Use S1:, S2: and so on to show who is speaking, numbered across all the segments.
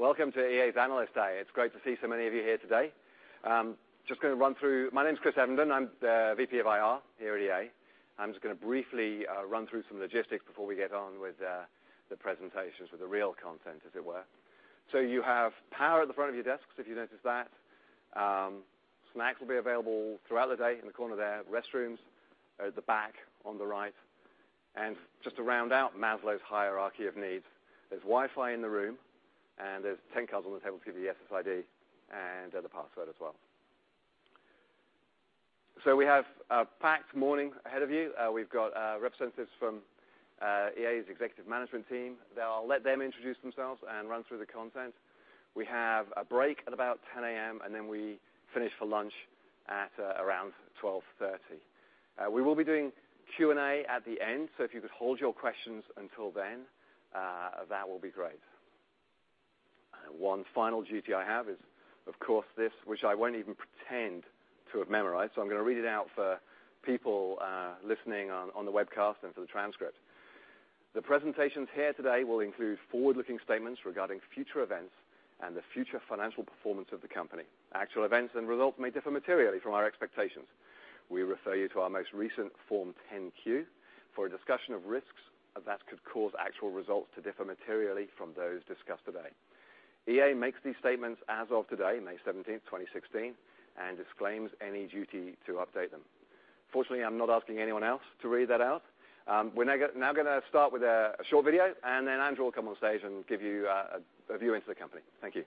S1: Welcome to EA's Analyst Day. It's great to see so many of you here today. I'm just going to run through. My name's Chris Evenden. I'm the VP of IR here at EA. I'm just going to briefly run through some logistics before we get on with the presentations, with the real content, as it were. You have power at the front of your desks, if you noticed that. Snacks will be available throughout the day in the corner there. Restrooms are at the back on the right. Just to round out Maslow's hierarchy of needs, there are 10 cards on the table to give you the SSID and the password as well. We have a packed morning ahead of you. We've got representatives from EA's executive management team. They'll let them introduce themselves and run through the content. Fortunately, I'm not asking anyone else to read that out. We're now going to start with a short video. Then Andrew will come on stage and give you a view into the company. Thank you.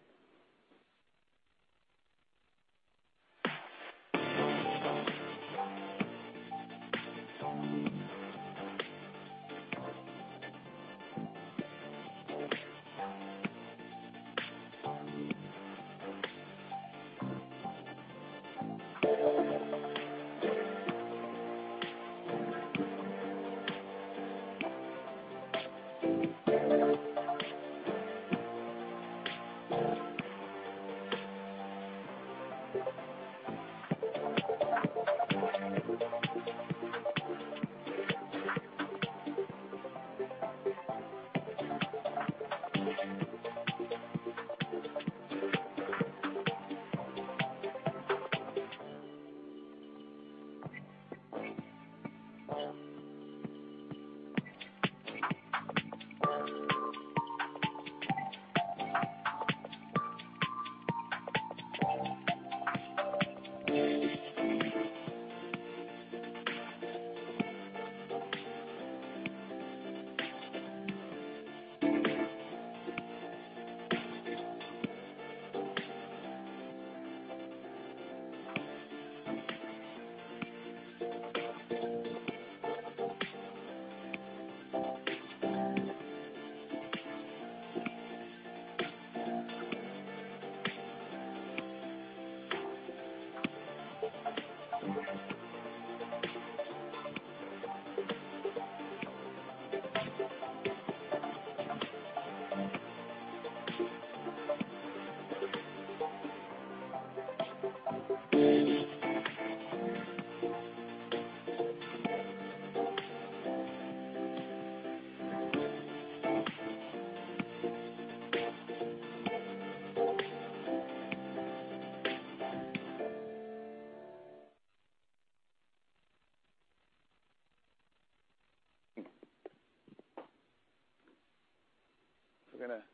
S1: We're going to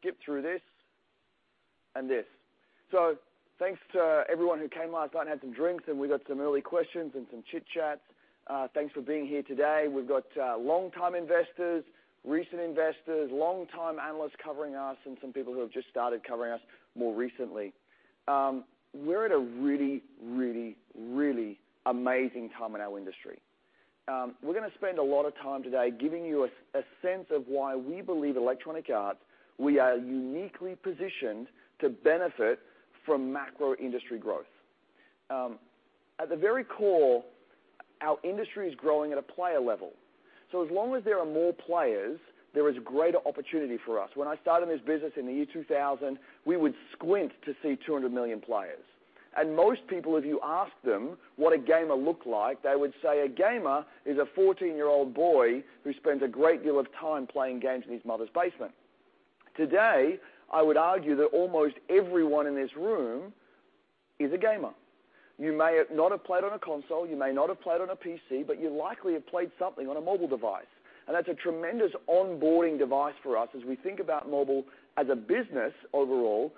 S1: skip through this and this. Thanks to everyone who came last night and had some drinks, and we got some early questions and some chit-chats. Thanks for being here today. We've got long-time investors, recent investors, long-time analysts covering us, and some people who have just started covering us more recently. We're at a really, really, really amazing time in our industry. We're going to spend a lot of time today giving you a sense of why we believe Electronic Arts we are uniquely positioned to benefit from macro-industry growth. At the very core, our industry is growing at a player level.
S2: As long as there are more players, there is greater opportunity for us. When I started this business in the year 2000, we would squint to see 200 million players. Most people, if you asked them what a gamer looked like, they would say a gamer is a 14-year-old boy who spends a great deal of time playing games in his mother's basement. Today, I would argue that almost everyone in this room is a gamer. You may not have played on a console, you may not have played on a PC, but you likely have played something on a mobile device. That's a tremendous onboarding device for us as we think about mobile as a business overall,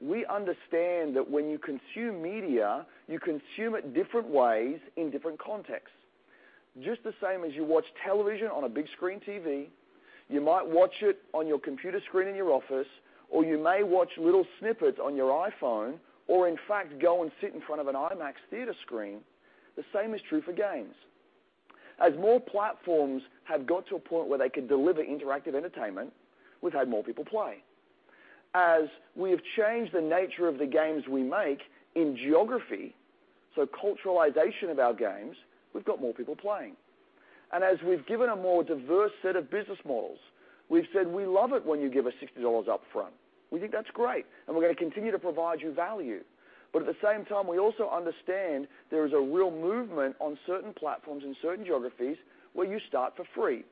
S2: we understand that when you consume media, you consume it different ways in different contexts. Just the same as you watch television on a big screen TV, you might watch it on your computer screen in your office, or you may watch little snippets on your iPhone, or in fact go and sit in front of an IMAX theater screen, the same is true for games. As more platforms have got to a point where they could deliver interactive entertainment, we've had more people play. As we have changed the nature of the games we make in geography, culturalization of our games, we've got more people playing. As we've given a more diverse set of business models, we've said we love it when you give us $60 upfront. We think that's great, and we're going to continue to provide you value. At the same time, we also understand there is a real movement on certain platforms in certain geographies where you start for free.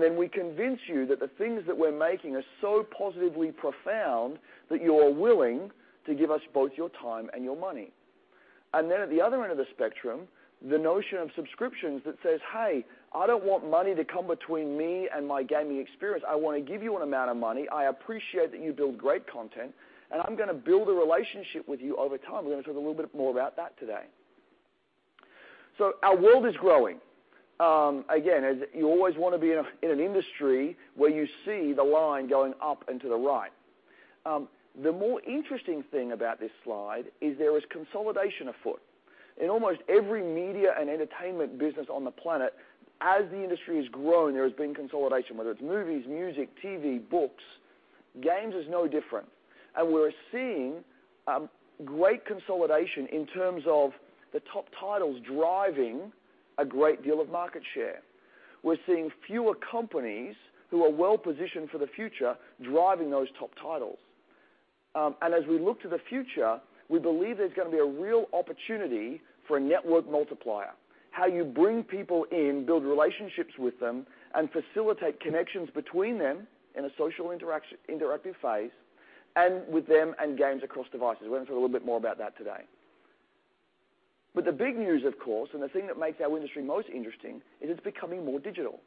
S2: Then we convince you that the things that we're making are so positively profound that you are willing to give us both your time and your money. Then at the other end of the spectrum, the notion of subscriptions that says, "Hey, I don't want money to come between me and my gaming experience. I want to give you an amount of money. I appreciate that you build great content, and I'm going to build a relationship with you over time." We're going to talk a little bit more about that today. Our world is growing, again, as you always want to be in an industry where you see the line going up and to the right. The more interesting thing about this slide is there is consolidation afoot. In almost every media and entertainment business on the planet, as the industry has grown, there has been consolidation, whether it's movies, music, TV, books. Games are no different. We're seeing great consolidation in terms of the top titles driving a great deal of market share. We're seeing fewer companies who are well-positioned for the future driving those top titles. As we look to the future, we believe there's going to be a real opportunity for a network multiplier, how you bring people in, build relationships with them, and facilitate connections between them in a social interactive phase, and with them and games across devices. We're going to talk a little bit more about that today. The big news, of course, and the thing that makes our industry most interesting is it's becoming more digital.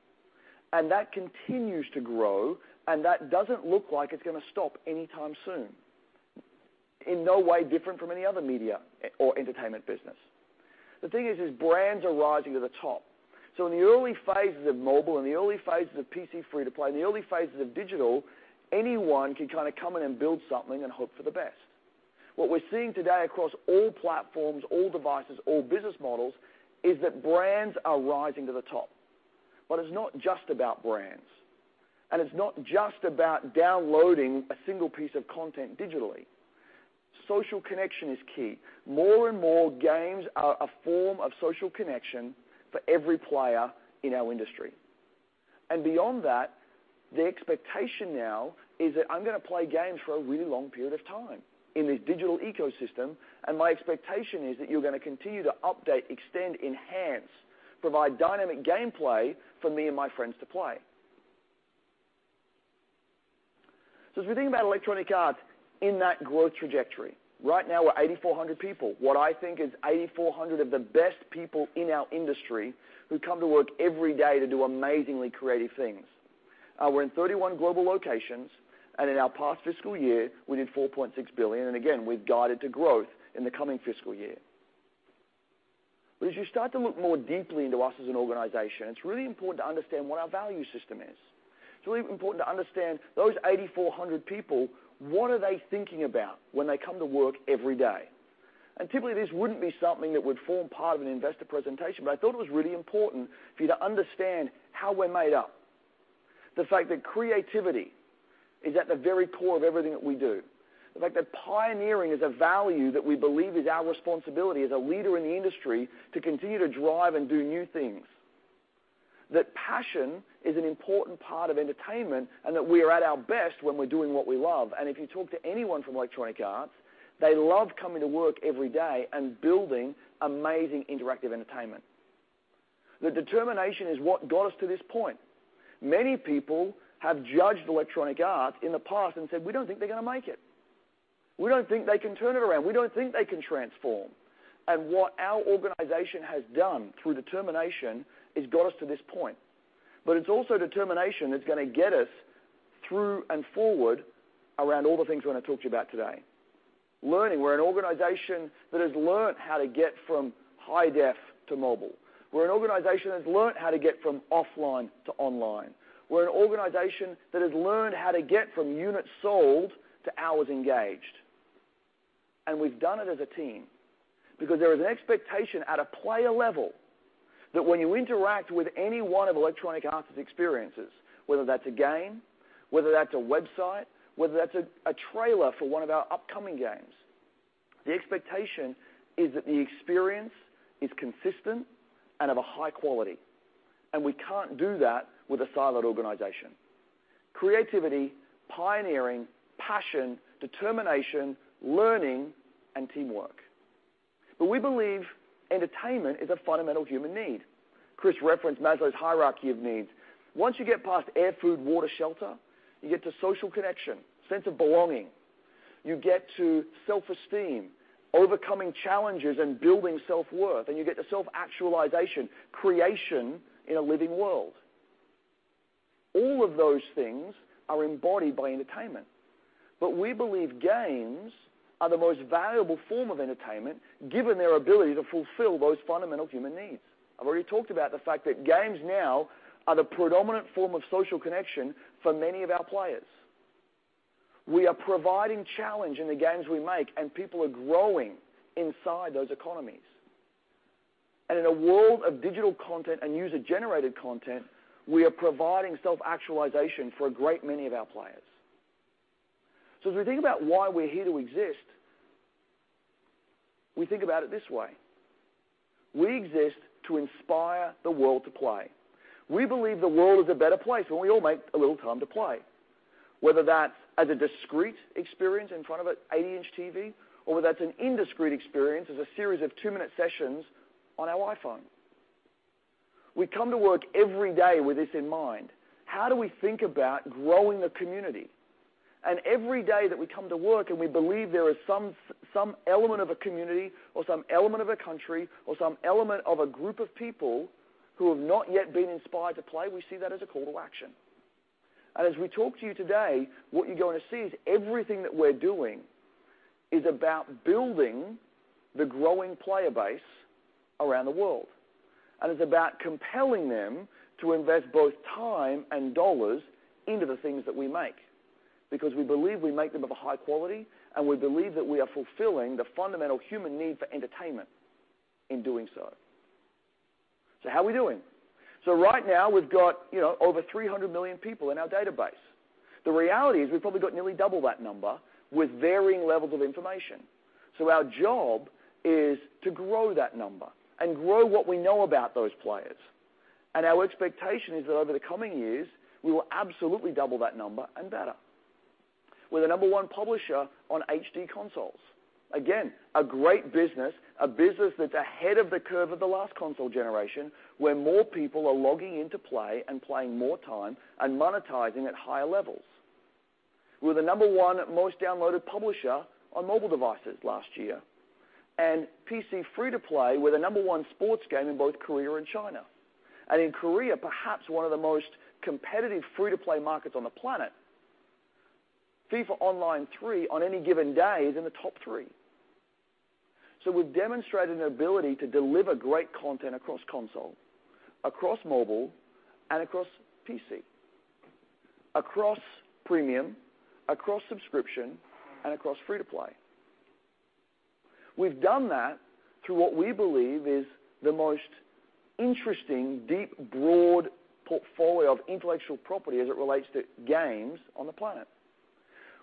S2: That continues to grow, and that doesn't look like it's going to stop anytime soon, in no way different from any other media or entertainment business. The thing is, brands are rising to the top. In the early phases of mobile, in the early phases of PC free-to-play, in the early phases of digital, anyone can kind of come in and build something and hope for the best. What we're seeing today across all platforms, all devices, all business models is that brands are rising to the top. It's not just about brands. It's not just about downloading a single piece of content digitally. Social connection is key. More and more games are a form of social connection for every player in our industry. Beyond that, the expectation now is that I'm going to play games for a really long period of time in this digital ecosystem, and my expectation is that you're going to continue to update, extend, enhance, provide dynamic gameplay for me and my friends to play. As we think about Electronic Arts in that growth trajectory, right now we're 8,400 people. What I think is 8,400 of the best people in our industry who come to work every day to do amazingly creative things. We're in 31 global locations, in our past fiscal year, we did $4.6 billion, and again, we've guided to growth in the coming fiscal year. As you start to look more deeply into us as an organization, it's really important to understand what our value system is. It's really important to understand those 8,400 people, what are they thinking about when they come to work every day? Typically, this wouldn't be something that would form part of an investor presentation, I thought it was really important for you to understand how we're made up. The fact that creativity is at the very core of everything that we do. The fact that pioneering is a value that we believe is our responsibility as a leader in the industry to continue to drive and do new things. Passion is an important part of entertainment, that we are at our best when we're doing what we love. If you talk to anyone from Electronic Arts, they love coming to work every day and building amazing interactive entertainment. The determination is what got us to this point. Many people have judged Electronic Arts in the past and said, "We don't think they're going to make it. We don't think they can turn it around. We don't think they can transform." What our organization has done through determination has got us to this point. It's also determination that's going to get us through and forward around all the things we're going to talk to you about today. Learning. We're an organization that has learned how to get from high-def to mobile. We're an organization that has learned how to get from offline to online. We're an organization that has learned how to get from units sold to hours engaged. We've done it as a team because there is an expectation at a player level that when you interact with any one of Electronic Arts' experiences, whether that's a game, whether that's a website, whether that's a trailer for one of our upcoming games, the expectation is that the experience is consistent and of a high quality. We can't do that with a siloed organization. Creativity, pioneering, passion, determination, learning, and teamwork. We believe entertainment is a fundamental human need. Chris referenced Maslow's hierarchy of needs. Once you get past air-food-water shelter, you get to social connection, sense of belonging. You get to self-esteem, overcoming challenges and building self-worth, and you get to self-actualization, creation in a living world. All of those things are embodied by entertainment. We believe games are the most valuable form of entertainment given their ability to fulfill those fundamental human needs. I've already talked about the fact that games now are the predominant form of social connection for many of our players. We are providing challenge in the games we make, and people are growing inside those economies. In a world of digital content and user-generated content, we are providing self-actualization for a great many of our players. As we think about why we're here to exist, we think about it this way. We exist to inspire the world to play. We believe the world is a better place when we all make a little time to play, whether that's as a discrete experience in front of an 80-inch TV, or whether that's an indiscrete experience as a series of two-minute sessions on our iPhone. We come to work every day with this in mind. How do we think about growing the community? Every day that we come to work and we believe there is some element of a community or some element of a country or some element of a group of people who have not yet been inspired to play, we see that as a call to action. As we talk to you today, what you're going to see is everything that we're doing is about building the growing player base around the world. It's about compelling them to invest both time and dollars into the things that we make because we believe we make them of a high quality, and we believe that we are fulfilling the fundamental human need for entertainment in doing so. How are we doing? Right now, we've got over 300 million people in our database. The reality is we've probably got nearly double that number with varying levels of information. Our job is to grow that number and grow what we know about those players. Our expectation is that over the coming years, we will absolutely double that number and better. We're the number one publisher on HD consoles. Again, a great business, a business that's ahead of the curve of the last console generation where more people are logging in to play and playing more time and monetizing at higher levels. We're the number one most downloaded publisher on mobile devices last year. PC free-to-play, we're the number one sports game in both Korea and China. In Korea, perhaps one of the most competitive free-to-play markets on the planet, FIFA Online 3 on any given day is in the top three. We've demonstrated an ability to deliver great content across console, across mobile, and across PC, across premium, across subscription, and across free-to-play. We've done that through what we believe is the most interesting, deep, broad portfolio of intellectual property as it relates to games on the planet.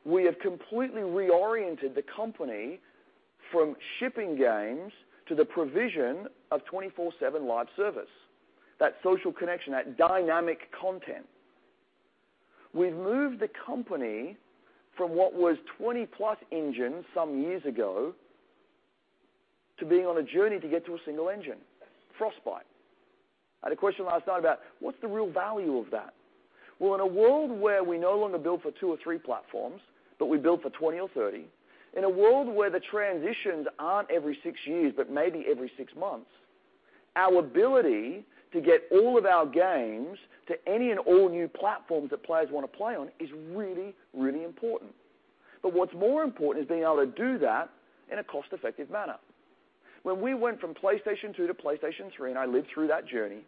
S2: We have completely reoriented the company from shipping games to the provision of 24/7 live service, that social connection, that dynamic content. We've moved the company from what was 20-plus engines some years ago to being on a journey to get to a single engine, Frostbite. At a question last night about, "What's the real value of that?" In a world where we no longer build for two or three platforms, but we build for 20 or 30, in a world where the transitions aren't every six years but maybe every six months, our ability to get all of our games to any and all new platforms that players want to play on is really, really important. What's more important is being able to do that in a cost-effective manner. When we went from PlayStation 2 to PlayStation 3, and I lived through that journey,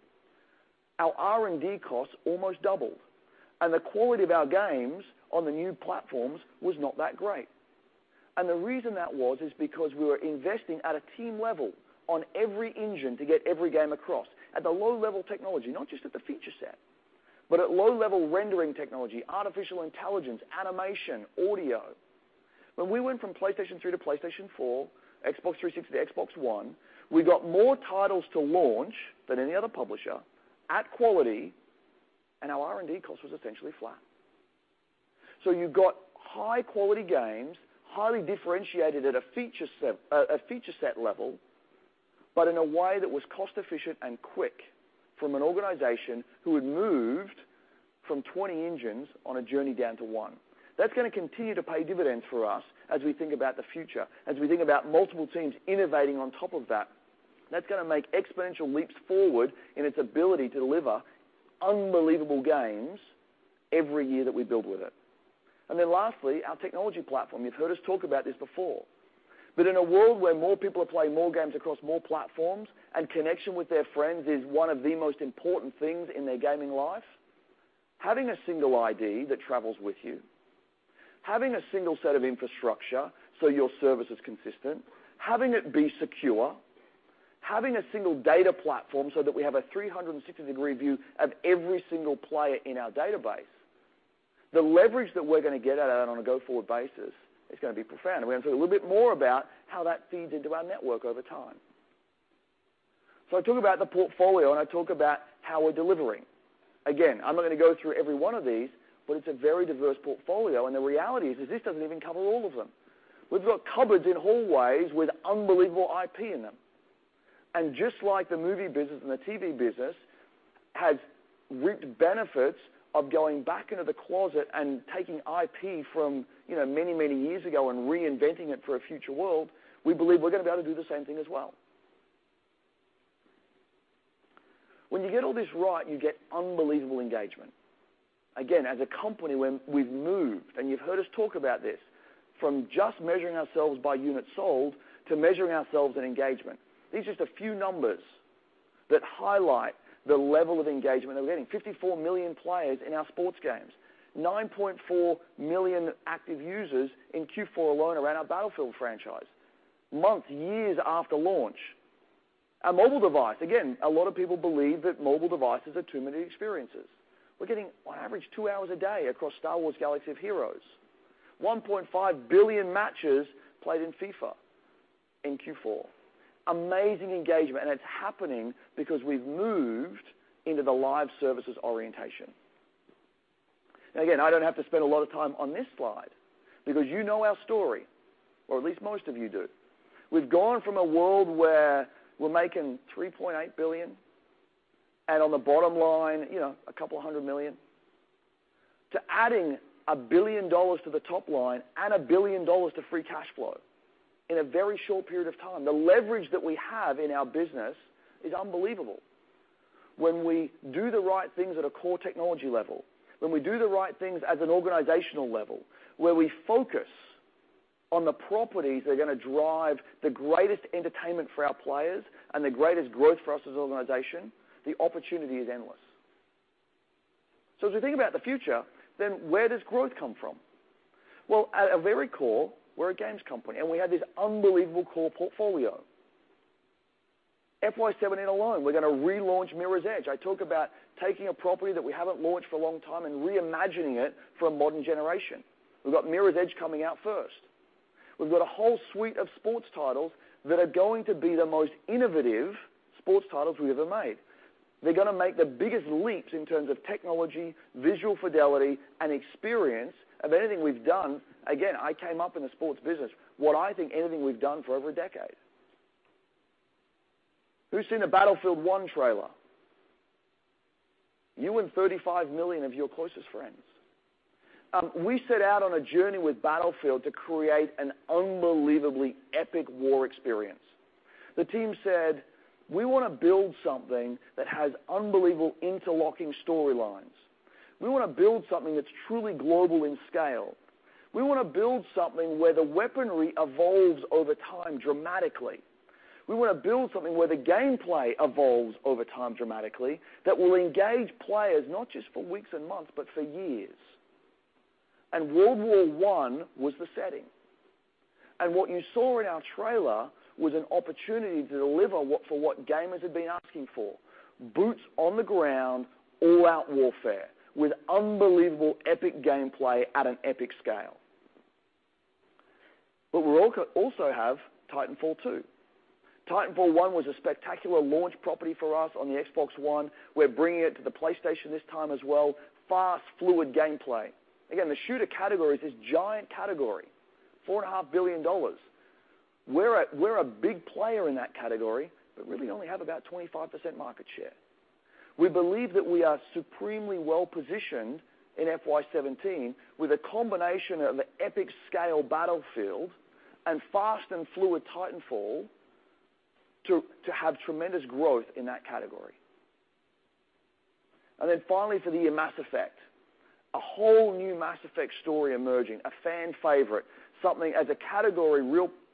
S2: our R&D costs almost doubled. The quality of our games on the new platforms was not that great. The reason that was is because we were investing at a team level on every engine to get every game across at the low-level technology, not just at the feature set, but at low-level rendering technology, artificial intelligence, animation, audio. When we went from PlayStation 3 to PlayStation 4, Xbox 360 to Xbox One, we got more titles to launch than any other publisher at quality, and our R&D cost was essentially flat. You got high-quality games highly differentiated at a feature set level, but in a way that was cost-efficient and quick from an organization who had moved from 20 engines on a journey down to one. That's going to continue to pay dividends for us as we think about the future, as we think about multiple teams innovating on top of that. That's going to make exponential leaps forward in its ability to deliver unbelievable games every year that we build with it. Lastly, our technology platform. You've heard us talk about this before. In a world where more people are playing more games across more platforms and connection with their friends is one of the most important things in their gaming life, having a single ID that travels with you, having a single set of infrastructure so your service is consistent, having it be secure, having a single data platform so that we have a 360-degree view of every single player in our database, the leverage that we're going to get out of that on a go-forward basis is going to be profound. We're going to talk a little bit more about how that feeds into our network over time. I talk about the portfolio, and I talk about how we're delivering. I'm not going to go through every one of these, but it's a very diverse portfolio, and the reality is is this doesn't even cover all of them. We've got cupboards in hallways with unbelievable IP in them. Just like the movie business and the TV business has reaped benefits of going back into the closet and taking IP from many, many years ago and reinventing it for a future world, we believe we're going to be able to do the same thing as well. When you get all this right, you get unbelievable engagement. As a company, we've moved, and you've heard us talk about this, from just measuring ourselves by units sold to measuring ourselves in engagement. These are just a few numbers that highlight the level of engagement that we're getting. 54 million players in our sports games, 9.4 million active users in Q4 alone around our Battlefield franchise, months, years after launch. A mobile device. Again, a lot of people believe that mobile devices are too many experiences. We're getting, on average, two hours a day across Star Wars: Galaxy of Heroes, 1.5 billion matches played in FIFA in Q4. Amazing engagement, and it's happening because we've moved into the live services orientation. Again, I don't have to spend a lot of time on this slide because you know our story, or at least most of you do. We've gone from a world where we're making $3.8 billion and on the bottom line, a couple of hundred million, to adding $1 billion to the top line and $1 billion to free cash flow in a very short period of time. The leverage that we have in our business is unbelievable. When we do the right things at a core technology level, when we do the right things at an organizational level where we focus on the properties that are going to drive the greatest entertainment for our players and the greatest growth for us as an organization, the opportunity is endless. As we think about the future, then where does growth come from? Well, at a very core, we're a games company, and we have this unbelievable core portfolio. FY 2017 alone, we're going to relaunch Mirror's Edge. I talk about taking a property that we haven't launched for a long time and reimagining it for a modern generation. We've got Mirror's Edge coming out first. We've got a whole suite of sports titles that are going to be the most innovative sports titles we've ever made. They're going to make the biggest leaps in terms of technology, visual fidelity, and experience of anything we've done again, I came up in the sports business, what I think anything we've done for over a decade. Who's seen a Battlefield 1 trailer? You and 35 million of your closest friends. We set out on a journey with Battlefield to create an unbelievably epic war experience. The team said, "We want to build something that has unbelievable interlocking storylines. We want to build something that's truly global in scale. We want to build something where the weaponry evolves over time dramatically. We want to build something where the gameplay evolves over time dramatically that will engage players not just for weeks and months but for years." World War I was the setting. What you saw in our trailer was an opportunity to deliver for what gamers had been asking for, boots on the ground, all-out warfare with unbelievable epic gameplay at an epic scale. We also have Titanfall 2. Titanfall 1 was a spectacular launch property for us on the Xbox One. We're bringing it to the PlayStation this time as well, fast, fluid gameplay. Again, the shooter category is this giant category, $4.5 billion. We're a big player in that category but really only have about 25% market share. We believe that we are supremely well-positioned in FY 2017 with a combination of an epic-scale Battlefield and fast and fluid Titanfall to have tremendous growth in that category. Finally, for the Mass Effect, a whole new Mass Effect story emerging, a fan favorite, something as a category,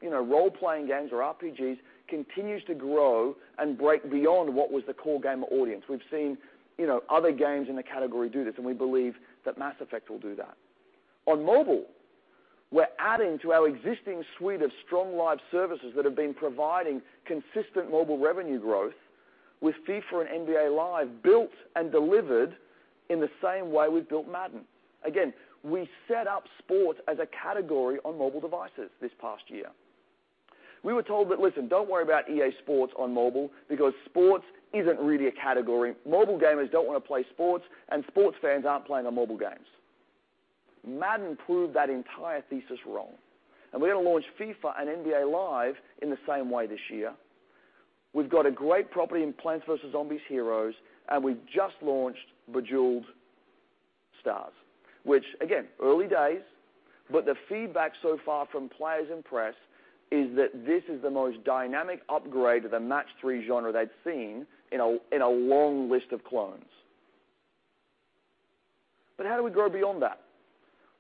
S2: role-playing games or RPGs continues to grow and break beyond what was the core gamer audience. We've seen other games in the category do this, and we believe that Mass Effect will do that. On mobile, we're adding to our existing suite of strong live services that have been providing consistent mobile revenue growth with FIFA and NBA Live built and delivered in the same way we've built Madden. Again, we set up sports as a category on mobile devices this past year. We were told that, "Listen, don't worry about EA Sports on mobile because sports isn't really a category. Mobile gamers don't want to play sports, and sports fans aren't playing on mobile games." Madden proved that entire thesis wrong. We're going to launch FIFA and NBA Live in the same way this year. We've got a great property in Plants vs. Zombies: Heroes, and we've just launched Bejeweled Stars, which, again, early days, but the feedback so far from players and press is that this is the most dynamic upgrade to the match-three genre they'd seen in a long list of clones. How do we grow beyond that?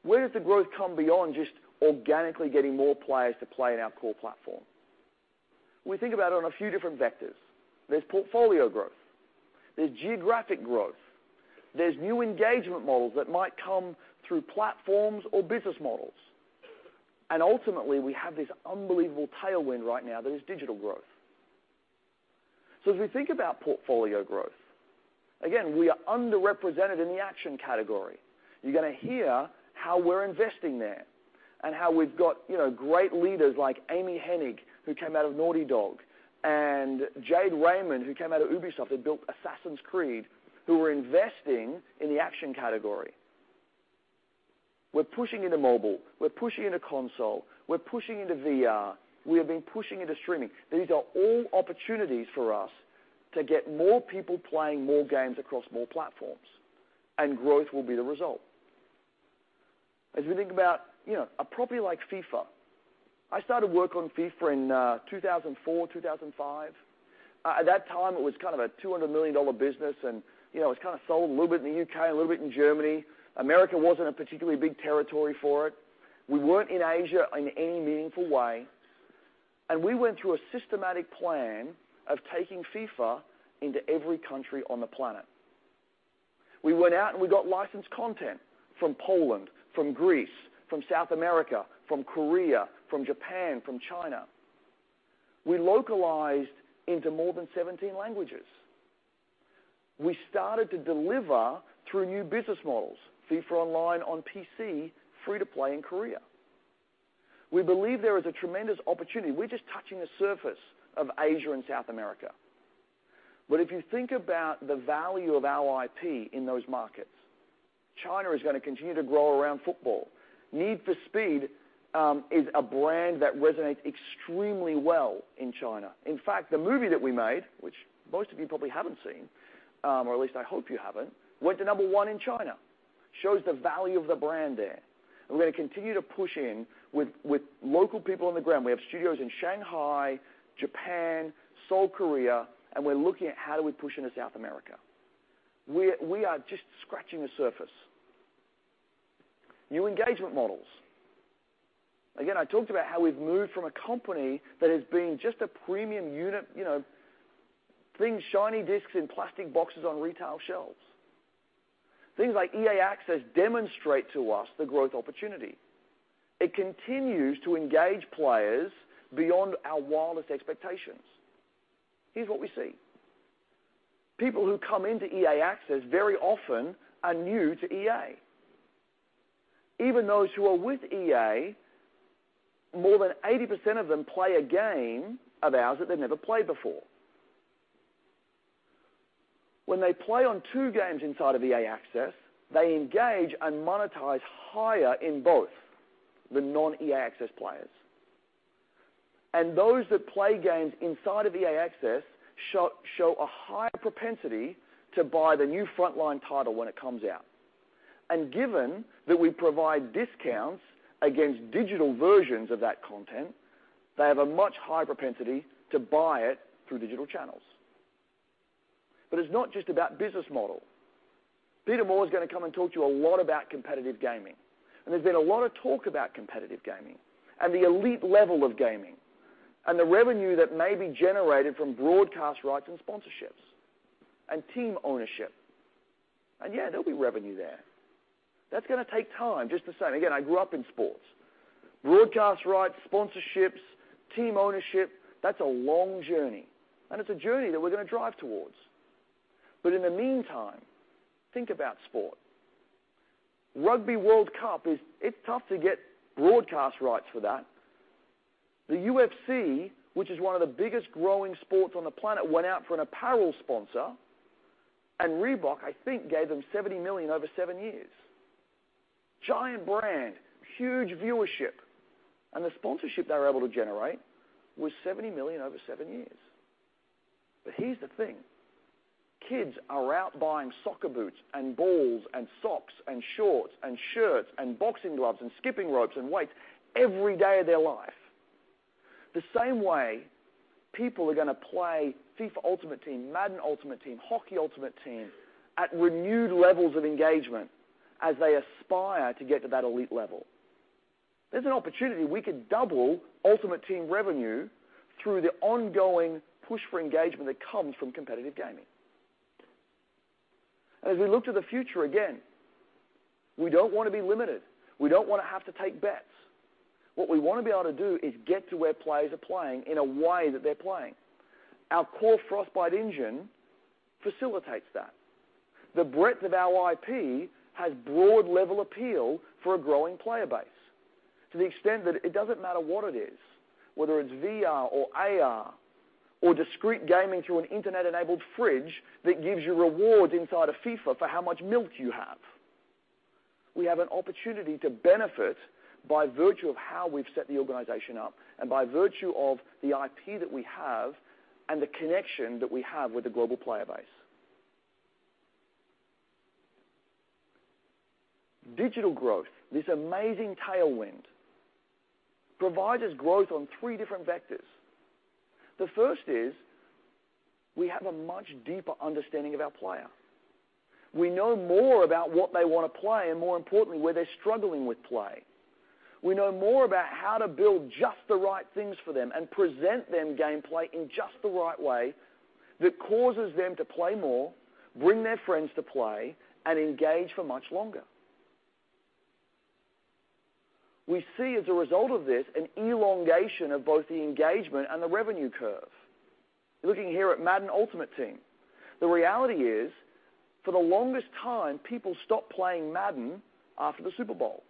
S2: Where does the growth come beyond just organically getting more players to play in our core platform? We think about it on a few different vectors. There's portfolio growth. There's geographic growth. There's new engagement models that might come through platforms or business models. Ultimately, we have this unbelievable tailwind right now that is digital growth. As we think about portfolio growth, again, we are underrepresented in the action category. You're going to hear how we're investing there and how we've got great leaders like Amy Hennig who came out of Naughty Dog and Jade Raymond who came out of Ubisoft that built Assassin's Creed who were investing in the action category. We're pushing into mobile. We're pushing into console. We're pushing into VR. We have been pushing into streaming. These are all opportunities for us to get more people playing more games across more platforms. Growth will be the result. As we think about a property like FIFA, I started work on FIFA in 2004, 2005. At that time, it was kind of a $200 million business, and it was kind of sold a little bit in the U.K., a little bit in Germany. America wasn't a particularly big territory for it. We weren't in Asia in any meaningful way. We went through a systematic plan of taking FIFA into every country on the planet. We went out, and we got licensed content from Poland, from Greece, from South America, from Korea, from Japan, from China. We localized into more than 17 languages. We started to deliver through new business models, FIFA Online on PC, free-to-play in Korea. We believe there is a tremendous opportunity. We're just touching the surface of Asia and South America. If you think about the value of our IP in those markets, China is going to continue to grow around football. Need for Speed is a brand that resonates extremely well in China. In fact, the movie that we made, which most of you probably haven't seen, or at least I hope you haven't, went to number 1 in China, shows the value of the brand there. We're going to continue to push in with local people on the ground. We have studios in Shanghai, Japan, Seoul, Korea, and we're looking at how do we push into South America. We are just scratching the surface. New engagement models. Again, I talked about how we've moved from a company that has been just a premium unit, things shiny discs in plastic boxes on retail shelves. Things like EA Access demonstrate to us the growth opportunity. It continues to engage players beyond our wildest expectations. Here's what we see. People who come into EA Access very often are new to EA. Even those who are with EA, more than 80% of them play a game of ours that they've never played before. When they play on two games inside of EA Access, they engage and monetize higher in both than non-EA Access players. Those that play games inside of EA Access show a higher propensity to buy the new frontline title when it comes out. Given that we provide discounts against digital versions of that content, they have a much higher propensity to buy it through digital channels. It's not just about business model. Peter Moore is going to come and talk to you a lot about competitive gaming. There's been a lot of talk about competitive gaming and the elite level of gaming and the revenue that may be generated from broadcast rights and sponsorships and team ownership. Yeah, there'll be revenue there. That's going to take time just the same. Again, I grew up in sports. Broadcast rights, sponsorships, team ownership, that's a long journey, and it's a journey that we're going to drive towards. In the meantime, think about sport. Rugby World Cup, it's tough to get broadcast rights for that. The UFC, which is one of the biggest growing sports on the planet, went out for an apparel sponsor, Reebok, I think, gave them $70 million over seven years. Giant brand, huge viewership. The sponsorship they were able to generate was $70 million over seven years. Here's the thing. Kids are out buying soccer boots and balls and socks and shorts and shirts and boxing gloves and skipping ropes and weights every day of their life the same way people are going to play FIFA Ultimate Team, Madden Ultimate Team, Hockey Ultimate Team at renewed levels of engagement as they aspire to get to that elite level. There's an opportunity. We could double Ultimate Team revenue through the ongoing push for engagement that comes from competitive gaming. As we look to the future, again, we don't want to be limited. We don't want to have to take bets. What we want to be able to do is get to where players are playing in a way that they're playing. Our core Frostbite engine facilitates that. The breadth of our IP has broad-level appeal for a growing player base to the extent that it doesn't matter what it is, whether it's VR or AR or discrete gaming through an internet-enabled fridge that gives you rewards inside of FIFA for how much milk you have. We have an opportunity to benefit by virtue of how we've set the organization up and by virtue of the IP that we have and the connection that we have with the global player base. Digital growth, this amazing tailwind, provides us growth on three different vectors. The first is we have a much deeper understanding of our player. We know more about what they want to play and, more importantly, where they're struggling with play. We know more about how to build just the right things for them and present them gameplay in just the right way that causes them to play more, bring their friends to play, and engage for much longer. We see, as a result of this, an elongation of both the engagement and the revenue curve. Looking here at Madden Ultimate Team, the reality is, for the longest time, people stopped playing Madden after the Super Bowl.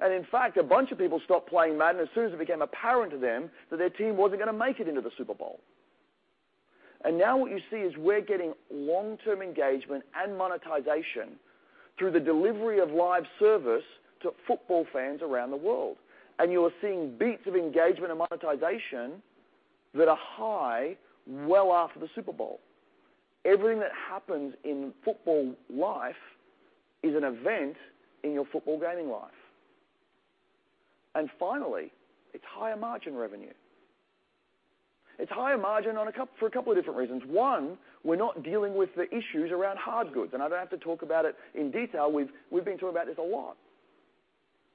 S2: In fact, a bunch of people stopped playing Madden as soon as it became apparent to them that their team wasn't going to make it into the Super Bowl. Now what you see is we're getting long-term engagement and monetization through the delivery of live service to football fans around the world. You are seeing beats of engagement and monetization that are high well after the Super Bowl. Everything that happens in football life is an event in your football gaming life. Finally, it's higher margin revenue. It's higher margin for a couple of different reasons. One, we're not dealing with the issues around hard goods. I don't have to talk about it in detail. We've been talking about this a lot.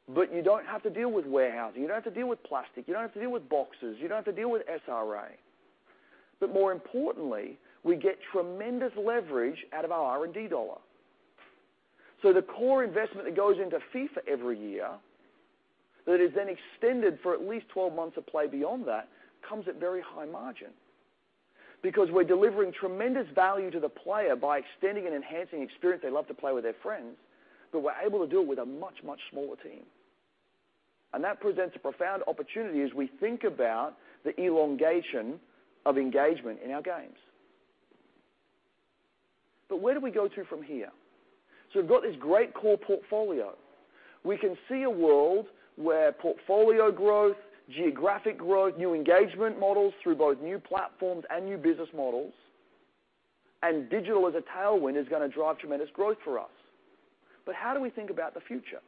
S2: You don't have to deal with warehousing. You don't have to deal with plastic. You don't have to deal with boxes. You don't have to deal with SRA. More importantly, we get tremendous leverage out of our R&D dollar. The core investment that goes into FIFA every year that is then extended for at least 12 months of play beyond that comes at very high margin because we're delivering tremendous value to the player by extending and enhancing experience. They love to play with their friends, but we're able to do it with a much, much smaller team. That presents a profound opportunity as we think about the elongation of engagement in our games. Where do we go to from here? We've got this great core portfolio. We can see a world where portfolio growth, geographic growth, new engagement models through both new platforms and new business models, and digital as a tailwind is going to drive tremendous growth for us. How do we think about the future?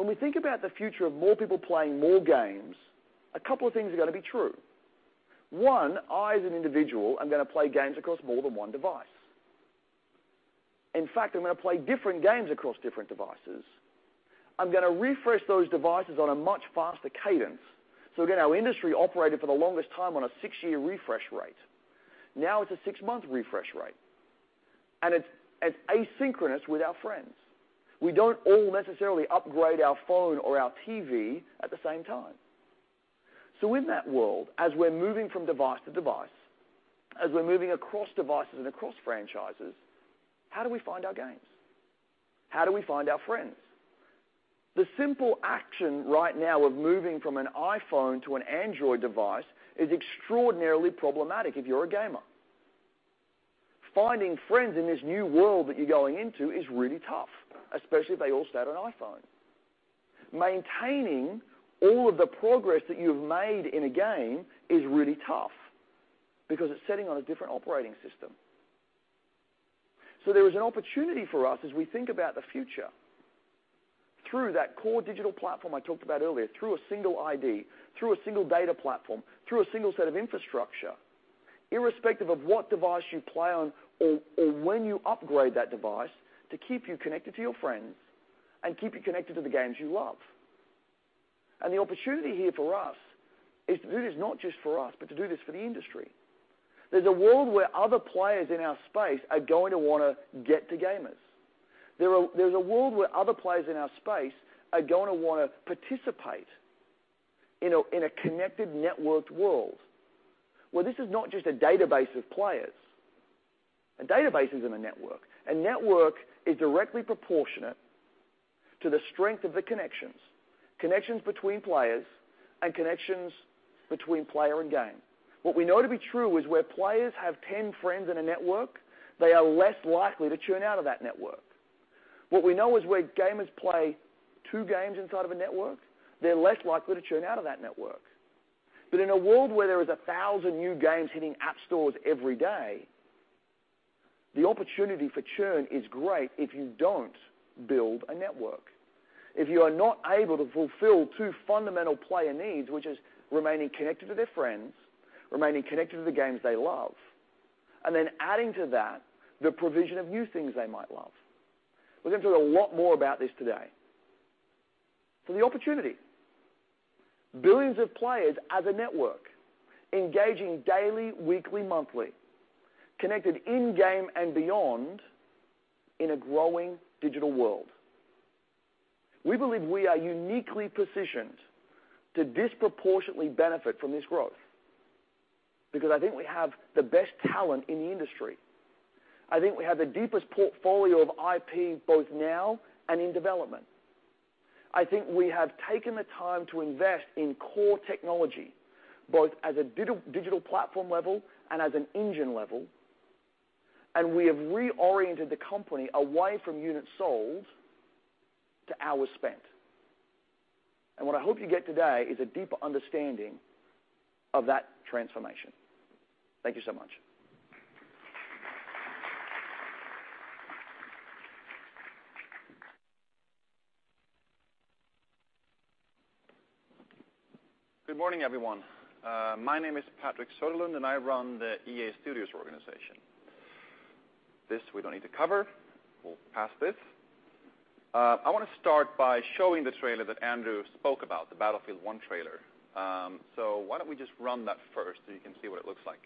S2: When we think about the future of more people playing more games, a couple of things are going to be true. One, I as an individual, I'm going to play games across more than one device. In fact, I'm going to play different games across different devices. I'm going to refresh those devices on a much faster cadence. Again, our industry operated for the longest time on a six-year refresh rate. Now it's a six-month refresh rate, and it's asynchronous with our friends. We don't all necessarily upgrade our phone or our TV at the same time. In that world, as we're moving from device to device, as we're moving across devices and across franchises, how do we find our games? How do we find our friends? The simple action right now of moving from an iPhone to an Android device is extraordinarily problematic if you're a gamer. Finding friends in this new world that you're going into is really tough, especially if they all stay on an iPhone. Maintaining all of the progress that you have made in a game is really tough because it's setting on a different operating system. There is an opportunity for us as we think about the future through that core digital platform I talked about earlier, through a single ID, through a single data platform, through a single set of infrastructure, irrespective of what device you play on or when you upgrade that device, to keep you connected to your friends and keep you connected to the games you love. The opportunity here for us is to do this not just for us, but to do this for the industry. There's a world where other players in our space are going to want to get to gamers. There's a world where other players in our space are going to want to participate in a connected, networked world where this is not just a database of players. A database isn't a network. A network is directly proportionate to the strength of the connections between players, and connections between player and game. What we know to be true is where players have 10 friends in a network, they are less likely to churn out of that network. What we know is where gamers play two games inside of a network, they're less likely to churn out of that network. In a world where there are 1,000 new games hitting app stores every day, the opportunity for churn is great if you don't build a network, if you are not able to fulfill two fundamental player needs, which are remaining connected to their friends, remaining connected to the games they love, and then adding to that the provision of new things they might love. We're going to talk a lot more about this today. The opportunity. Billions of players as a network engaging daily, weekly, monthly, connected in-game and beyond in a growing digital world. We believe we are uniquely positioned to disproportionately benefit from this growth because I think we have the best talent in the industry. I think we have the deepest portfolio of IP both now and in development. I think we have taken the time to invest in core technology both as a digital platform level and as an engine level, we have reoriented the company away from units sold to hours spent. What I hope you get today is a deeper understanding of that transformation. Thank you so much. Good morning, everyone. My name is Patrick Söderlund, and I run the EA Studios organization. This we don't need to cover. We'll pass this. I want to start by showing the trailer that Andrew spoke about, the Battlefield 1 trailer. Why don't we just run that first so you can see what it looks like?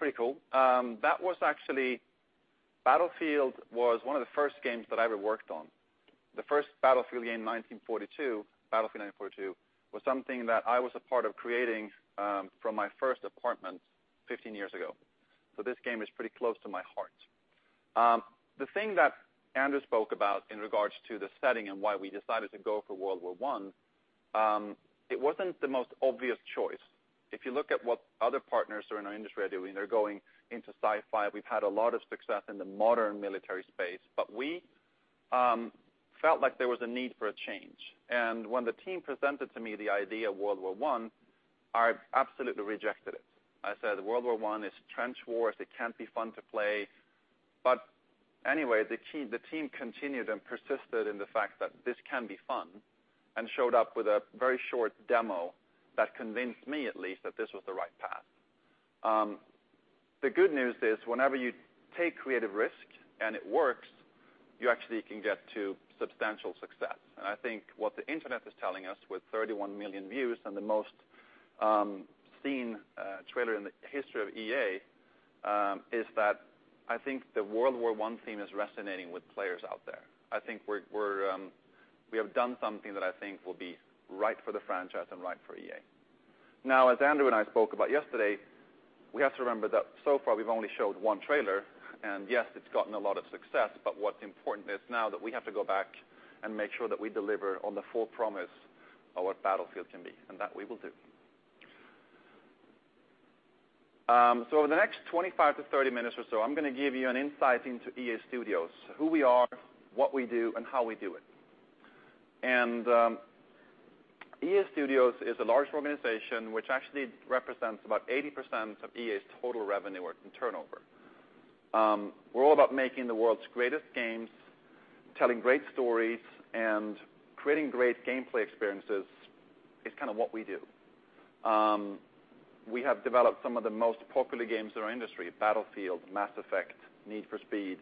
S3: Enemy flee.
S4: Carroll dead.
S3: Freak. OA. Get ready, man.
S2: That's pretty cool. That was actually Battlefield was one of the first games that I ever worked on. The first Battlefield game 1942, Battlefield 1942, was something that I was a part of creating from my first apartment 15 years ago. This game is pretty close to my heart. The thing that Andrew spoke about in regards to the setting and why we decided to go for World War I, it wasn't the most obvious choice. If you look at what other partners are in our industry are doing, they're going into sci-fi. We've had a lot of success in the modern military space, but we felt like there was a need for a change. And when the team presented to me the idea of World War I absolutely rejected it. I said, "World War I is trench wars. Anyway, the team continued and persisted in the fact that this can be fun and showed up with a very short demo that convinced me, at least, that this was the right path. The good news is whenever you take creative risk and it works, you actually can get to substantial success. I think what the internet is telling us with 31 million views and the most seen trailer in the history of EA is that I think the World War I theme is resonating with players out there. I think we have done something that I think will be right for the franchise and right for EA. As Andrew and I spoke about yesterday, we have to remember that so far, we've only showed one trailer. Yes, it's gotten a lot of success, but what's important is now that we have to go back and make sure that we deliver on the full promise of what Battlefield can be, and that we will do. Over the next 25 to 30 minutes or so, I'm going to give you an insight into EA Studios, who we are, what we do, and how we do it. EA Studios is a large organization which actually represents about 80% of EA's total revenue and turnover. We're all about making the world's greatest games, telling great stories, and creating great gameplay experiences. It's kind of what we do. We have developed some of the most popular games in our industry: Battlefield, Mass Effect, Need for Speed,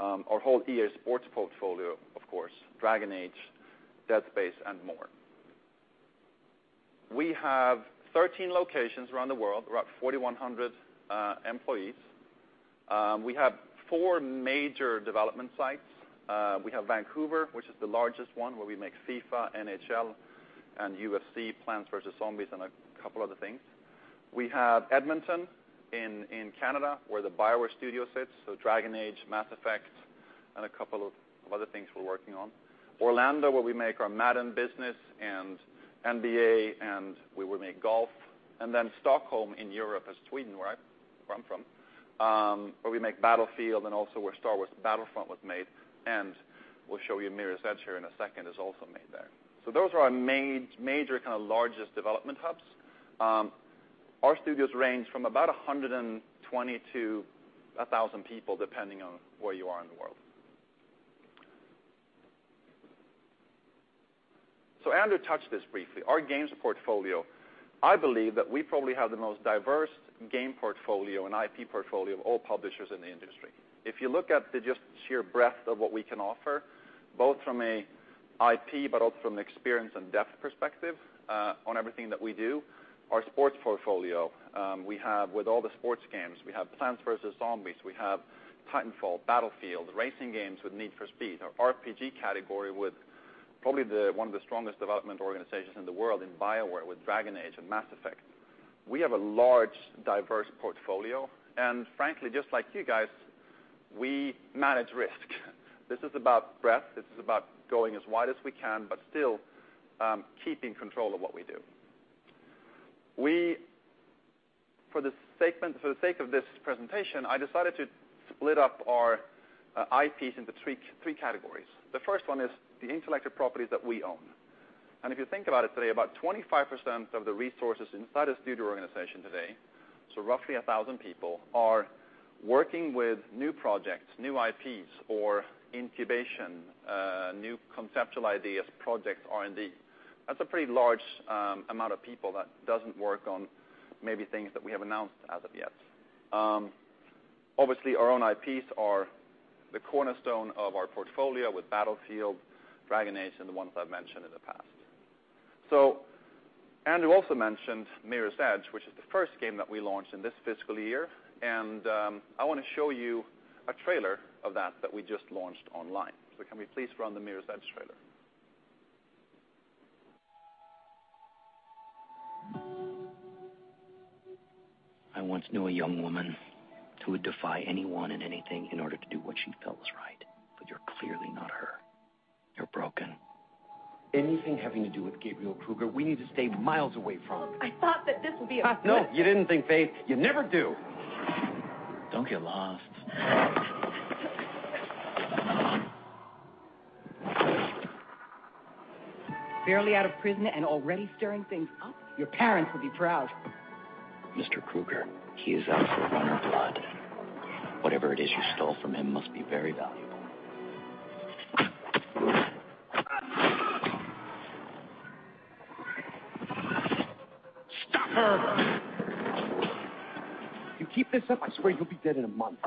S2: our whole EA Sports portfolio, of course, Dragon Age, Dead Space, and more. We have 13 locations around the world. We're about 4,100 employees. We have four major development sites. We have Vancouver, which is the largest one, where we make FIFA, NHL, and UFC, Plants vs. Zombies, and a couple other things. We have Edmonton in Canada where the BioWare Studios sits, so Dragon Age, Mass Effect, and a couple of other things we're working on. Orlando, where we make our Madden business and NBA, and we will make golf. Stockholm in Europe is Sweden, where I'm from, where we make Battlefield and also where Star Wars Battlefront was made. We'll show you Mirror's Edge here in a second is also made there. Those are our major, kind of largest development hubs. Our studios range from about 120 to 1,000 people depending on where you are in the world. Andrew touched this briefly. Our games portfolio, I believe that we probably have the most diverse game portfolio and IP portfolio of all publishers in the industry. If you look at the just sheer breadth of what we can offer, both from an IP but also from an experience and depth perspective on everything that we do, our sports portfolio, we have with all the sports games, we have Plants vs. Zombies, we have Titanfall, Battlefield, racing games with Need for Speed, our RPG category with probably one of the strongest development organizations in the world in BioWare with Dragon Age and Mass Effect. We have a large, diverse portfolio. Frankly, just like you guys, we manage risk. This is about breadth. This is about going as wide as we can but still keeping control of what we do. For the sake of this presentation, I decided to split up our IPs into three categories. The first one is the intellectual properties that we own. If you think about it today, about 25% of the resources inside a studio organization today, so roughly 1,000 people, are working with new projects, new IPs, or incubation, new conceptual ideas, projects, R&D. That's a pretty large amount of people that doesn't work on maybe things that we have announced as of yet. Obviously, our own IPs are the cornerstone of our portfolio with Battlefield, Dragon Age, and the ones I've mentioned in the past. Andrew also mentioned Mirror's Edge, which is the first game that we launched in this fiscal year. I want to show you a trailer of that that we just launched online. Can we please run the Mirror's Edge trailer?
S5: I once knew a young woman who would defy anyone and anything in order to do what she felt was right. You're clearly not her. You're broken.
S6: Anything having to do with Gabriel Kruger, we need to stay miles away from.
S7: Look, I thought that this would be a fun thing.
S6: No, you didn't think, Faith. You never do.
S5: Don't get lost.
S8: Barely out of prison and already stirring things up? Your parents will be proud.
S5: Mr. Kruger, he is out for runner blood. Whatever it is you stole from him must be very valuable.
S6: Stop her. You keep this up, I swear you'll be dead in a month.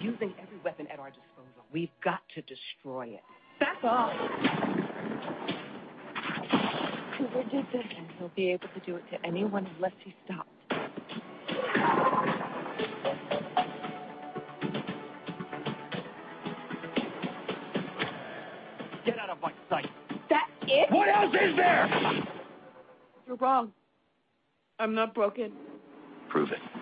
S9: Using every weapon at our disposal, we've got to destroy it. Back off.
S7: Kruger did this, and he'll be able to do it to anyone unless he stops.
S6: Get out of my sight.
S7: That is?
S6: What else is there?
S7: You're wrong. I'm not broken.
S5: Prove it.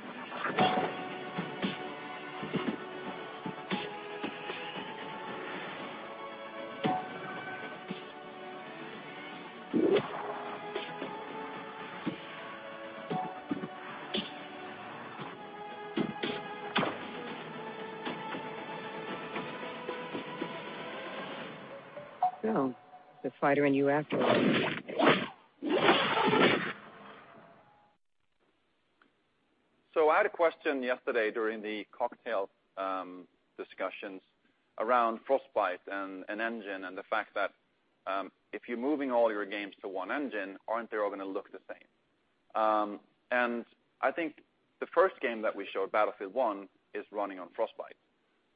S10: Well, they're fighting you after all.
S7: I had a question yesterday during the cocktail discussions around Frostbite and engine and the fact that if you're moving all your games to one engine, aren't they all going to look the same? I think the first game that we showed, Battlefield 1, is running on Frostbite.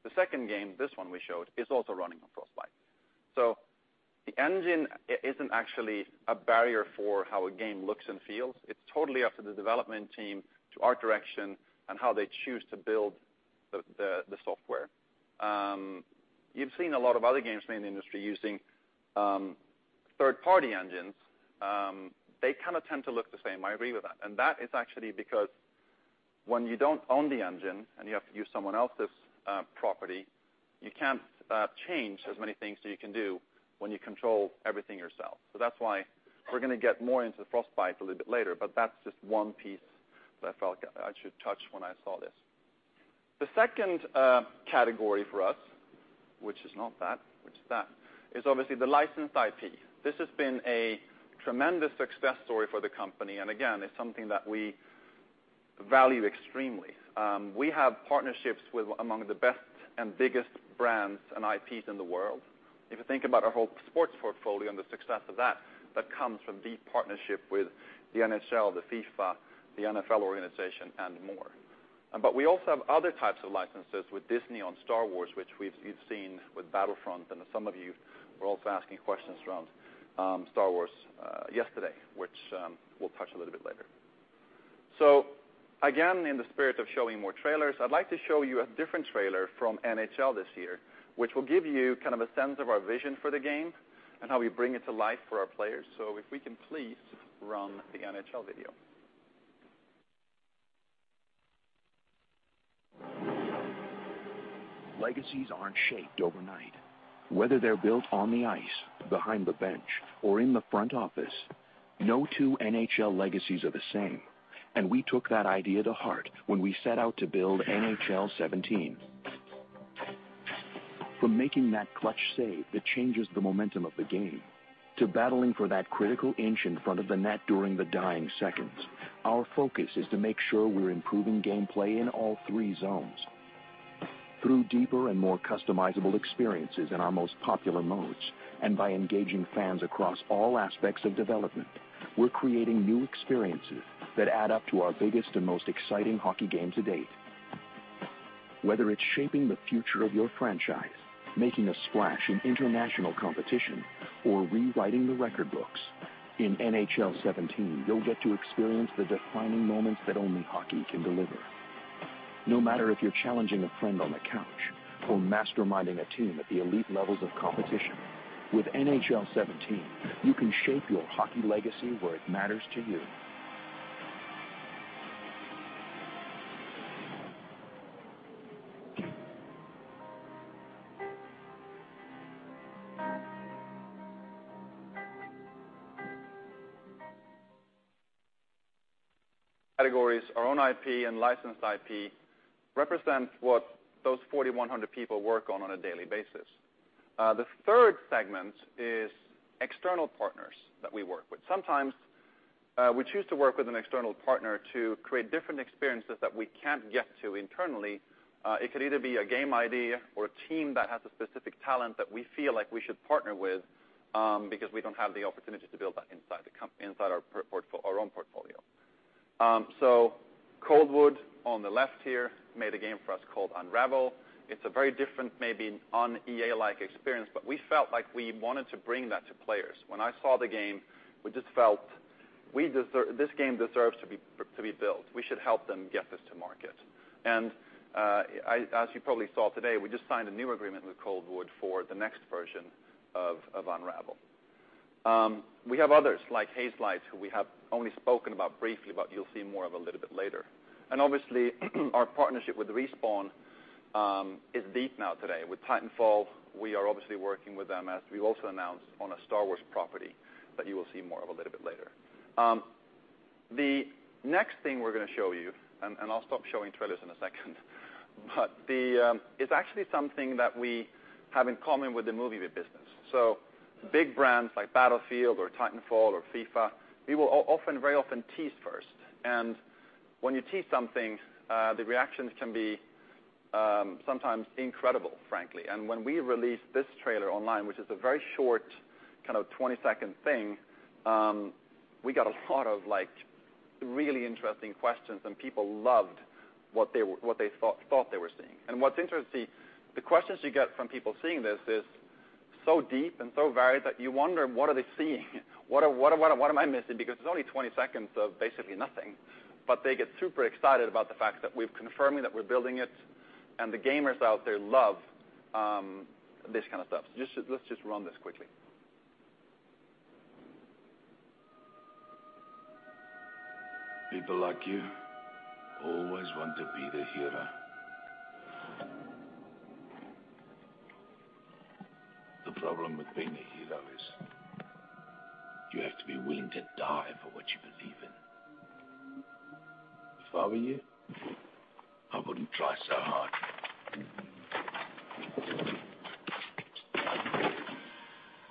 S7: The second game, this one we showed, is also running on Frostbite. The engine isn't actually a barrier for how a game looks and feels. It's totally up to the development team, to art direction, and how they choose to build the software. You've seen a lot of other games made in the industry using third-party engines. They kind of tend to look the same. I agree with that. That is actually because when you don't own the engine and you have to use someone else's property, you can't change as many things as you can do when you control everything yourself. That's why we're going to get more into Frostbite a little bit later. That's just one piece that I felt I should touch when I saw this. The second category for us, which is not that, which is that, is obviously the licensed IP. This has been a tremendous success story for the company. Again, it's something that we value extremely. We have partnerships with among the best and biggest brands and IPs in the world. If you think about our whole sports portfolio and the success of that comes from deep partnership with the NHL, the FIFA, the NFL organization, and more. We also have other types of licenses with Disney on Star Wars, which you've seen with Battlefront. Some of you were also asking questions around Star Wars yesterday, which we'll touch a little bit later. Again, in the spirit of showing more trailers, I'd like to show you a different trailer from NHL this year, which will give you kind of a sense of our vision for the game and how we bring it to life for our players. If we can please run the NHL video.
S11: Legacies aren't shaped overnight. Whether they're built on the ice, behind the bench, or in the front office, no two NHL legacies are the same. We took that idea to heart when we set out to build NHL 17. From making that clutch save that changes the momentum of the game to battling for that critical inch in front of the net during the dying seconds, our focus is to make sure we're improving gameplay in all three zones. Through deeper and more customizable experiences in our most popular modes and by engaging fans across all aspects of development, we're creating new experiences that add up to our biggest and most exciting hockey game to date. Whether it's shaping the future of your franchise, making a splash in international competition, or rewriting the record books, in NHL 17, you'll get to experience the defining moments that only hockey can deliver. No matter if you're challenging a friend on the couch or masterminding a team at the elite levels of competition, with NHL 17, you can shape your hockey legacy where it matters to you.
S2: Categories, our own IP and licensed IP, represent what those 4,100 people work on on a daily basis. The third segment is external partners that we work with. Sometimes we choose to work with an external partner to create different experiences that we can't get to internally. It could either be a game ID or a team that has a specific talent that we feel like we should partner with because we don't have the opportunity to build that inside our own portfolio. Coldwood on the left here made a game for us called Unravel. It's a very different, maybe non-EA-like experience, but we felt like we wanted to bring that to players. When I saw the game, we just felt, "This game deserves to be built.
S7: We should help them get this to market." As you probably saw today, we just signed a new agreement with Coldwood for the next version of Unravel. We have others like Hazelight, who we have only spoken about briefly, but you'll see more of a little bit later. Obviously, our partnership with Respawn is deep now today. With Titanfall, we are obviously working with them as we also announced on a Star Wars property that you will see more of a little bit later. The next thing we're going to show you, and I'll stop showing trailers in a second, but it's actually something that we have in common with the movie business. Big brands like Battlefield or Titanfall or FIFA, we will very often tease first. When you tease something, the reactions can be sometimes incredible, frankly. When we released this trailer online, which is a very short kind of 20-second thing, we got a lot of really interesting questions. People loved what they thought they were seeing. What's interesting, the questions you get from people seeing this is so deep and so varied that you wonder, "What are they seeing? What am I missing?" Because it's only 20 seconds of basically nothing. They get super excited about the fact that we've confirmed that we're building it. The gamers out there love this kind of stuff. Let's just run this quickly.
S12: People like you always want to be the hero. The problem with being a hero is you have to be willing to die for what you believe in. If I were you, I wouldn't try so hard.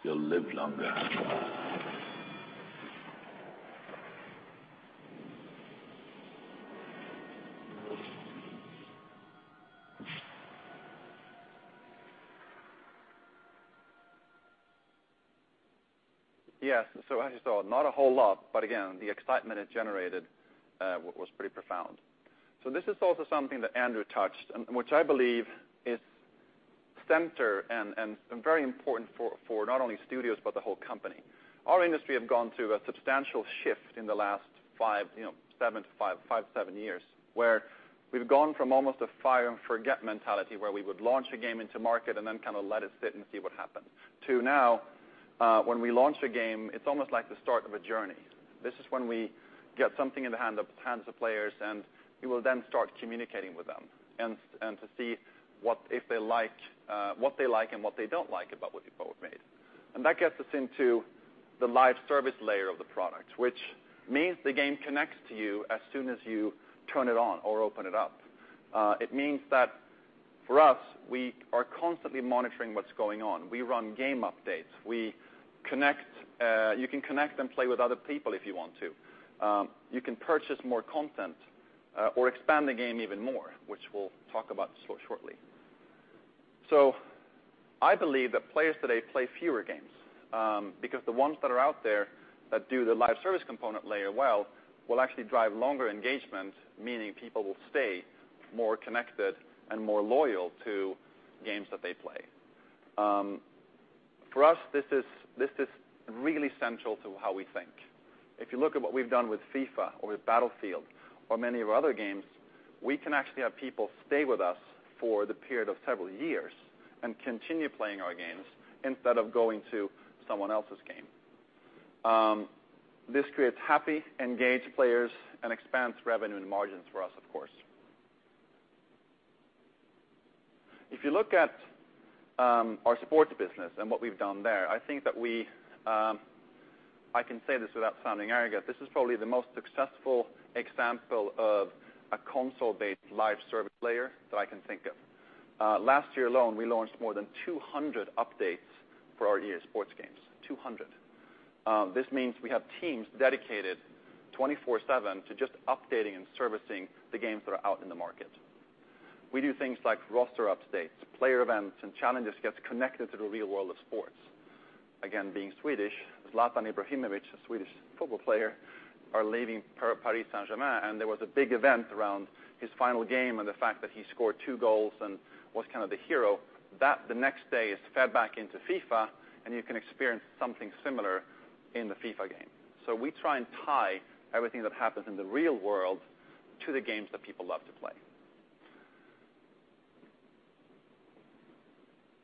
S12: You'll live longer.
S7: Yes. As you saw, not a whole lot. Again, the excitement it generated was pretty profound. This is also something that Andrew touched, which I believe is center and very important for not only studios but the whole company. Our industry has gone through a substantial shift in the last seven to five, seven years where we've gone from almost a fire-and-forget mentality where we would launch a game into market and then kind of let it sit and see what happens to now when we launch a game, it's almost like the start of a journey. This is when we get something in the hands of players, we will then start communicating with them and to see what they like and what they don't like about what we've made. That gets us into the live service layer of the product, which means the game connects to you as soon as you turn it on or open it up. It means that for us, we are constantly monitoring what's going on. We run game updates. You can connect and play with other people if you want to. You can purchase more content or expand the game even more, which we'll talk about shortly. I believe that players today play fewer games because the ones that are out there that do the live service component layer well will actually drive longer engagement, meaning people will stay more connected and more loyal to games that they play. For us, this is really central to how we think. If you look at what we've done with FIFA or with Battlefield or many of our other games, we can actually have people stay with us for the period of several years and continue playing our games instead of going to someone else's game. This creates happy, engaged players and expands revenue and margins for us, of course. If you look at our sports business and what we've done there, I think that I can say this without sounding arrogant. This is probably the most successful example of a console-based live service layer that I can think of. Last year alone, we launched more than 200 updates for our EA Sports games, 200. This means we have teams dedicated 24/7 to just updating and servicing the games that are out in the market. We do things like roster updates, player events, and challenges that get connected to the real world of sports. Again, being Swedish, Zlatan Ibrahimović, a Swedish football player, is leaving Paris Saint-Germain. There was a big event around his final game and the fact that he scored two goals and was kind of the hero. That the next day is fed back into FIFA, and you can experience something similar in the FIFA game. We try and tie everything that happens in the real world to the games that people love to play.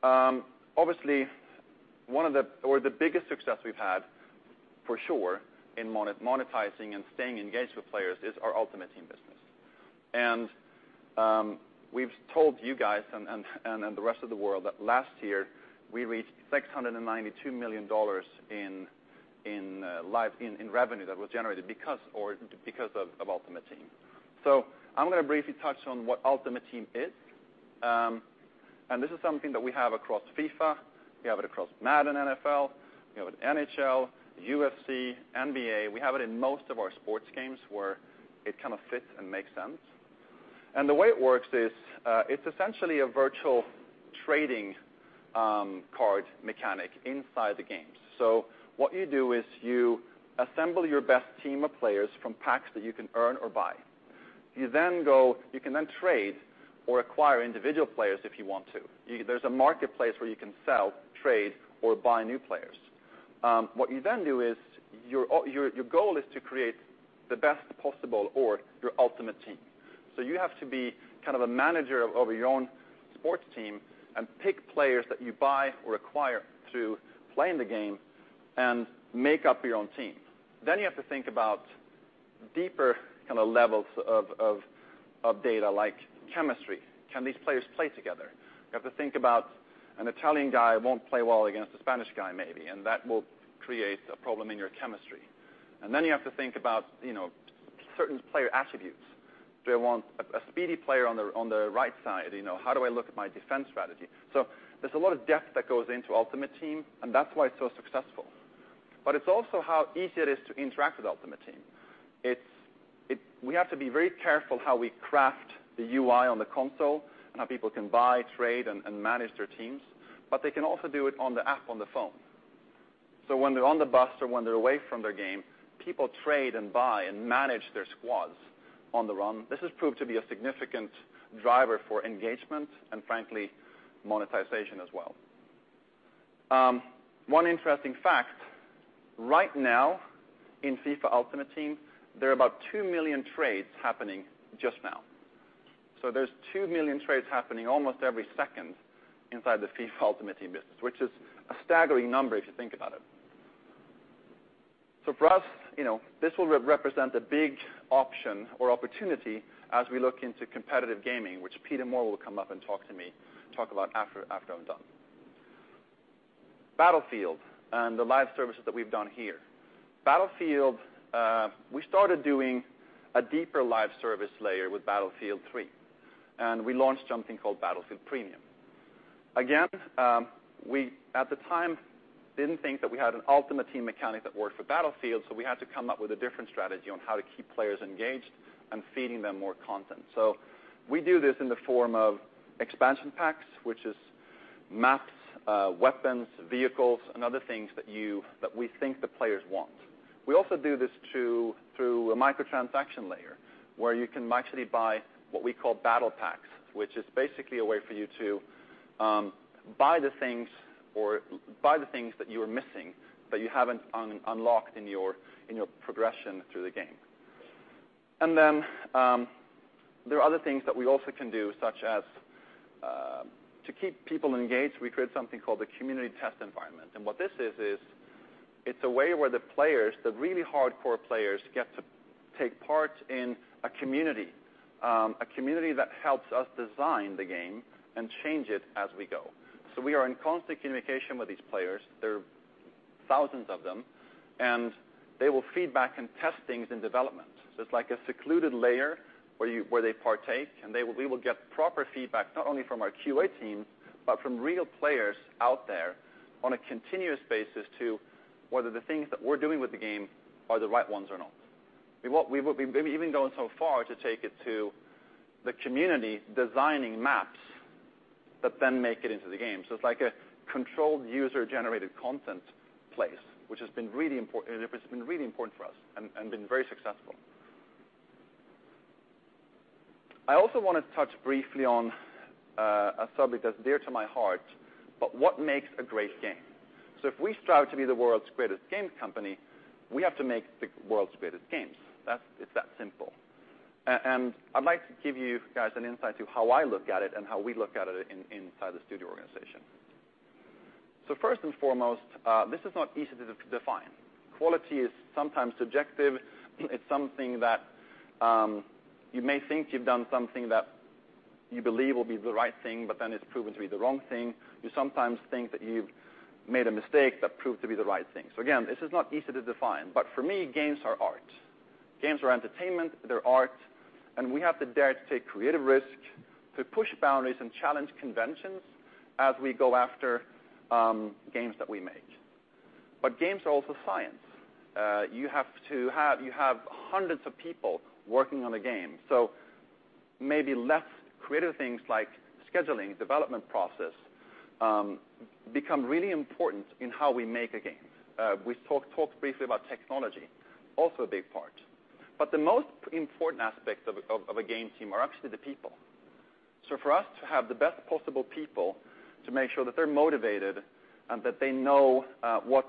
S7: Obviously, one of the or the biggest success we've had, for sure, in monetizing and staying engaged with players is our Ultimate Team business. We've told you guys and the rest of the world that last year, we reached $692 million in revenue that was generated because of Ultimate Team. I'm going to briefly touch on what Ultimate Team is. This is something that we have across FIFA. We have it across Madden NFL. We have it NHL, UFC, NBA. We have it in most of our sports games where it kind of fits and makes sense. The way it works is it's essentially a virtual trading card mechanic inside the games. What you do is you assemble your best team of players from packs that you can earn or buy. You can then trade or acquire individual players if you want to. There's a marketplace where you can sell, trade, or buy new players. What you then do is your goal is to create the best possible or your Ultimate Team.
S2: You have to be kind of a manager over your own sports team and pick players that you buy or acquire through playing the game and make up your own team. You have to think about deeper kind of levels of data like chemistry. Can these players play together? You have to think about an Italian guy won't play well against a Spanish guy, maybe. That will create a problem in your chemistry. Then you have to think about certain player attributes. Do I want a speedy player on the right side? How do I look at my defense strategy? There's a lot of depth that goes into Ultimate Team. That's why it's so successful. It's also how easy it is to interact with Ultimate Team.
S7: We have to be very careful how we craft the UI on the console and how people can buy, trade, and manage their teams. They can also do it on the app on the phone. When they're on the bus or when they're away from their game, people trade and buy and manage their squads on the run. This has proved to be a significant driver for engagement and, frankly, monetization as well. One interesting fact, right now in FIFA Ultimate Team, there are about 2 million trades happening just now. There's 2 million trades happening almost every second inside the FIFA Ultimate Team business, which is a staggering number if you think about it. For us, this will represent a big option or opportunity as we look into competitive gaming, which Peter Moore will come up and talk to me about after I'm done. Battlefield and the live services that we've done here. Battlefield, we started doing a deeper live service layer with Battlefield 3. We launched something called Battlefield Premium. Again, we, at the time, didn't think that we had an Ultimate Team mechanic that worked for Battlefield. We had to come up with a different strategy on how to keep players engaged and feeding them more content. We do this in the form of expansion packs, which is maps, weapons, vehicles, and other things that we think the players want. We also do this through a microtransaction layer where you can actually buy what we call Battlepacks, which is basically a way for you to buy the things that you are missing that you haven't unlocked in your progression through the game. There are other things that we also can do, such as to keep people engaged, we create something called the Community Test Environment. What this is it's a way where the players, the really hardcore players, get to take part in a community, a community that helps us design the game and change it as we go. We are in constant communication with these players. There are thousands of them. They will feedback and test things in development. It's like a secluded layer where they partake. We will get proper feedback not only from our QA teams but from real players out there on a continuous basis to whether the things that we're doing with the game are the right ones or not. We maybe even go so far to take it to the community designing maps that then make it into the game. It's like a controlled user-generated content place, which has been really important for us and been very successful. I also want to touch briefly on a subject that's dear to my heart, what makes a great game? If we strive to be the world's greatest game company, we have to make the world's greatest games. It's that simple. I'd like to give you guys an insight into how I look at it and how we look at it inside the studio organization. First and foremost, this is not easy to define. Quality is sometimes subjective. It's something that you may think you've done something that you believe will be the right thing, then it's proven to be the wrong thing. You sometimes think that you've made a mistake that proved to be the right thing. Again, this is not easy to define. For me, games are art. Games are entertainment. They're art. We have to dare to take creative risks, to push boundaries, and challenge conventions as we go after games that we make. Games are also science. You have hundreds of people working on a game. Maybe less creative things like scheduling, development process, become really important in how we make a game. We talked briefly about technology, also a big part. The most important aspect of a game team are actually the people. For us to have the best possible people, to make sure that they're motivated and that they know what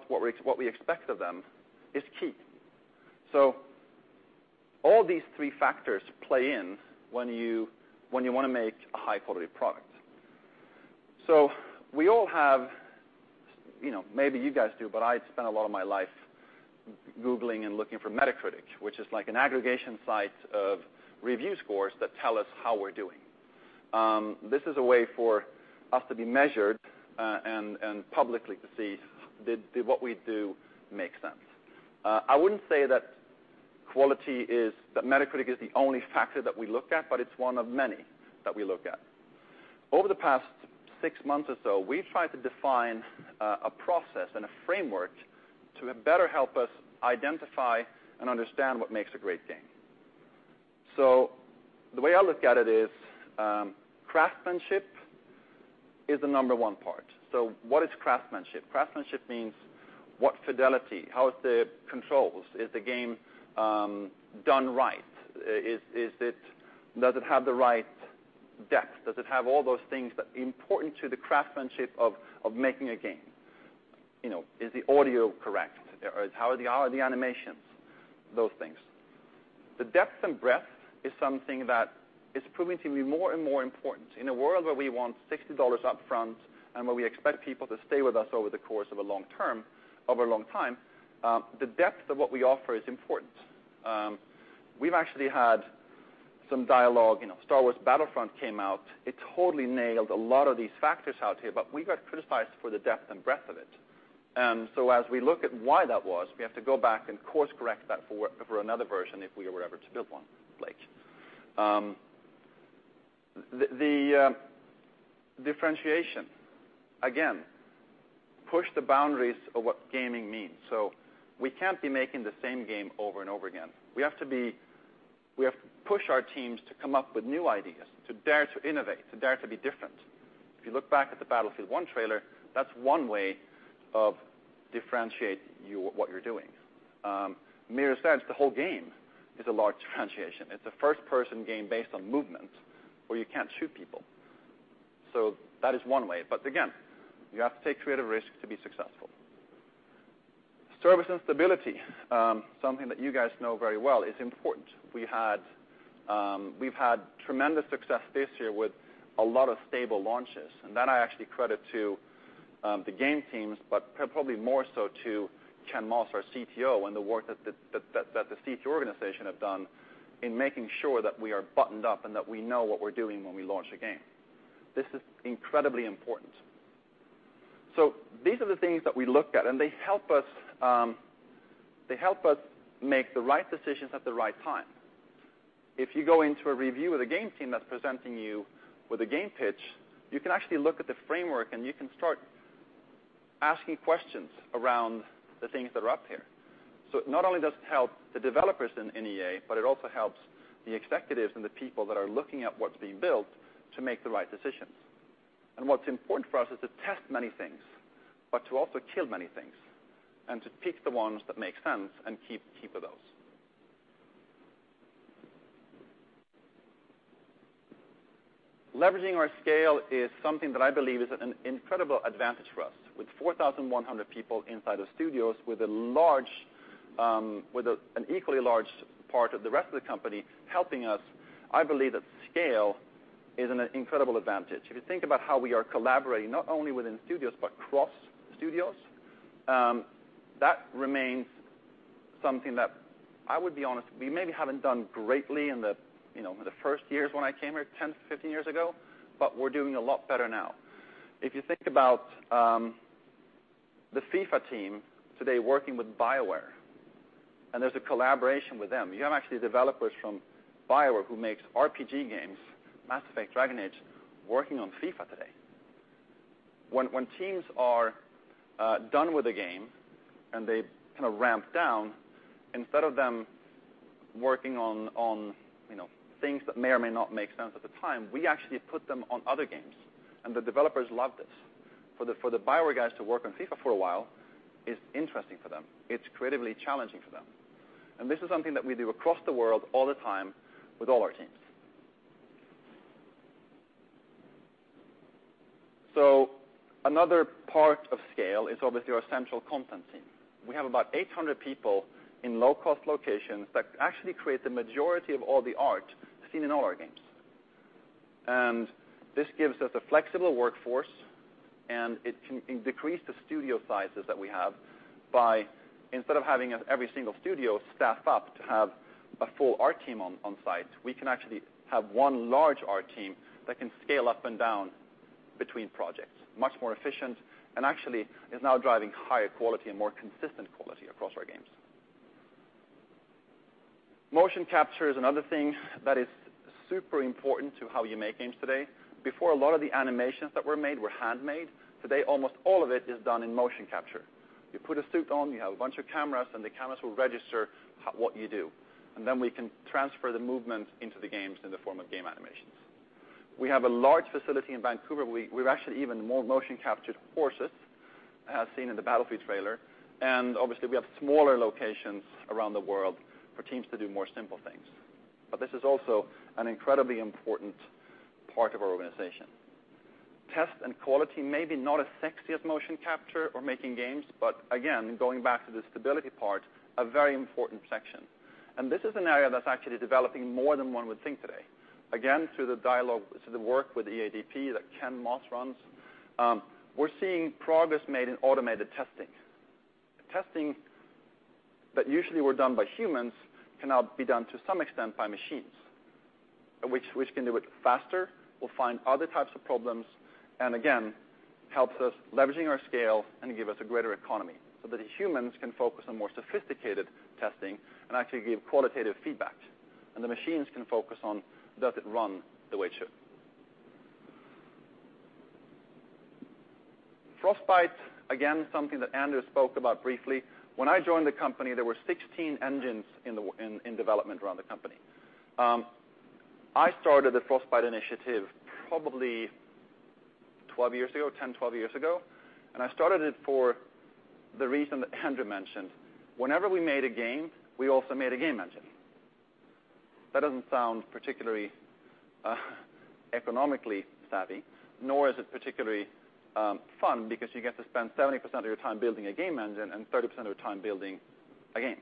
S7: we expect of them, is key. All these three factors play in when you want to make a high-quality product. We all have maybe you guys do. I spent a lot of my life Googling and looking for Metacritic, which is like an aggregation site of review scores that tell us how we're doing. This is a way for us to be measured and publicly to see did what we do make sense. I wouldn't say that Metacritic is the only factor that we look at. It's one of many that we look at. Over the past six months or so, we've tried to define a process and a framework to better help us identify and understand what makes a great game. The way I look at it is craftsmanship is the number one part. What is craftsmanship? Craftsmanship means what fidelity? How are the controls? Is the game done right? Does it have the right depth? Does it have all those things that are important to the craftsmanship of making a game? Is the audio correct? How are the animations, those things? The depth and breadth is something that is proving to be more and more important. In a world where we want $60 upfront and where we expect people to stay with us over the course of a long time, the depth of what we offer is important. We've actually had some dialogue. Star Wars Battlefront came out. It totally nailed a lot of these factors out here. We got criticized for the depth and breadth of it. As we look at why that was, we have to go back and course-correct that for another version if we are ever to build one, Blake. The differentiation, again, push the boundaries of what gaming means. We can't be making the same game over and over again. We have to push our teams to come up with new ideas, to dare to innovate, to dare to be different. If you look back at the Battlefield 1 trailer, that's one way of differentiating what you're doing. Mirror's Edge, the whole game is a large differentiation. It's a first-person game based on movement where you can't shoot people. That is one way. Again, you have to take creative risks to be successful. Service and stability, something that you guys know very well, is important. We've had tremendous success this year with a lot of stable launches. That I actually credit to the game teams, but probably more so to Ken Moss, our CTO, and the work that the CTO organization has done in making sure that we are buttoned up and that we know what we're doing when we launch a game. This is incredibly important. These are the things that we look at. They help us make the right decisions at the right time. If you go into a review with a game team that's presenting you with a game pitch, you can actually look at the framework. You can start asking questions around the things that are up here. Not only does it help the developers in EA, but it also helps the executives and the people that are looking at what's being built to make the right decisions. What's important for us is to test many things but to also kill many things and to pick the ones that make sense and keep of those. Leveraging our scale is something that I believe is an incredible advantage for us. With 4,100 people inside of studios, with an equally large part of the rest of the company helping us, I believe that scale is an incredible advantage. If you think about how we are collaborating not only within studios but across studios, that remains something that, I would be honest, we maybe haven't done greatly in the first years when I came here, 10, 15 years ago. We're doing a lot better now. If you think about the FIFA team today working with BioWare, there's a collaboration with them, you have actually developers from BioWare who makes RPG games, Mass Effect: Dragon Age, working on FIFA today. When teams are done with a game and they kind of ramp down, instead of them working on things that may or may not make sense at the time, we actually put them on other games. The developers love this. For the BioWare guys to work on FIFA for a while is interesting for them. It's creatively challenging for them. This is something that we do across the world all the time with all our teams. Another part of scale is obviously our central content team. We have about 800 people in low-cost locations that actually create the majority of all the art seen in all our games. This gives us a flexible workforce. It can decrease the studio sizes that we have by, instead of having every single studio staff up to have a full art team on site, we can actually have one large art team that can scale up and down between projects, much more efficient, and actually is now driving higher quality and more consistent quality across our games. Motion capture is another thing that is super important to how you make games today. Before, a lot of the animations that were made were handmade. Today, almost all of it is done in motion capture. You put a suit on. You have a bunch of cameras. The cameras will register what you do. Then we can transfer the movements into the games in the form of game animations. We have a large facility in Vancouver. We've actually even more motion captured horses as seen in the Battlefield trailer. Obviously, we have smaller locations around the world for teams to do more simple things. This is also an incredibly important part of our organization. Test and quality may be not as sexy as motion capture or making games. Again, going back to the stability part, a very important section. This is an area that's actually developing more than one would think today, again, through the work with EADP that Ken Moss runs. We're seeing progress made in automated testing. Testing that usually were done by humans can now be done, to some extent, by machines, which can do it faster, will find other types of problems, and again, helps us leverage our scale and give us a greater economy so that humans can focus on more sophisticated testing and actually give qualitative feedback. The machines can focus on, does it run the way it should? Frostbite, again, something that Andrew spoke about briefly. When I joined the company, there were 16 engines in development around the company. I started the Frostbite initiative probably 10, 12 years ago. I started it for the reason that Andrew mentioned. Whenever we made a game, we also made a game engine. That doesn't sound particularly economically savvy, nor is it particularly fun because you get to spend 70% of your time building a game engine and 30% of your time building a game.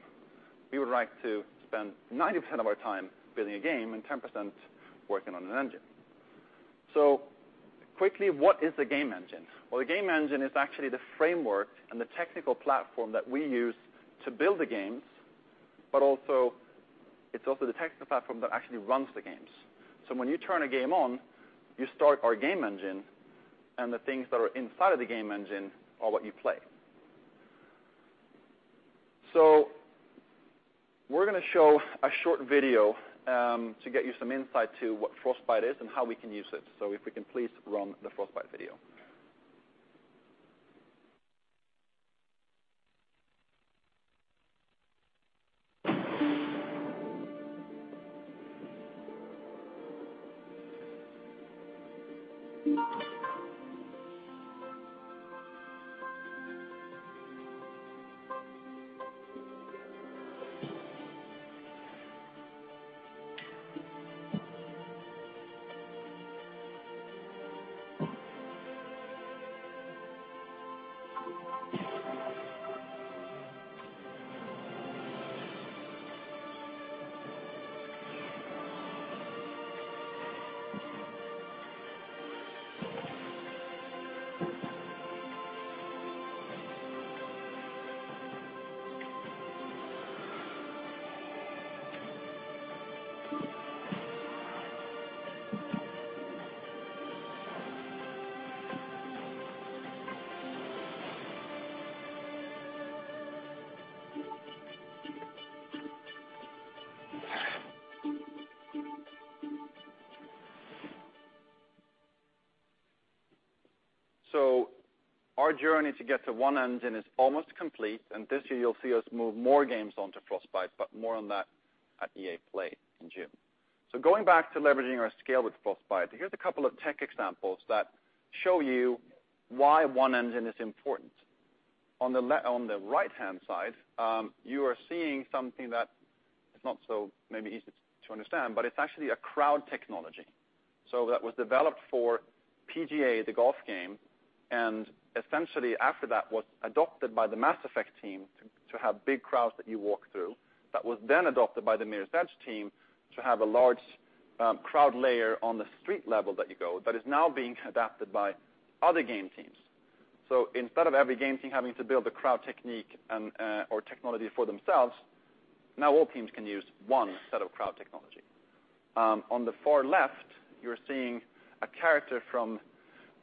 S7: We would like to spend 90% of our time building a game and 10% working on an engine. Quickly, what is the game engine? Well, the game engine is actually the framework and the technical platform that we use to build the games. It's also the technical platform that actually runs the games. When you turn a game on, you start our game engine. The things that are inside of the game engine are what you play. We're going to show a short video to get you some insight to what Frostbite is and how we can use it. If we can please run the Frostbite video. Our journey to get to one engine is almost complete. This year, you'll see us move more games onto Frostbite. More on that at EA Play in June. Going back to leveraging our scale with Frostbite, here's a couple of tech examples that show you why one engine is important. On the right-hand side, you are seeing something that is not so maybe easy to understand. It's actually a crowd technology. That was developed for PGA, the golf game. Essentially, after that, was adopted by the Mass Effect team to have big crowds that you walk through. That was then adopted by the Mirror's Edge team to have a large crowd layer on the street level that you go that is now being adapted by other game teams. Instead of every game team having to build a crowd technique or technology for themselves, all teams can use one set of crowd technology. On the far left, you're seeing a character from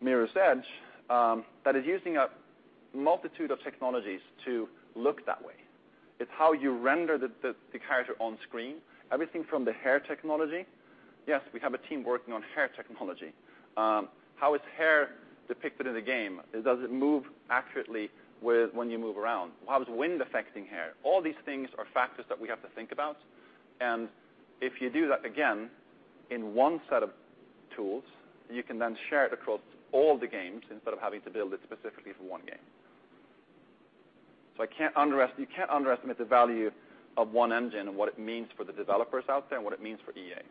S7: Mirror's Edge that is using a multitude of technologies to look that way. It's how you render the character on screen, everything from the hair technology. Yes, we have a team working on hair technology. How is hair depicted in the game? Does it move accurately when you move around? How is wind affecting hair? All these things are factors that we have to think about. If you do that again in one set of tools, you can then share it across all the games instead of having to build it specifically for one game. You can't underestimate the value of one engine and what it means for the developers out there and what it means for EA.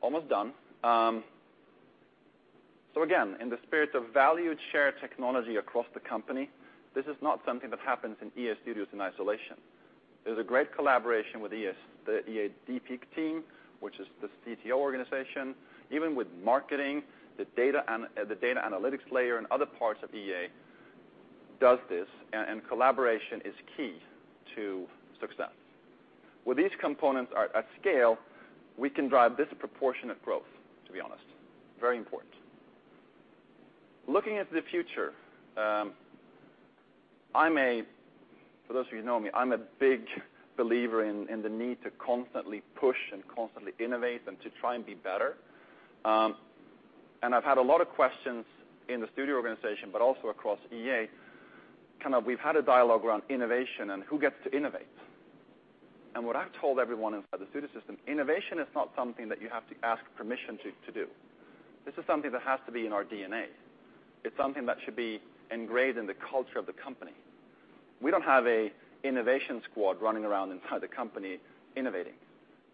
S7: Almost done. Again, in the spirit of valued shared technology across the company, this is not something that happens in EA Studios in isolation. There's a great collaboration with EA, the EADP team, which is the CTO organization. Even with marketing, the data analytics layer and other parts of EA does this. Collaboration is key to success. With these components at scale, we can drive disproportionate growth, to be honest, very important. Looking into the future, for those of you who know me, I'm a big believer in the need to constantly push and constantly innovate and to try and be better. I've had a lot of questions in the studio organization but also across EA. We've had a dialogue around innovation and who gets to innovate. What I've told everyone inside the studio system, innovation is not something that you have to ask permission to do. This is something that has to be in our DNA. It's something that should be engraved in the culture of the company. We don't have an innovation squad running around inside the company innovating.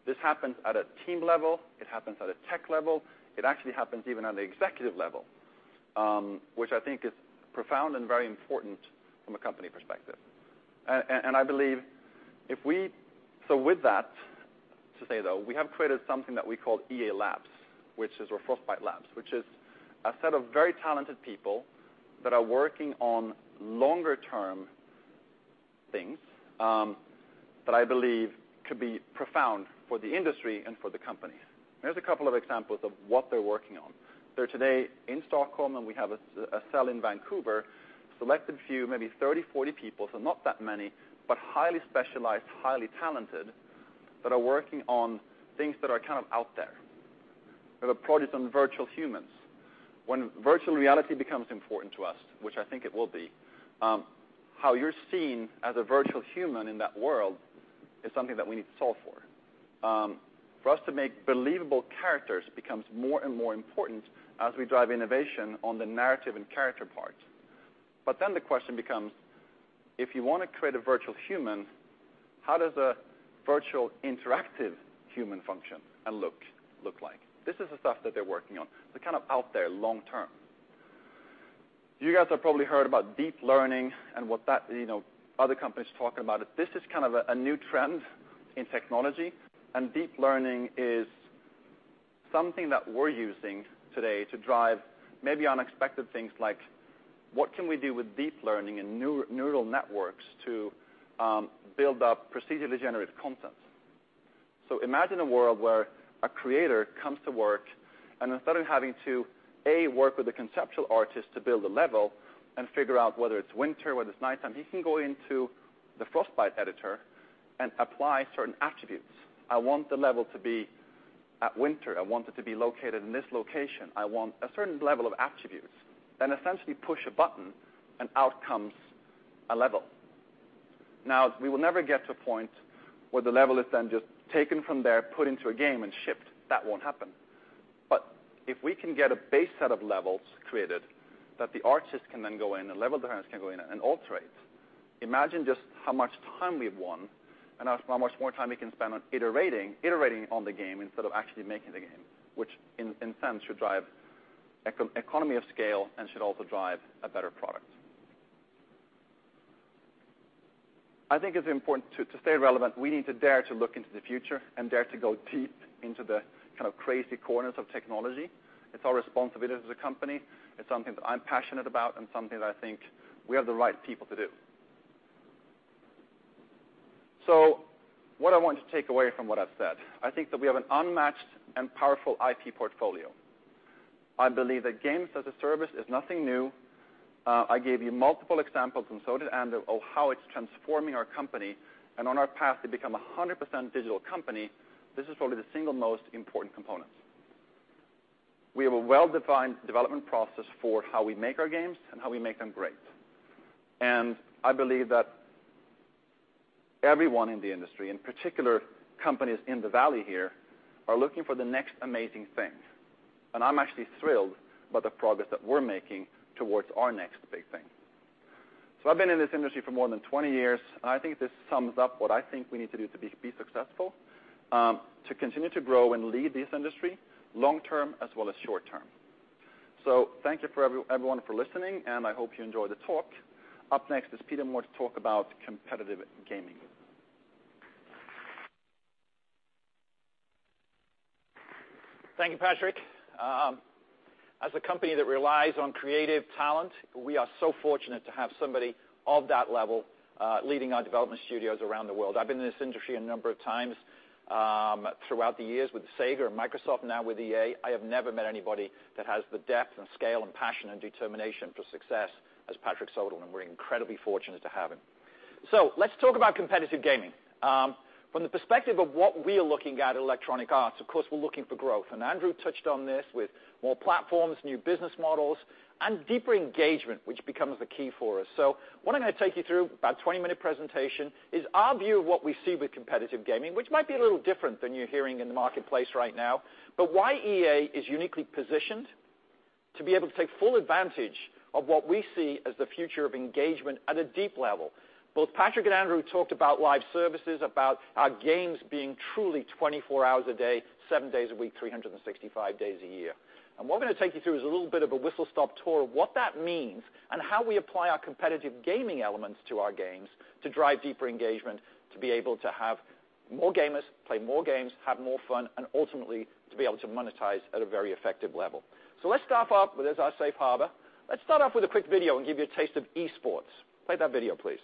S7: This happens at a team level. It happens at a tech level. It actually happens even at the executive level, which I think is profound and very important from a company perspective. With that to say, though, we have created something that we call EA Labs, which is or Frostbite Labs, which is a set of very talented people that are working on longer-term things that I believe could be profound for the industry and for the company. Here's a couple of examples of what they're working on. They're today in Stockholm. We have a cell in Vancouver, selected few, maybe 30, 40 people, so not that many, but highly specialized, highly talented that are working on things that are kind of out there. They have a project on virtual humans. When virtual reality becomes important to us, which I think it will be, how you're seen as a virtual human in that world is something that we need to solve for. For us to make believable characters becomes more and more important as we drive innovation on the narrative and character part. The question becomes, if you want to create a virtual human, how does a virtual interactive human function and look like? This is the stuff that they're working on, the kind of out there long term. You guys have probably heard about deep learning and what other companies are talking about. This is kind of a new trend in technology. deep learning is something that we're using today to drive maybe unexpected things like, what can we do with deep learning and neural networks to build up procedurally generated content? Imagine a world where a creator comes to work. Instead of having to, A, work with a conceptual artist to build a level and figure out whether it's winter, whether it's nighttime, he can go into the Frostbite editor and apply certain attributes. I want the level to be at winter. I want it to be located in this location. I want a certain level of attributes. Essentially push a button. Out comes a level. We will never get to a point where the level is then just taken from there, put into a game, and shipped. That won't happen. If we can get a base set of levels created that the artist can then go in, the level designers can go in, and alterate, imagine just how much time we've won and how much more time we can spend on iterating on the game instead of actually making the game, which in sense should drive economy of scale and should also drive a better product. I think it's important to stay relevant. We need to dare to look into the future and dare to go deep into the kind of crazy corners of technology. It's our responsibility as a company. It's something that I'm passionate about and something that I think we have the right people to do. What I want you to take away from what I've said, I think that we have an unmatched and powerful IP portfolio. I believe that games as a service is nothing new. I gave you multiple examples. So did Andrew of how it's transforming our company. On our path to become 100% digital company, this is probably the single most important component. We have a well-defined development process for how we make our games and how we make them great. I believe that everyone in the industry, in particular companies in the valley here, are looking for the next amazing thing. I'm actually thrilled about the progress that we're making towards our next big thing. I've been in this industry for more than 20 years. I think this sums up what I think we need to do to be successful, to continue to grow and lead this industry long term as well as short term. Thank you for everyone for listening. I hope you enjoy the talk. Up next is Peter Moore to talk about competitive gaming.
S3: Thank you, Patrick. As a company that relies on creative talent, we are so fortunate to have somebody of that level leading our development studios around the world. I've been in this industry a number of times throughout the years with Sega and Microsoft, now with EA. I have never met anybody that has the depth and scale and passion and determination for success as Patrick Söderlund. We're incredibly fortunate to have him. Let's talk about competitive gaming. From the perspective of what we are looking at in Electronic Arts, of course, we're looking for growth. Andrew touched on this with more platforms, new business models, and deeper engagement, which becomes the key for us. What I'm going to take you through, about a 20-minute presentation, is our view of what we see with competitive gaming, which might be a little different than you're hearing in the marketplace right now. Why EA is uniquely positioned to be able to take full advantage of what we see as the future of engagement at a deep level. Both Patrick and Andrew talked about live services, about our games being truly 24 hours a day, 7 days a week, 365 days a year. What I'm going to take you through is a little bit of a whistle-stop tour of what that means and how we apply our competitive gaming elements to our games to drive deeper engagement, to be able to have more gamers, play more games, have more fun, and ultimately to be able to monetize at a very effective level. Let's start off with, as our safe harbor, let's start off with a quick video and give you a taste of esports. Play that video, please.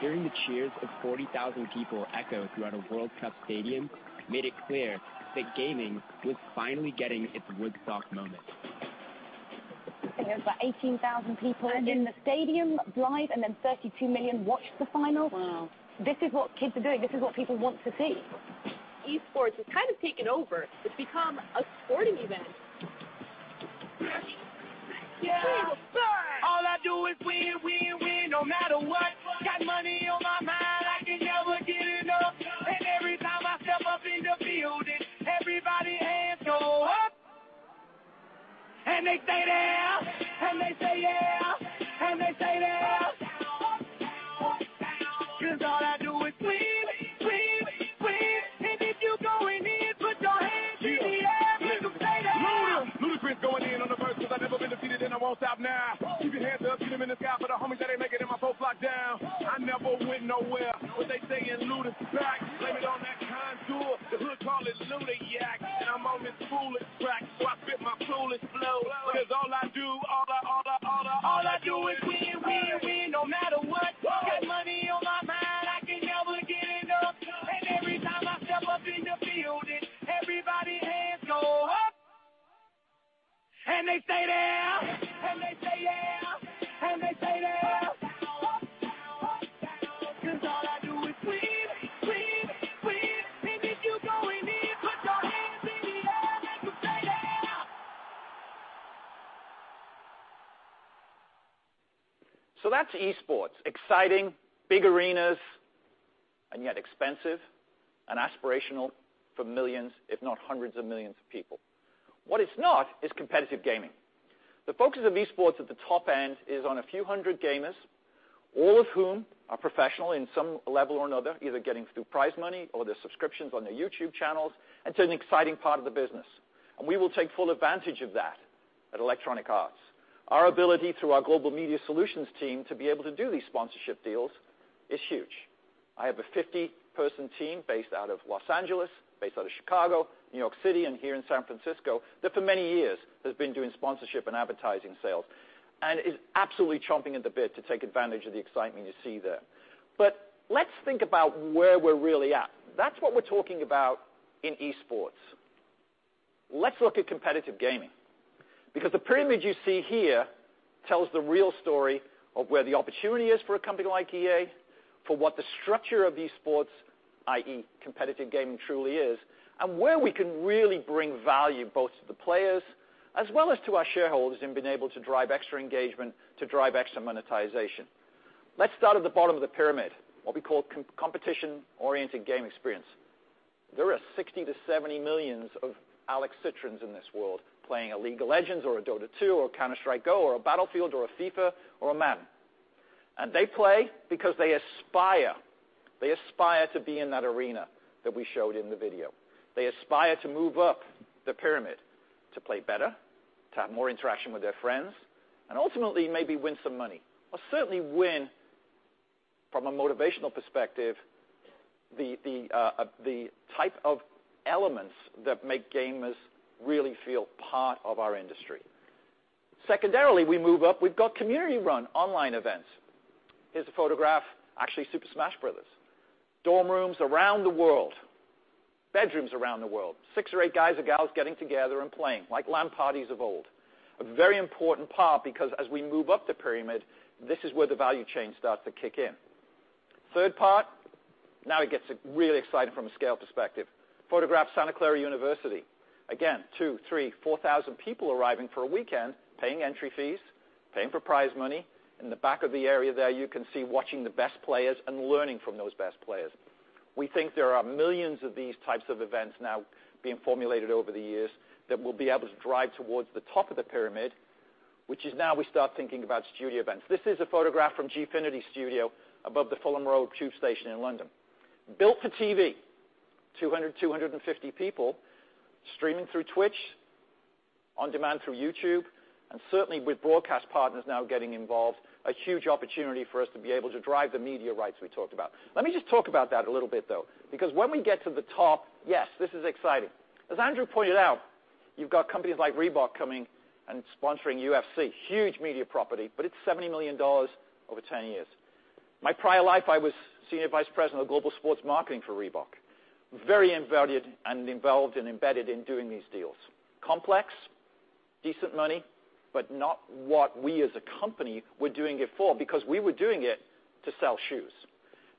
S4: Hearing the cheers of 40,000 people echo throughout a World Cup stadium made it clear that gaming was finally getting its Woodstock moment.
S5: There's about 18,000 people in the stadium live. Then 32 million watched the final. This is what kids are doing. This is what people want to see.
S6: Esports has kind of taken over. It's become a sporting event.
S7: All I do is win, win no matter what. Got money on my mind. I can never get enough. Every time I step up in the building, everybody's hands go up. They say, "Damn." They say, "Yeah." They say, "Damn." 'Cause all I do is win, win. If you're going in, put your hands in the air. Make them say, "Damn.
S9: Ludacris going in on the verse 'cause I've never been defeated. I won't stop now. Keep your hands up. Get them in the sky for the homies that ain't making it. My folk locked down. I never went nowhere. What they saying? Ludacris back. Blame it on that con tool. The hood call it Ludacris. I'm on this foolish track. I spit my foolish flow. All I do is win, win no matter what. Got money on my mind. I can never get enough. Every time I step up in the building, everybody's hands go up. They say, "Damn." They say, "Yeah." They say, "Damn." All I do is win, win. If you're going in, put your hands in the air. Make them say, "Damn.
S3: That's esports, exciting, big arenas, and yet expensive and aspirational for millions, if not hundreds of millions of people. What it's not is competitive gaming. The focus of esports at the top end is on a few hundred gamers, all of whom are professional in some level or another, either getting through prize money or their subscriptions on their YouTube channels. An exciting part of the business. We will take full advantage of that at Electronic Arts. Our ability through our Global Media Solutions team to be able to do these sponsorship deals is huge. I have a 50-person team based out of Los Angeles, based out of Chicago, New York City, and here in San Francisco that for many years has been doing sponsorship and advertising sales and is absolutely chomping at the bit to take advantage of the excitement you see there. Let's think about where we're really at. That's what we're talking about in esports. Let's look at competitive gaming because the pyramid you see here tells the real story of where the opportunity is for a company like EA, for what the structure of esports, i.e., competitive gaming, truly is, and where we can really bring value both to the players as well as to our shareholders in being able to drive extra engagement, to drive extra monetization. Let's start at the bottom of the pyramid, what we call competition-oriented game experience. There are 60 to 70 millions of [Alex Citrons] in this world playing a League of Legends or a Dota 2 or Counter-Strike Go or a Battlefield or a FIFA or a Madden NFL. They play because they aspire to be in that arena that we showed in the video. They aspire to move up the pyramid to play better, to have more interaction with their friends, ultimately maybe win some money or certainly win from a motivational perspective the type of elements that make gamers really feel part of our industry. Secondarily, we move up. We've got community-run online events. Here's a photograph, actually Super Smash Bros., dorm rooms around the world, bedrooms around the world, six or eight guys or gals getting together and playing like LAN parties of old, a very important part. As we move up the pyramid, this is where the value chain starts to kick in. Third part. Now it gets really exciting from a scale perspective. Photograph Santa Clara University. Again, 2,000, 3,000, 4,000 people arriving for a weekend, paying entry fees, paying for prize money. In the back of the area there, you can see watching the best players and learning from those best players. We think there are millions of these types of events now being formulated over the years that will be able to drive towards the top of the pyramid, which is now we start thinking about studio events. This is a photograph from Gfinity Studio above the Fulham Road tube station in London, built for TV, 200, 250 people streaming through Twitch, on demand through YouTube, and certainly with broadcast partners now getting involved, a huge opportunity for us to be able to drive the media rights we talked about. Let me just talk about that a little bit, though, because when we get to the top, yes, this is exciting. As Andrew pointed out, you've got companies like Reebok coming and sponsoring UFC, huge media property, but it's $70 million over 10 years. My prior life, I was Senior Vice President of global sports marketing for Reebok, very inverted and involved and embedded in doing these deals, complex, decent money, but not what we as a company were doing it for because we were doing it to sell shoes.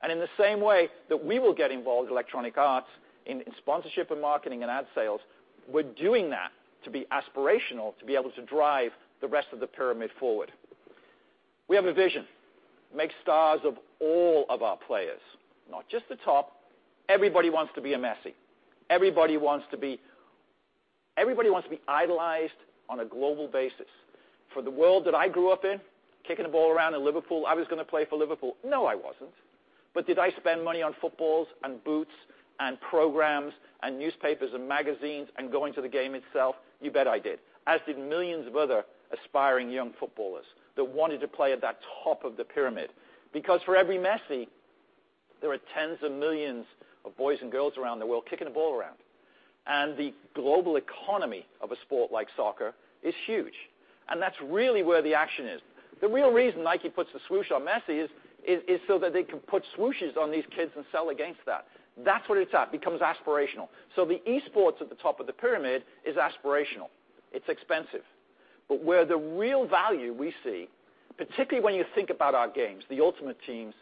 S3: In the same way that we will get involved in Electronic Arts in sponsorship and marketing and ad sales, we're doing that to be aspirational, to be able to drive the rest of the pyramid forward. We have a vision, make stars of all of our players, not just the top. Everybody wants to be a Messi. Everybody wants to be idolized on a global basis. For the world that I grew up in, kicking a ball around in Liverpool, I was going to play for Liverpool. No, I wasn't. Did I spend money on footballs and boots and programs and newspapers and magazines and going to the game itself? You bet I did, as did millions of other aspiring young footballers that wanted to play at that top of the pyramid. For every Messi, there are tens of millions of boys and girls around the world kicking a ball around. The global economy of a sport like soccer is huge. That's really where the action is. The real reason Nike puts the swoosh on Messi is so that they can put swooshes on these kids and sell against that. That's what it's at, becomes aspirational. The esports at the top of the pyramid is aspirational. It's expensive. Where the real value we see, particularly when you think about our games, the Ultimate Teams,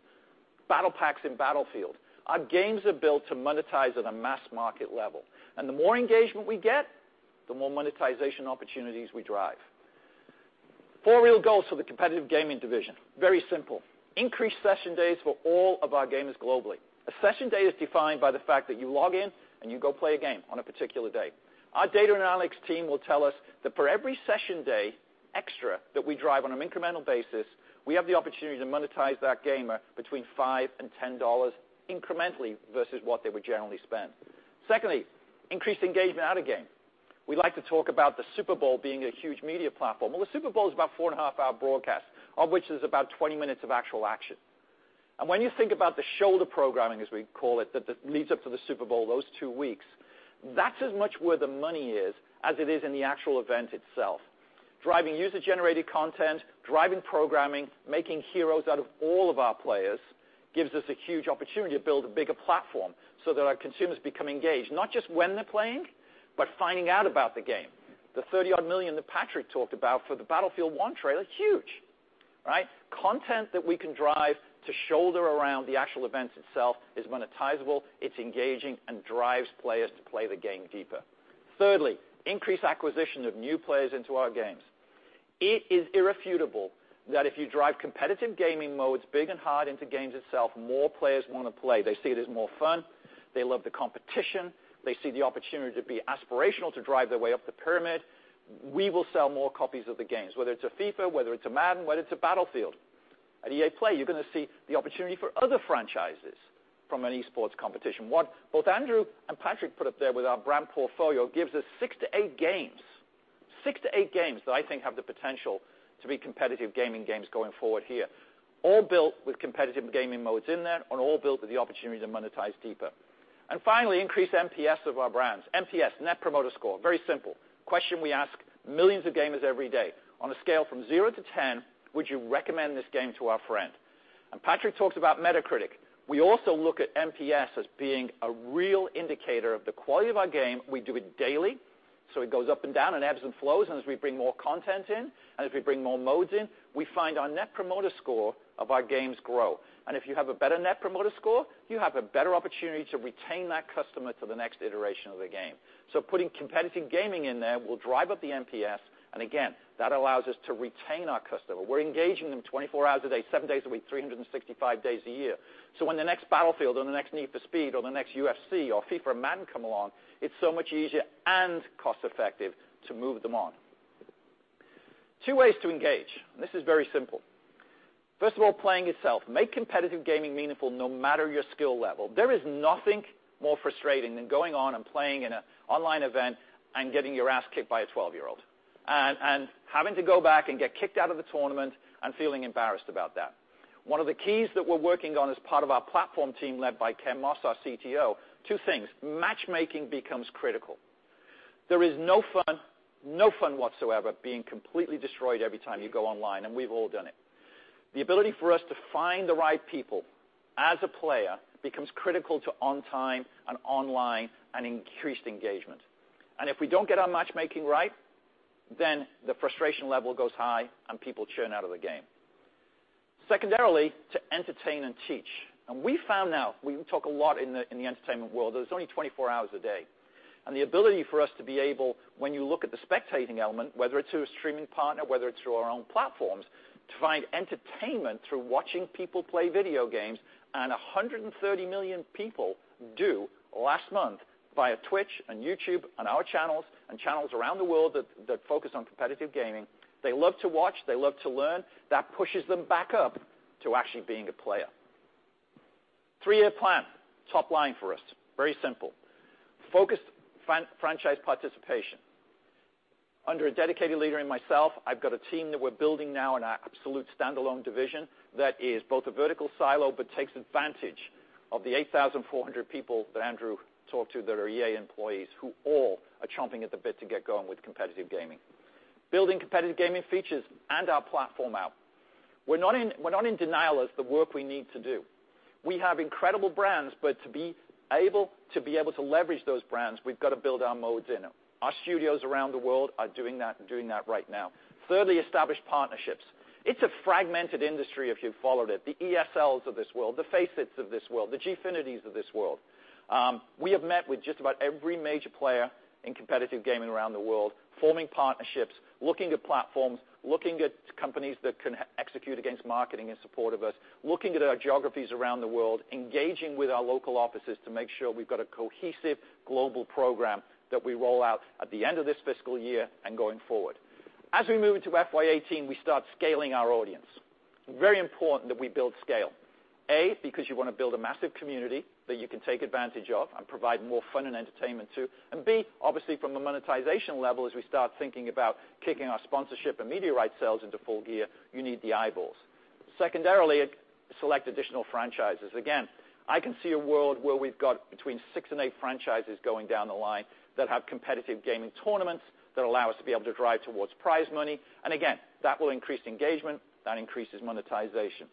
S3: Battlepacks in Battlefield, our games are built to monetize at a mass market level. The more engagement we get, the more monetization opportunities we drive. Four real goals for the competitive gaming division, very simple, increase session days for all of our gamers globally. A session day is defined by the fact that you log in and you go play a game on a particular day. Our data analytics team will tell us that for every session day extra that we drive on an incremental basis, we have the opportunity to monetize that gamer between $5 and $10 incrementally versus what they would generally spend. Secondly, increase engagement at a game. We like to talk about the Super Bowl being a huge media platform. Well, the Super Bowl is about four and a half hour broadcast, of which there's about 20 minutes of actual action. When you think about the shoulder programming, as we call it, that leads up to the Super Bowl, those two weeks, that's as much worth the money as it is in the actual event itself. Driving user-generated content, driving programming, making heroes out of all of our players gives us a huge opportunity to build a bigger platform so that our consumers become engaged, not just when they're playing, but finding out about the game. The 30-odd million that Patrick talked about for the Battlefield 1 trailer, huge, right? Content that we can drive to shoulder around the actual event itself is monetizable. It's engaging and drives players to play the game deeper. Thirdly, increase acquisition of new players into our games. It is irrefutable that if you drive competitive gaming modes big and hard into games itself, more players want to play. They see it as more fun. They love the competition. They see the opportunity to be aspirational to drive their way up the pyramid. We will sell more copies of the games, whether it's a FIFA, whether it's a Madden NFL, whether it's a Battlefield. At EA Play, you're going to see the opportunity for other franchises from an esports competition. What both Andrew and Patrick put up there with our brand portfolio gives us six to eight games that I think have the potential to be competitive gaming games going forward here, all built with competitive gaming modes in there and all built with the opportunity to monetize deeper. Finally, increase NPS of our brands, NPS, Net Promoter Score, very simple, question we ask millions of gamers every day, on a scale from 0 to 10, would you recommend this game to our friend? Patrick talks about Metacritic. We also look at NPS as being a real indicator of the quality of our game. We do it daily. It goes up and down and ebbs and flows. As we bring more content in and as we bring more modes in, we find our Net Promoter Score of our games grow. If you have a better Net Promoter Score, you have a better opportunity to retain that customer to the next iteration of the game. Putting competitive gaming in there will drive up the NPS. Again, that allows us to retain our customer. We're engaging them 24 hours a day, 7 days a week, 365 days a year. When the next Battlefield or the next Need for Speed or the next UFC or FIFA or Madden NFL come along, it's so much easier and cost-effective to move them on. Two ways to engage. This is very simple. First of all, playing itself, make competitive gaming meaningful no matter your skill level. There is nothing more frustrating than going on and playing in an online event and getting your ass kicked by a 12-year-old and having to go back and get kicked out of the tournament and feeling embarrassed about that. One of the keys that we're working on as part of our platform team led by Ken Moss, our CTO, two things, matchmaking becomes critical. There is no fun whatsoever being completely destroyed every time you go online. We've all done it. The ability for us to find the right people as a player becomes critical to on time and online and increased engagement. If we don't get our matchmaking right, then the frustration level goes high and people churn out of the game. Secondarily, to entertain and teach. We found now, we talk a lot in the entertainment world, there's only 24 hours a day. The ability for us to be able, when you look at the spectating element, whether it's through a streaming partner, whether it's through our own platforms, to find entertainment through watching people play video games, 130 million people do last month via Twitch and YouTube and our channels and channels around the world that focus on competitive gaming, they love to watch, they love to learn, that pushes them back up to actually being a player. Three-year plan, top line for us, very simple, focused franchise participation. Under a dedicated leader in myself, I've got a team that we're building now, an absolute standalone division that is both a vertical silo but takes advantage of the 8,400 people that Andrew talked to that are EA employees who all are chomping at the bit to get going with competitive gaming, building competitive gaming features and our platform out. We're not in denial as the work we need to do. We have incredible brands, but to be able to leverage those brands, we've got to build our modes in. Our studios around the world are doing that right now. Thirdly, established partnerships. It's a fragmented industry if you've followed it, the ESLs of this world, the FACEITs of this world, the Gfinitys of this world. We have met with just about every major player in competitive gaming around the world, forming partnerships, looking at platforms, looking at companies that can execute against marketing in support of us, looking at our geographies around the world, engaging with our local offices to make sure we've got a cohesive global program that we roll out at the end of this fiscal year and going forward. As we move into FY 2018, we start scaling our audience. Very important that we build scale, A, because you want to build a massive community that you can take advantage of and provide more fun and entertainment to, B, obviously, from a monetization level, as we start thinking about kicking our sponsorship and media rights sales into full gear, you need the eyeballs. Secondarily, select additional franchises. Again, I can see a world where we've got between six and eight franchises going down the line that have competitive gaming tournaments that allow us to be able to drive towards prize money. Again, that will increase engagement. That increases monetization.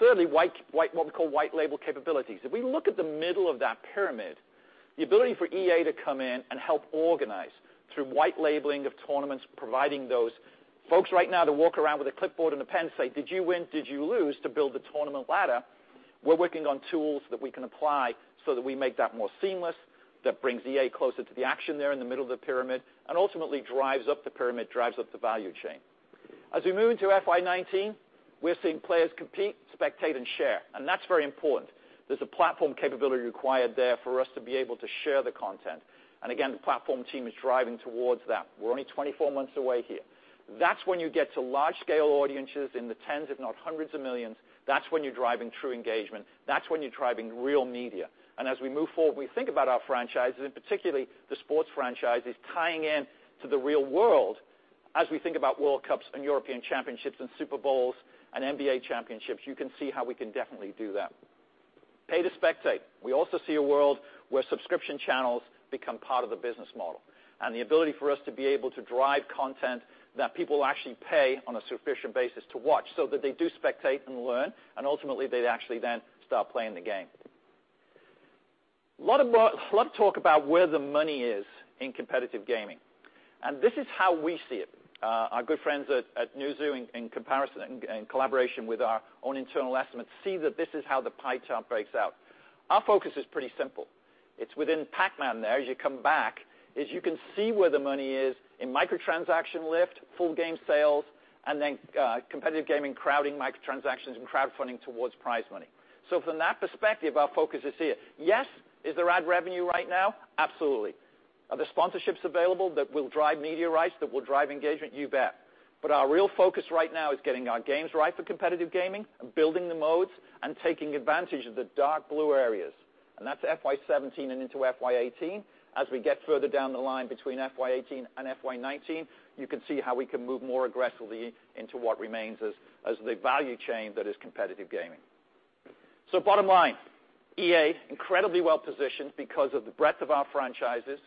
S3: Thirdly, what we call white label capabilities. If we look at the middle of that pyramid, the ability for EA to come in and help organize through white labeling of tournaments, providing those folks right now to walk around with a clipboard and a pen and say, "Did you win? Did you lose?" to build the tournament ladder. We're working on tools that we can apply so that we make that more seamless, that brings EA closer to the action there in the middle of the pyramid, ultimately drives up the pyramid, drives up the value chain. As we move into FY19, we are seeing players compete, spectate, and share. That's very important. There's a platform capability required there for us to be able to share the content. Again, the platform team is driving towards that. We are only 24 months away here. That's when you get to large-scale audiences in the tens, if not hundreds of millions. That's when you are driving true engagement. That's when you are driving real media. As we move forward, we think about our franchises and particularly the sports franchises tying in to the real world. As we think about World Cups and European Championships and Super Bowls and NBA Championships, you can see how we can definitely do that. Pay to spectate. We also see a world where subscription channels become part of the business model and the ability for us to be able to drive content that people actually pay on a sufficient basis to watch so that they do spectate and learn, and ultimately, they actually then start playing the game. A lot of talk about where the money is in competitive gaming. This is how we see it. Our good friends at Newzoo, in comparison and collaboration with our own internal estimates, see that this is how the pie chart breaks out. Our focus is pretty simple. It's within Pac-Man there. As you come back, you can see where the money is in microtransaction lift, full game sales, and then competitive gaming crowding, microtransactions, and crowdfunding towards prize money. From that perspective, our focus is here. Yes, is there ad revenue right now? Absolutely. Are there sponsorships available that will drive media rights, that will drive engagement? You bet. Our real focus right now is getting our games right for competitive gaming and building the modes and taking advantage of the dark blue areas. That's FY17 and into FY18. As we get further down the line between FY18 and FY19, you can see how we can move more aggressively into what remains as the value chain that is competitive gaming. Bottom line, EA, incredibly well positioned because of the breadth of our franchises,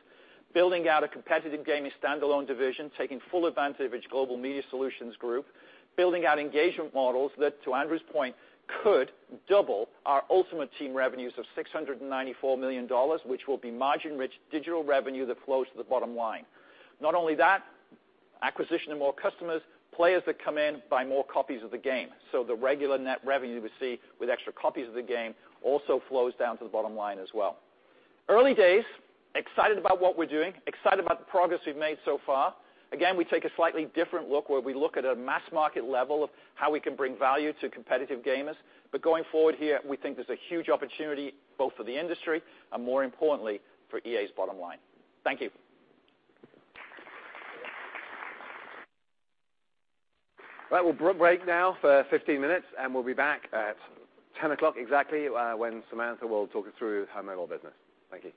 S3: building out a competitive gaming standalone division, taking full advantage of its Global Media Solutions group, building out engagement models that, to Andrew's point, could double our Ultimate Team revenues of $694 million, which will be margin-rich digital revenue that flows to the bottom line. Not only that, acquisition of more customers, players that come in buy more copies of the game. The regular net revenue we see with extra copies of the game also flows down to the bottom line as well. Early days, excited about what we are doing, excited about the progress we have made so far. Again, we take a slightly different look where we look at a mass market level of how we can bring value to competitive gamers. Going forward here, we think there's a huge opportunity both for the industry and, more importantly, for EA's bottom line. Thank you.
S1: All right, we'll break now for 15 minutes, and we'll be back at 10:00 exactly when Samantha will talk us through her mobile business. Thank you.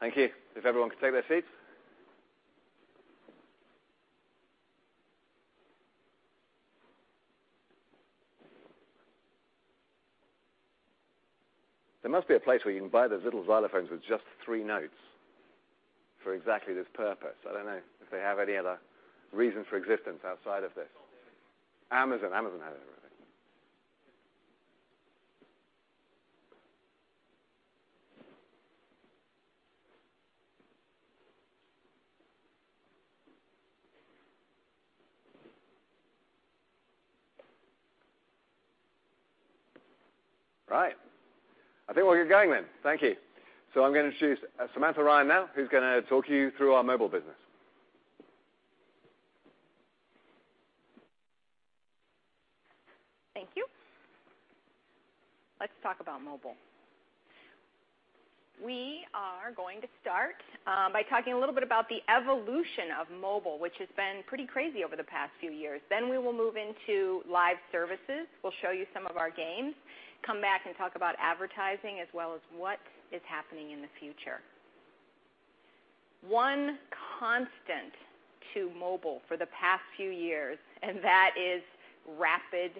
S1: Thank you. If everyone could take their seats. There must be a place where you can buy those little xylophones with just three notes for exactly this purpose. I don't know if they have any other reason for existence outside of this. Amazon. Amazon has everything. Right. I think we'll get going then. Thank you. I'm going to introduce Samantha Ryan now, who's going to talk you through our mobile business. Thank you. Let's talk about mobile. We are going to start by talking a little bit about the evolution of mobile, which has been pretty crazy over the past few years. We will move into live services.
S9: We'll show you some of our games, come back and talk about advertising, as well as what is happening in the future. One constant to mobile for the past few years, and that is rapid,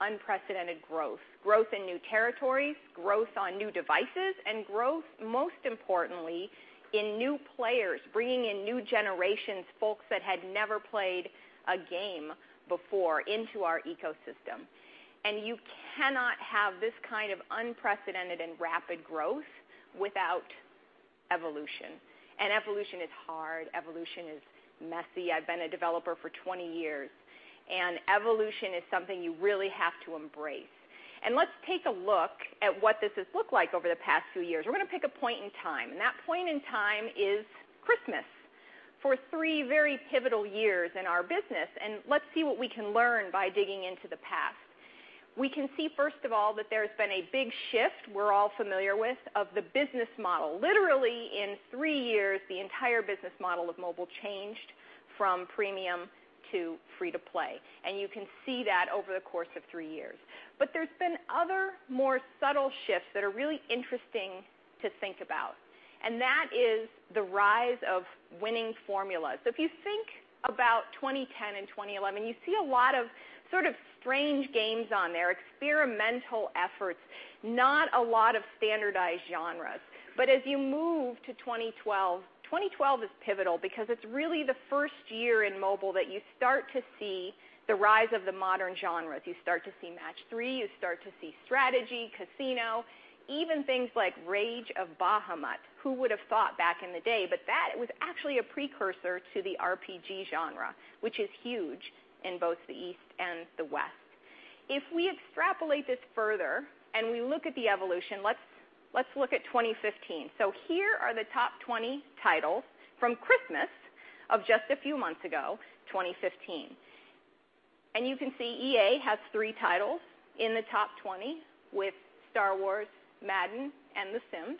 S9: unprecedented growth. Growth in new territories, growth on new devices, and growth, most importantly, in new players, bringing in new generations, folks that had never played a game before, into our ecosystem. You cannot have this kind of unprecedented and rapid growth without evolution. Evolution is hard. Evolution is messy. I've been a developer for 20 years. Evolution is something you really have to embrace. Let's take a look at what this has looked like over the past few years. We're going to pick a point in time. That point in time is Christmas, for three very pivotal years in our business. Let's see what we can learn by digging into the past. We can see, first of all, that there's been a big shift we're all familiar with of the business model. Literally, in three years, the entire business model of mobile changed from premium to free-to-play. You can see that over the course of three years. There's been other, more subtle shifts that are really interesting to think about. That is the rise of winning formulas. If you think about 2010 and 2011, you see a lot of sort of strange games on there, experimental efforts, not a lot of standardized genres. As you move to 2012 is pivotal because it's really the first year in mobile that you start to see the rise of the modern genres. You start to see match-three.
S2: You start to see strategy, casino, even things like Rage of Bahamut. Who would have thought back in the day? That was actually a precursor to the RPG genre, which is huge in both the East and the West. If we extrapolate this further and we look at the evolution, let's look at 2015. Here are the top 20 titles from Christmas of just a few months ago, 2015. You can see EA has three titles in the top 20 with Star Wars, Madden, and The Sims.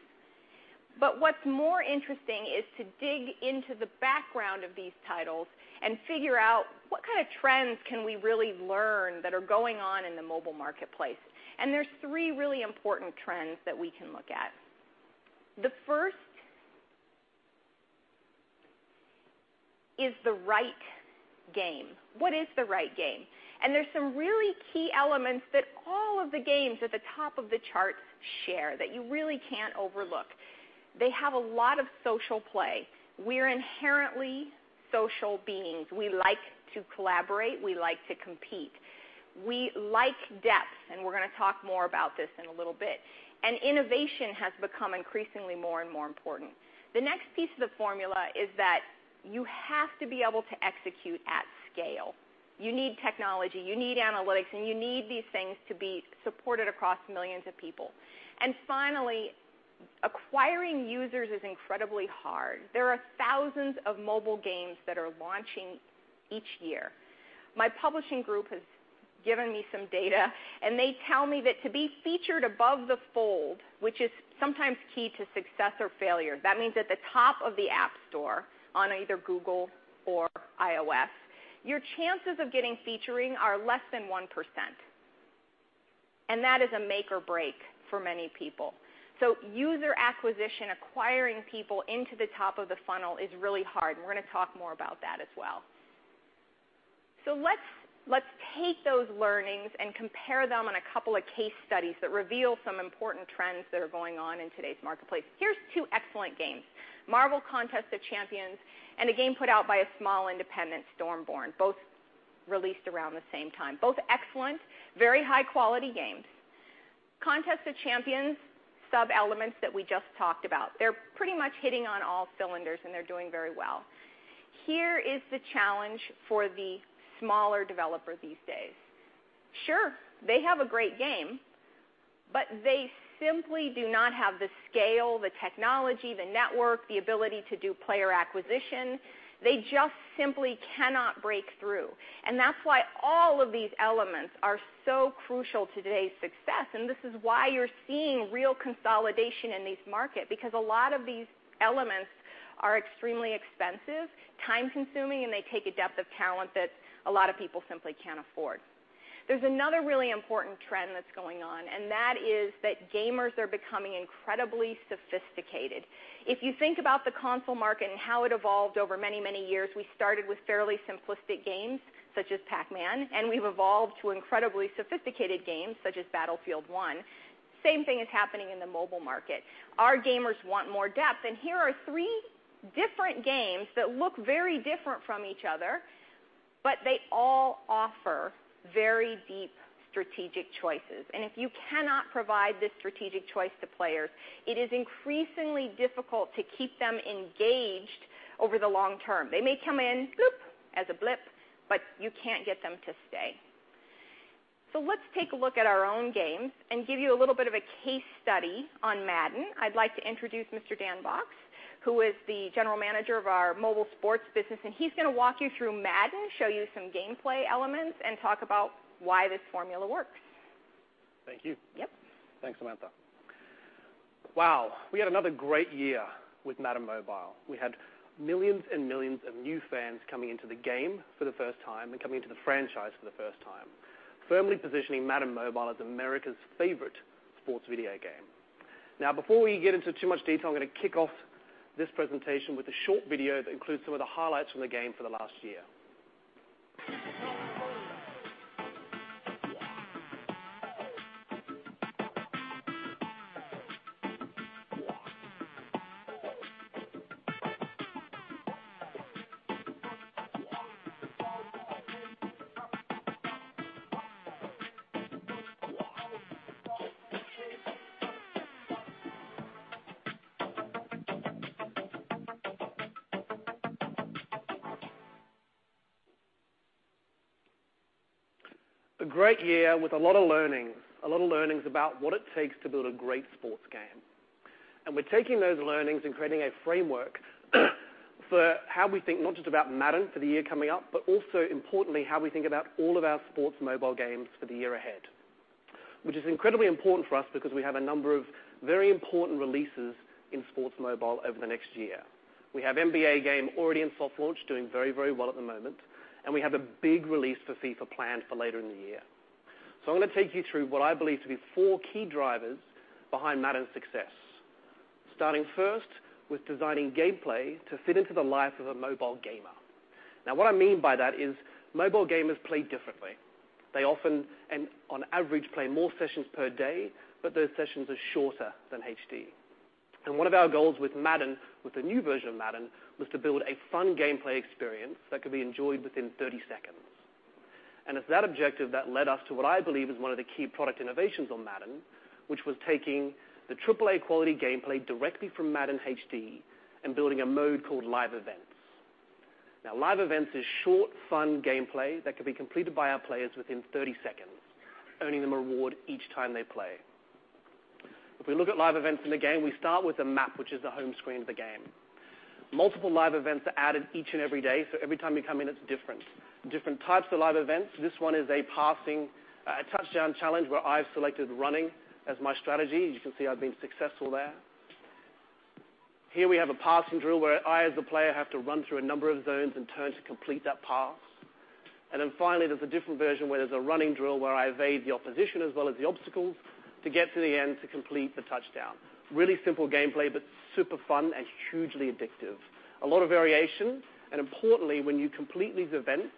S2: What's more interesting is to dig into the background of these titles and figure out what kind of trends can we really learn that are going on in the mobile marketplace. There's three really important trends that we can look at. The first is the right game. What is the right game?
S9: There's some really key elements that all of the games at the top of the chart share, that you really can't overlook. They have a lot of social play. We're inherently social beings. We like to collaborate. We like to compete. We like depth, and we're going to talk more about this in a little bit. Innovation has become increasingly more and more important. The next piece of the formula is that you have to be able to execute at scale. You need technology. You need analytics. You need these things to be supported across millions of people. Finally, acquiring users is incredibly hard. There are thousands of mobile games that are launching each year. My publishing group has given me some data, they tell me that to be featured above the fold, which is sometimes key to success or failure, that means at the top of the app store on either Google or iOS, your chances of getting featuring are less than 1%. That is a make or break for many people. User acquisition, acquiring people into the top of the funnel, is really hard. We're going to talk more about that as well. Let's take those learnings and compare them on a couple of case studies that reveal some important trends that are going on in today's marketplace. Here's two excellent games. Marvel Contest of Champions and a game put out by a small independent, Stormborn, both released around the same time. Both excellent, very high-quality games. Contest of Champions, sub-elements that we just talked about, they're pretty much hitting on all cylinders, they're doing very well. Here is the challenge for the smaller developer these days. Sure, they have a great game, they simply do not have the scale, the technology, the network, the ability to do player acquisition. They just simply cannot break through. That's why all of these elements are so crucial to today's success. This is why you're seeing real consolidation in these markets, because a lot of these elements are extremely expensive, time-consuming, they take a depth of talent that a lot of people simply can't afford. There's another really important trend that's going on, that is that gamers are becoming incredibly sophisticated. If you think about the console market and how it evolved over many, many years, we started with fairly simplistic games, such as Pac-Man, we've evolved to incredibly sophisticated games, such as Battlefield 1. Same thing is happening in the mobile market. Our gamers want more depth, here are three different games that look very different from each other, they all offer very deep strategic choices. If you cannot provide this strategic choice to players, it is increasingly difficult to keep them engaged over the long term. They may come in as a blip, but you can't get them to stay. Let's take a look at our own games and give you a little bit of a case study on Madden. I'd like to introduce Mr. Dan Box, who is the general manager of our mobile sports business. He's going to walk you through Madden, show you some gameplay elements, and talk about why this formula works.
S13: Thank you.
S9: Yep.
S13: Thanks, Samantha. Wow. We had another great year with Madden Mobile. We had millions and millions of new fans coming into the game for the first time and coming into the franchise for the first time, firmly positioning Madden Mobile as America's favorite sports video game. Before we get into too much detail, I'm going to kick off this presentation with a short video that includes some of the highlights from the game for the last year. A great year with a lot of learnings about what it takes to build a great sports game. We're taking those learnings and creating a framework for how we think not just about Madden for the year coming up, but also, importantly, how we think about all of our sports mobile games for the year ahead, which is incredibly important for us because we have a number of very important releases in sports mobile over the next year. We have NBA Live already in soft launch, doing very, very well at the moment, and we have a big release for FIFA planned for later in the year. I'm going to take you through what I believe to be four key drivers behind Madden's success, starting first with designing gameplay to fit into the life of a mobile gamer. What I mean by that is mobile gamers play differently. They often, and on average, play more sessions per day, but those sessions are shorter than HD. One of our goals with Madden, with the new version of Madden, was to build a fun gameplay experience that could be enjoyed within 30 seconds. It's that objective that led us to what I believe is one of the key product innovations on Madden, which was taking the AAA quality gameplay directly from Madden HD and building a mode called Live Events. Live Events is short, fun gameplay that can be completed by our players within 30 seconds, earning them a reward each time they play. If we look at Live Events in the game, we start with a map, which is the home screen of the game. Multiple Live Events are added each and every day, so every time you come in, it's different. Different types of Live Events. This one is a passing, a touchdown challenge where I've selected running as my strategy. You can see I've been successful there. Here we have a passing drill where I, as the player, have to run through a number of zones and turn to complete that pass. Finally, there's a different version where there's a running drill where I evade the opposition as well as the obstacles to get to the end to complete the touchdown. Really simple gameplay, but super fun and hugely addictive. A lot of variation. Importantly, when you complete these events,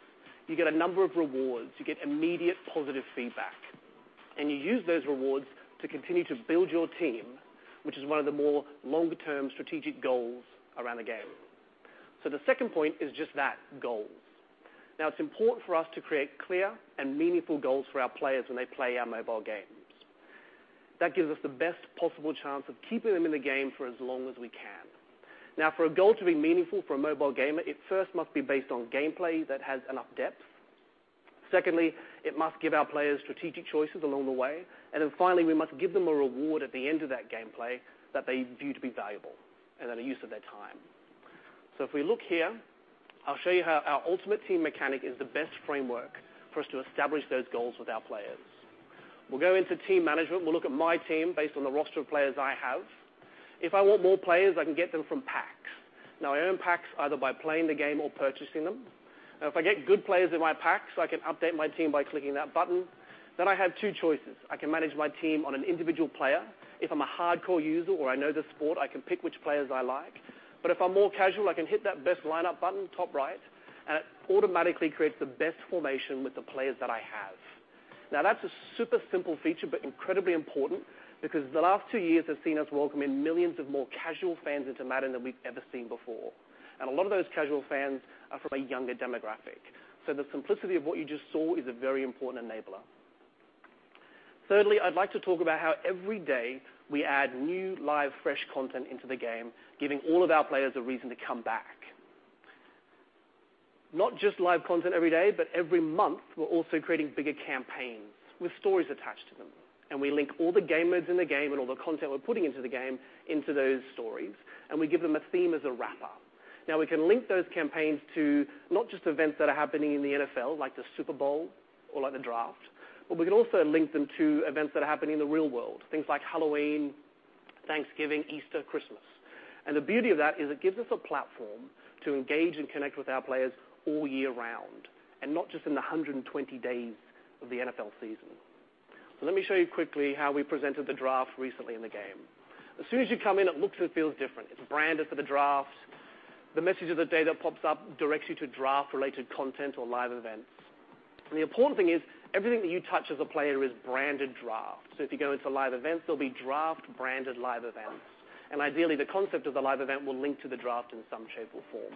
S13: you get a number of rewards. You get immediate positive feedback. You use those rewards to continue to build your team, which is one of the more long-term strategic goals around the game. The second point is just that, goals. It's important for us to create clear and meaningful goals for our players when they play our mobile games. That gives us the best possible chance of keeping them in the game for as long as we can. For a goal to be meaningful for a mobile gamer, it first must be based on gameplay that has enough depth. Secondly, it must give our players strategic choices along the way. Finally, we must give them a reward at the end of that gameplay that they view to be valuable and then a use of their time. If we look here, I'll show you how our Ultimate Team mechanic is the best framework for us to establish those goals with our players. We'll go into team management. We'll look at my team based on the roster of players I have. If I want more players, I can get them from packs. I own packs either by playing the game or purchasing them. If I get good players in my packs, I can update my team by clicking that button. I have two choices. I can manage my team on an individual player. If I'm a hardcore user or I know the sport, I can pick which players I like. If I'm more casual, I can hit that Best Lineup button, top right, and it automatically creates the best formation with the players that I have. That's a super simple feature but incredibly important because the last two years have seen us welcome in millions of more casual fans into Madden than we've ever seen before. A lot of those casual fans are from a younger demographic. The simplicity of what you just saw is a very important enabler. Thirdly, I'd like to talk about how every day we add new, live, fresh content into the game, giving all of our players a reason to come back. Not just live content every day, but every month, we're also creating bigger campaigns with stories attached to them. We link all the game modes in the game and all the content we're putting into the game into those stories, and we give them a theme as a wrapper. We can link those campaigns to not just events that are happening in the NFL, like the Super Bowl or the draft, but we can also link them to events that are happening in the real world, things like Halloween, Thanksgiving, Easter, Christmas. The beauty of that is it gives us a platform to engage and connect with our players all year round and not just in the 120 days of the NFL season. Let me show you quickly how we presented the draft recently in the game. As soon as you come in, it looks and feels different. It's branded for the draft. The message of the day that pops up directs you to draft-related content or Live Events. The important thing is everything that you touch as a player is branded draft. If you go into Live Events, there'll be draft-branded Live Events. Ideally, the concept of the Live Event will link to the draft in some shape or form.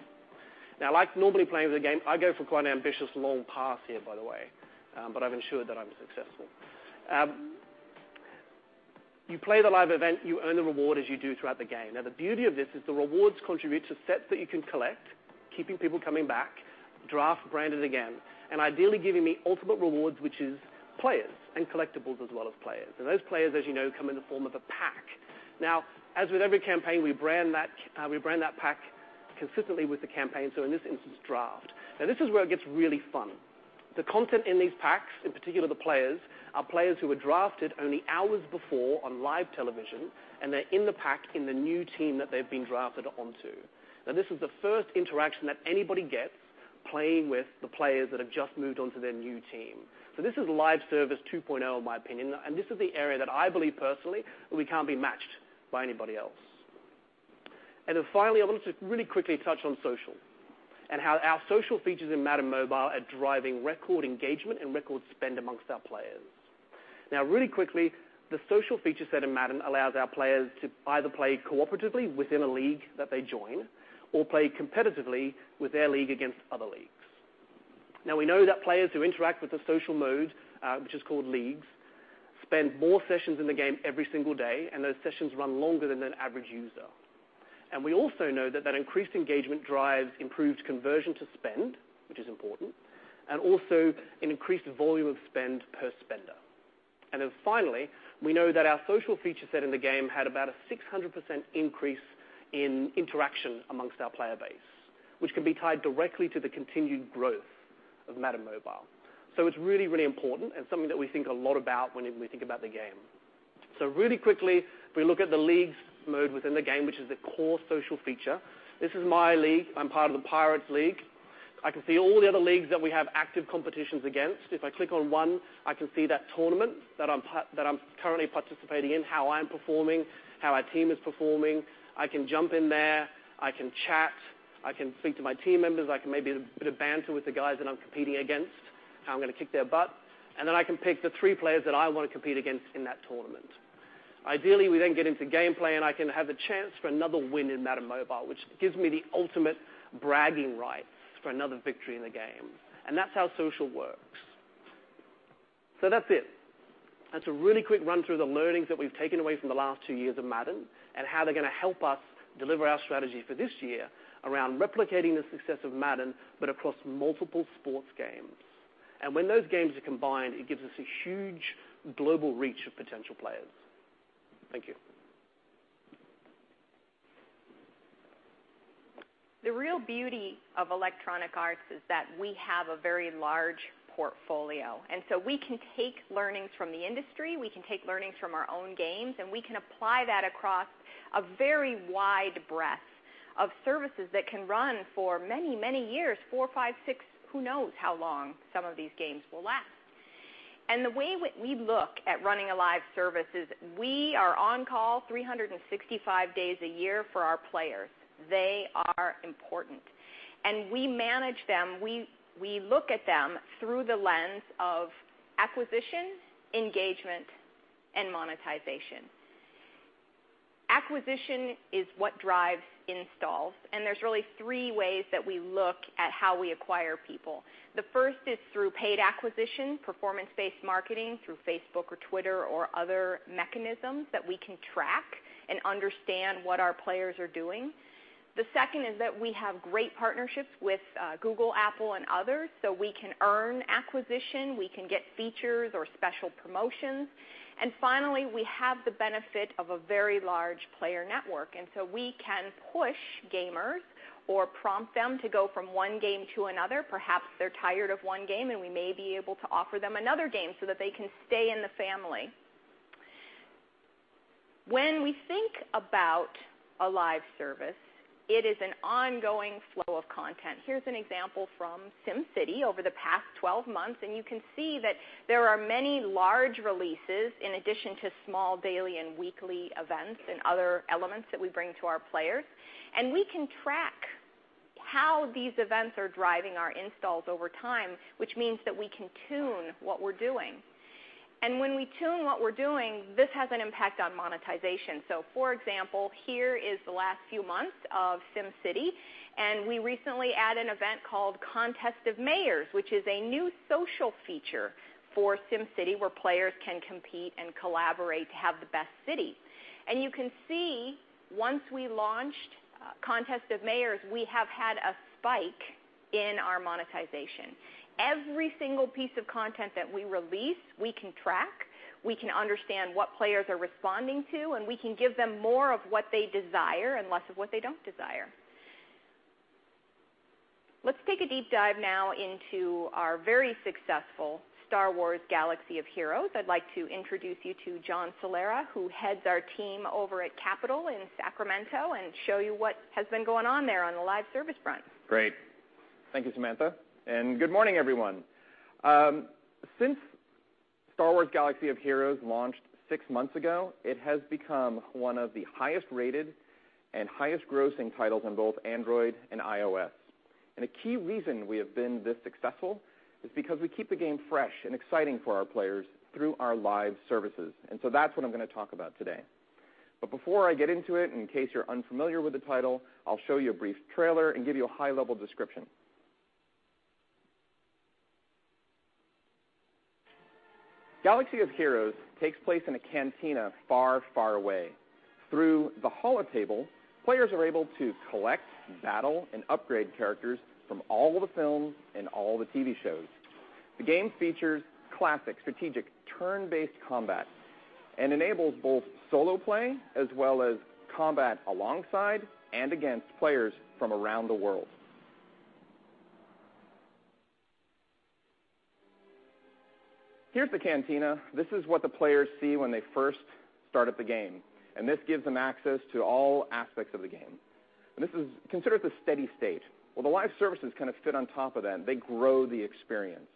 S13: Like normally playing the game, I go for quite an ambitious, long pass here, by the way, but I've ensured that I'm successful. You play the Live Event. You earn the reward as you do throughout the game. The beauty of this is the rewards contribute to sets that you can collect, keeping people coming back, draft-branded again, and ideally giving me ultimate rewards, which is players and collectibles as well as players. Those players, as you know, come in the form of a pack. As with every campaign, we brand that pack consistently with the campaign, so in this instance, draft. This is where it gets really fun. The content in these packs, in particular the players, are players who were drafted only hours before on live television, and they're in the pack in the new team that they've been drafted onto. This is the first interaction that anybody gets playing with the players that have just moved onto their new team. This is live service 2.0, in my opinion. This is the area that I believe personally that we can't be matched by anybody else. Finally, I wanted to really quickly touch on social and how our social features in Madden Mobile are driving record engagement and record spend amongst our players. Really quickly, the social feature set in Madden allows our players to either play cooperatively within a League that they join or play competitively with their League against other Leagues. We know that players who interact with the social mode, which is called Leagues, spend more sessions in the game every single day, and those sessions run longer than an average user. We also know that that increased engagement drives improved conversion to spend, which is important, and also an increased volume of spend per spender. Finally, we know that our social feature set in the game had about a 600% increase in interaction amongst our player base, which can be tied directly to the continued growth of Madden Mobile. So it's really, really important and something that we think a lot about when we think about the game. So really quickly, if we look at the Leagues mode within the game, which is the core social feature, this is my league. I'm part of the Pirates League. I can see all the other leagues that we have active competitions against. If I click on one, I can see that tournament that I'm currently participating in, how I'm performing, how our team is performing. I can jump in there. I can chat. I can speak to my team members. I can maybe be a bit of banter with the guys that I'm competing against, how I'm going to kick their butt. Then I can pick the three players that I want to compete against in that tournament. Ideally, we then get into gameplay, and I can have the chance for another win in Madden Mobile, which gives me the ultimate bragging rights for another victory in the game. That's how social works. So that's it. That's a really quick run-through of the learnings that we've taken away from the last two years of Madden and how they're going to help us deliver our strategy for this year around replicating the success of Madden but across multiple sports games. When those games are combined, it gives us a huge global reach of potential players. Thank you.
S9: The real beauty of Electronic Arts is that we have a very large portfolio. So we can take learnings from the industry. We can take learnings from our own games, and we can apply that across a very wide breadth of services that can run for many, many years, four, five, six, who knows how long some of these games will last. The way we look at running a live service is we are on call 365 days a year for our players. They are important. We manage them. We look at them through the lens of acquisition, engagement, and monetization. Acquisition is what drives installs. There's really three ways that we look at how we acquire people. The first is through paid acquisition, performance-based marketing through Facebook or Twitter or other mechanisms that we can track and understand what our players are doing. The second is that we have great partnerships with Google, Apple, and others, so we can earn acquisition. We can get features or special promotions. Finally, we have the benefit of a very large player network. So we can push gamers or prompt them to go from one game to another. Perhaps they're tired of one game, and we may be able to offer them another game so that they can stay in the family. When we think about a live service, it is an ongoing flow of content. Here's an example from SimCity over the past 12 months. You can see that there are many large releases in addition to small daily and weekly events and other elements that we bring to our players. We can track how these events are driving our installs over time, which means that we can tune what we're doing. When we tune what we're doing, this has an impact on monetization. For example, here is the last few months of SimCity. We recently added an event called Contest of Mayors, which is a new social feature for SimCity where players can compete and collaborate to have the best city. You can see once we launched Contest of Mayors, we have had a spike in our monetization. Every single piece of content that we release, we can track. We can understand what players are responding to, and we can give them more of what they desire and less of what they don't desire. Let's take a deep dive now into our very successful Star Wars: Galaxy of Heroes. I'd like to introduce you to John Celera, who heads our team over at Capital Games in Sacramento, and show you what has been going on there on the live service front.
S14: Great. Thank you, Samantha. Good morning, everyone. Since Star Wars: Galaxy of Heroes launched 6 months ago, it has become one of the highest-rated and highest-grossing titles on both Android and iOS. A key reason we have been this successful is because we keep the game fresh and exciting for our players through our live services. That's what I'm going to talk about today. Before I get into it, in case you're unfamiliar with the title, I'll show you a brief trailer and give you a high-level description. Galaxy of Heroes takes place in a cantina far, far away. Through the hollow table, players are able to collect, battle, and upgrade characters from all the films and all the TV shows. The game features classic, strategic, turn-based combat and enables both solo play as well as combat alongside and against players from around the world. Here's the cantina. This is what the players see when they first start up the game. This gives them access to all aspects of the game. This is considered the steady state. The live services kind of fit on top of that. They grow the experience.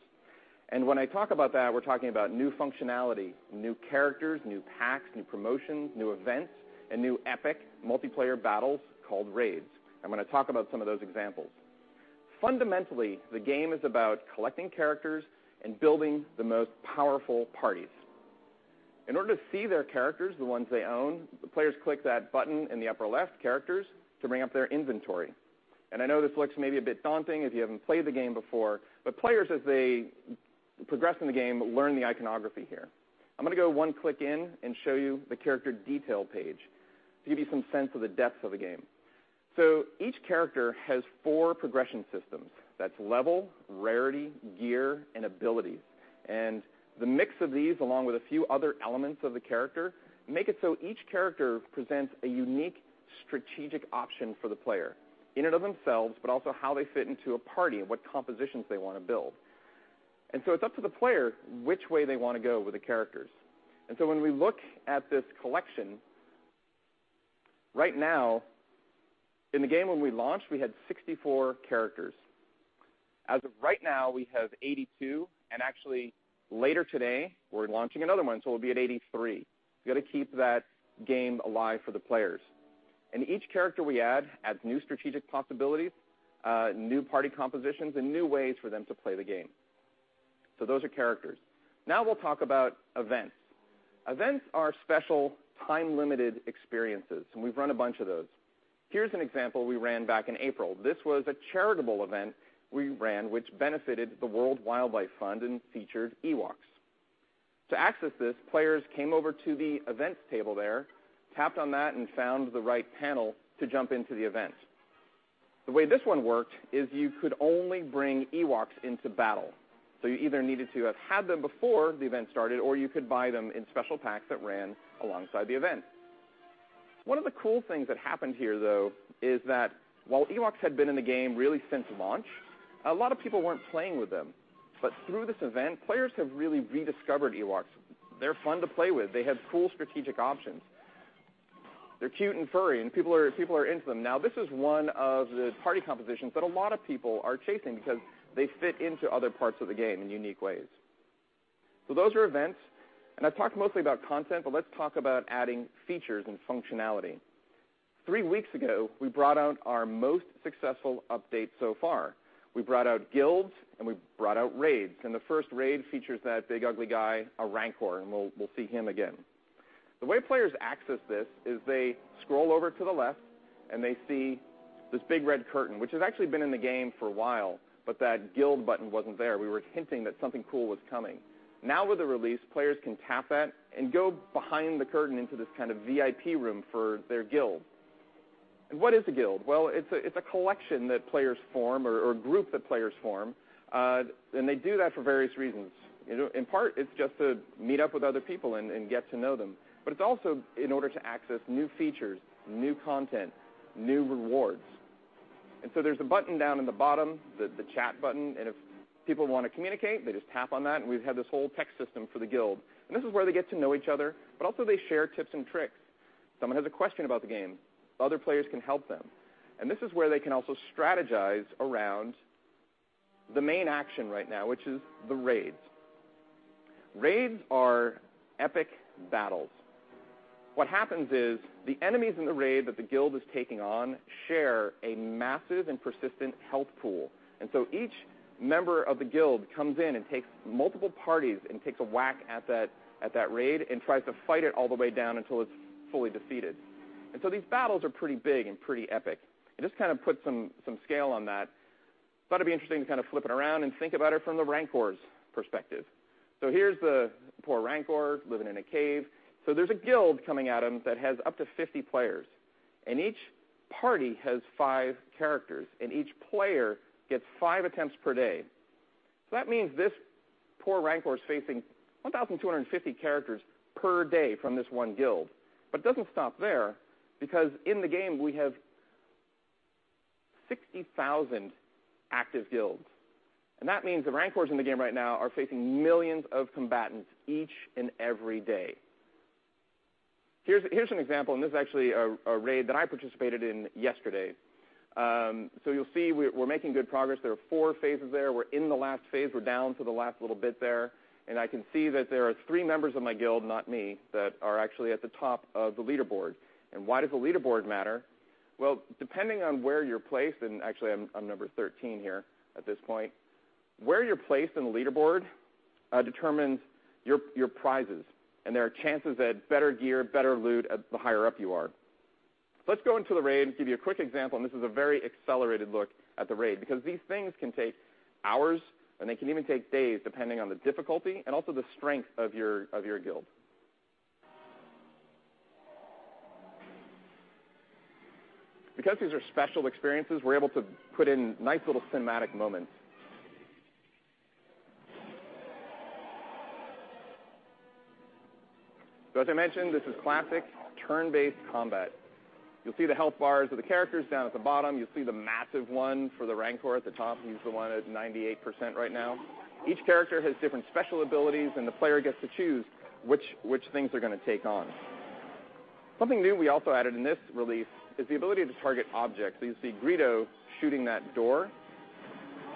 S14: When I talk about that, we're talking about new functionality, new characters, new packs, new promotions, new events, and new epic multiplayer battles called raids. I'm going to talk about some of those examples. Fundamentally, the game is about collecting characters and building the most powerful parties. In order to see their characters, the ones they own, the players click that button in the upper left, characters, to bring up their inventory. I know this looks maybe a bit daunting if you haven't played the game before, but players, as they progress in the game, learn the iconography here. I'm going to go one click in and show you the character detail page to give you some sense of the depth of the game. Each character has four progression systems. That's level, rarity, gear, and abilities. The mix of these, along with a few other elements of the character, makes it so each character presents a unique strategic option for the player in and of themselves, but also how they fit into a party and what compositions they want to build. It's up to the player which way they want to go with the characters. When we look at this collection, right now, in the game when we launched, we had 64 characters. As of right now, we have 82. Actually, later today, we're launching another one, so we'll be at 83. We've got to keep that game alive for the players. Each character we add adds new strategic possibilities, new party compositions, and new ways for them to play the game. Those are characters. We'll talk about events. Events are special, time-limited experiences, and we've run a bunch of those. Here's an example we ran back in April. This was a charitable event we ran, which benefited the World Wildlife Fund and featured Ewoks. To access this, players came over to the events table there, tapped on that, and found the right panel to jump into the event. The way this one worked is you could only bring Ewoks into battle. You either needed to have had them before the event started, or you could buy them in special packs that ran alongside the event. One of the cool things that happened here, though, is that while Ewoks had been in the game really since launch, a lot of people weren't playing with them. Through this event, players have really rediscovered Ewoks. They're fun to play with. They have cool strategic options. They're cute and furry, and people are into them. This is one of the party compositions that a lot of people are chasing because they fit into other parts of the game in unique ways. Those are events. I've talked mostly about content, but let's talk about adding features and functionality. three weeks ago, we brought out our most successful update so far. We brought out guilds, and we brought out raids. The first raid features that big, ugly guy, a Rancor, and we'll see him again. The way players access this is they scroll over to the left, they see this big red curtain, which has actually been in the game for a while, but that guild button wasn't there. We were hinting that something cool was coming. With the release, players can tap that and go behind the curtain into this kind of VIP room for their guild. What is a guild? Well, it's a collection that players form or a group that players form. They do that for various reasons. In part, it's just to meet up with other people and get to know them. It's also in order to access new features, new content, new rewards. There's a button down in the bottom, the chat button. If people want to communicate, they just tap on that. We've had this whole text system for the guild. This is where they get to know each other, but also they share tips and tricks. Someone has a question about the game. Other players can help them. This is where they can also strategize around the main action right now, which is the raids. Raids are epic battles. What happens is the enemies in the raid that the guild is taking on share a massive and persistent health pool. Each member of the guild comes in and takes multiple parties and takes a whack at that raid and tries to fight it all the way down until it's fully defeated. These battles are pretty big and pretty epic. Just kind of put some scale on that. Thought it'd be interesting to kind of flip it around and think about it from the Rancor's perspective. Here's the poor Rancor living in a cave. There's a guild coming at them that has up to 50 players. Each party has five characters. Each player gets five attempts per day. That means this poor Rancor is facing 1,250 characters per day from this one guild. It doesn't stop there because in the game, we have 60,000 active guilds. That means the Rancors in the game right now are facing millions of combatants each and every day. Here's an example. This is actually a raid that I participated in yesterday. You'll see we're making good progress. There are four phases there. We're in the last phase. We're down to the last little bit there. I can see that there are three members of my guild, not me, that are actually at the top of the leaderboard. Why does the leaderboard matter? Well, depending on where you're placed and actually, I'm number 13 here at this point. Where you're placed in the leaderboard determines your prizes. There are chances at better gear, better loot, the higher up you are. Let's go into the raid and give you a quick example. This is a very accelerated look at the raid because these things can take hours, and they can even take days depending on the difficulty and also the strength of your guild. Because these are special experiences, we're able to put in nice little cinematic moments. As I mentioned, this is classic, turn-based combat. You'll see the health bars of the characters down at the bottom. You'll see the massive one for the Rancor at the top. He's the one at 98% right now. Each character has different special abilities, and the player gets to choose which things they're going to take on. Something new we also added in this release is the ability to target objects. You see Greedo shooting that door.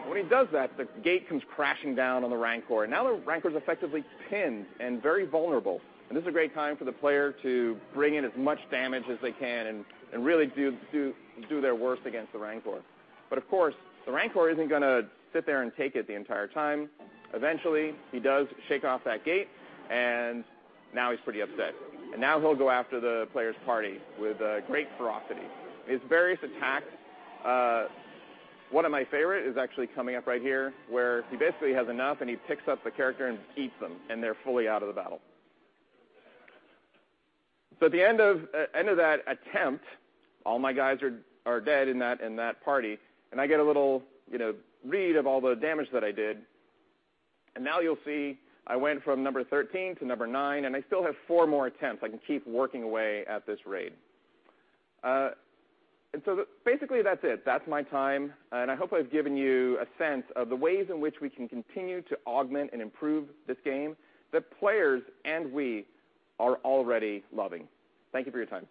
S14: When he does that, the gate comes crashing down on the Rancor. Now the Rancor is effectively pinned and very vulnerable. This is a great time for the player to bring in as much damage as they can and really do their worst against the Rancor. Of course, the Rancor isn't going to sit there and take it the entire time. Eventually, he does shake off that gate, and now he's pretty upset. Now he'll go after the player's party with great ferocity. His various attacks, one of my favorite is actually coming up right here where he basically has enough, and he picks up the character and eats them, and they're fully out of the battle. At the end of that attempt, all my guys are dead in that party, and I get a little read of all the damage that I did. Now you'll see I went from number 13 to number nine, and I still have four more attempts. I can keep working away at this raid. Basically, that's it. That's my time. I hope I've given you a sense of the ways in which we can continue to augment and improve this game that players and we are already loving. Thank you for your time.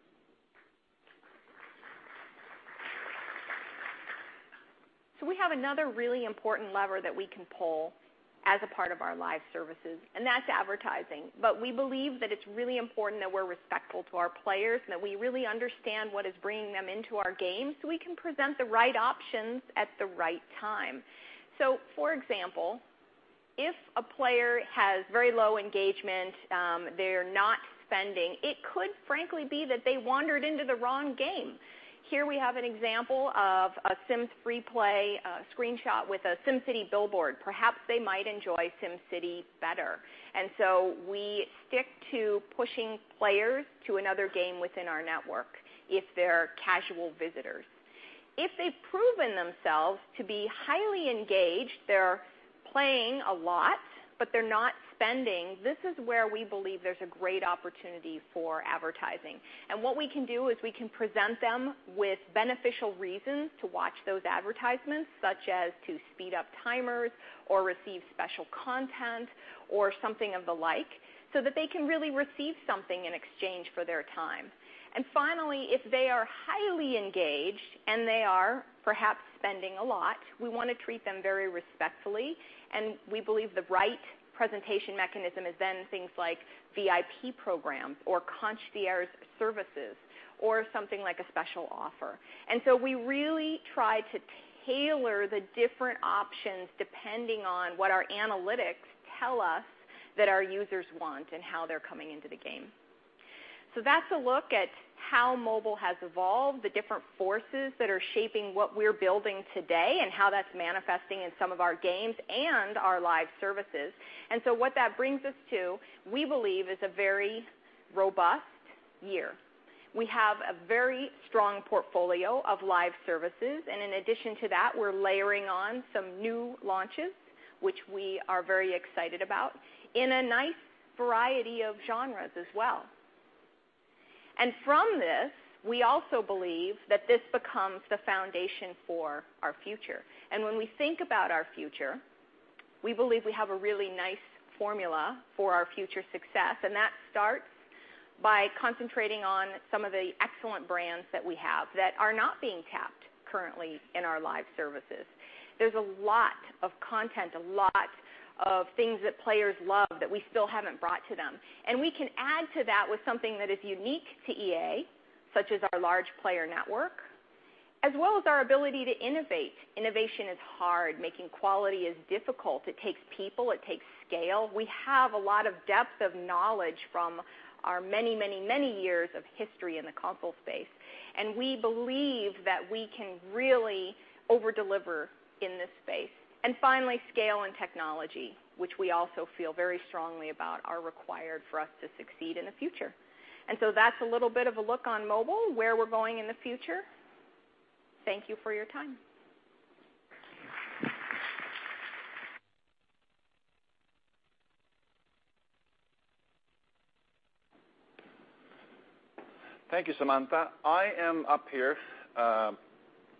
S9: We have another really important lever that we can pull as a part of our live services, and that's advertising. We believe that it's really important that we're respectful to our players and that we really understand what is bringing them into our game so we can present the right options at the right time. For example, if a player has very low engagement, they're not spending, it could frankly be that they wandered into the wrong game. Here we have an example of a The Sims FreePlay screenshot with a SimCity billboard. Perhaps they might enjoy SimCity better. We stick to pushing players to another game within our network if they're casual visitors. If they've proven themselves to be highly engaged, they're playing a lot, but they're not spending, this is where we believe there's a great opportunity for advertising. What we can do is we can present them with beneficial reasons to watch those advertisements, such as to speed up timers or receive special content or something of the like, so that they can really receive something in exchange for their time. Finally, if they are highly engaged and they are perhaps spending a lot, we want to treat them very respectfully. We believe the right presentation mechanism is then things like VIP programs or concierge services or something like a special offer. We really try to tailor the different options depending on what our analytics tell us that our users want and how they're coming into the game. That's a look at how mobile has evolved, the different forces that are shaping what we're building today and how that's manifesting in some of our games and our live services. What that brings us to, we believe, is a very robust year. We have a very strong portfolio of live services. In addition to that, we're layering on some new launches, which we are very excited about, in a nice variety of genres as well. From this, we also believe that this becomes the foundation for our future. When we think about our future, we believe we have a really nice formula for our future success. That starts by concentrating on some of the excellent brands that we have that are not being tapped currently in our live services. There's a lot of content, a lot of things that players love that we still haven't brought to them. We can add to that with something that is unique to EA, such as our large player network, as well as our ability to innovate. Innovation is hard. Making quality is difficult. It takes people. It takes scale. We have a lot of depth of knowledge from our many, many, many years of history in the console space. We believe that we can really overdeliver in this space. Finally, scale and technology, which we also feel very strongly about, are required for us to succeed in the future. That's a little bit of a look on mobile, where we're going in the future. Thank you for your time.
S2: Thank you, Samantha. I am up here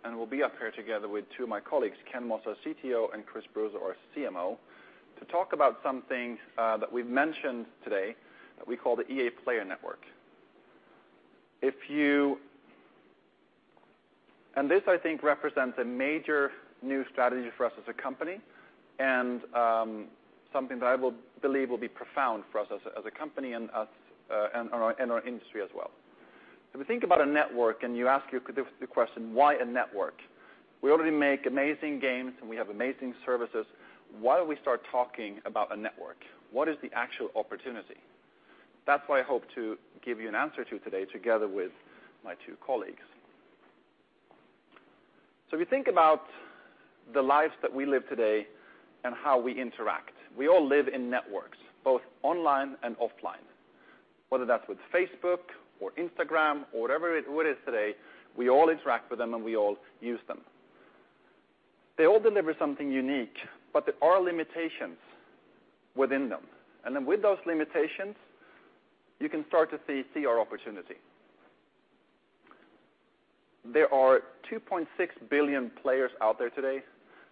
S2: and will be up here together with two of my colleagues, Ken Moss, our CTO, and Chris Bruzzo, our CMO, to talk about something that we've mentioned today that we call the EA Player Network. This, I think, represents a major new strategy for us as a company and something that I believe will be profound for us as a company and our industry as well. If you think about a network and you ask the question, why a network? We already make amazing games, and we have amazing services. Why don't we start talking about a network? What is the actual opportunity? That's what I hope to give you an answer to today together with my two colleagues. If you think about the lives that we live today and how we interact, we all live in networks, both online and offline. Whether that's with Facebook or Instagram or whatever it is today, we all interact with them, and we all use them. They all deliver something unique, but there are limitations within them. With those limitations, you can start to see our opportunity. There are 2.6 billion players out there today,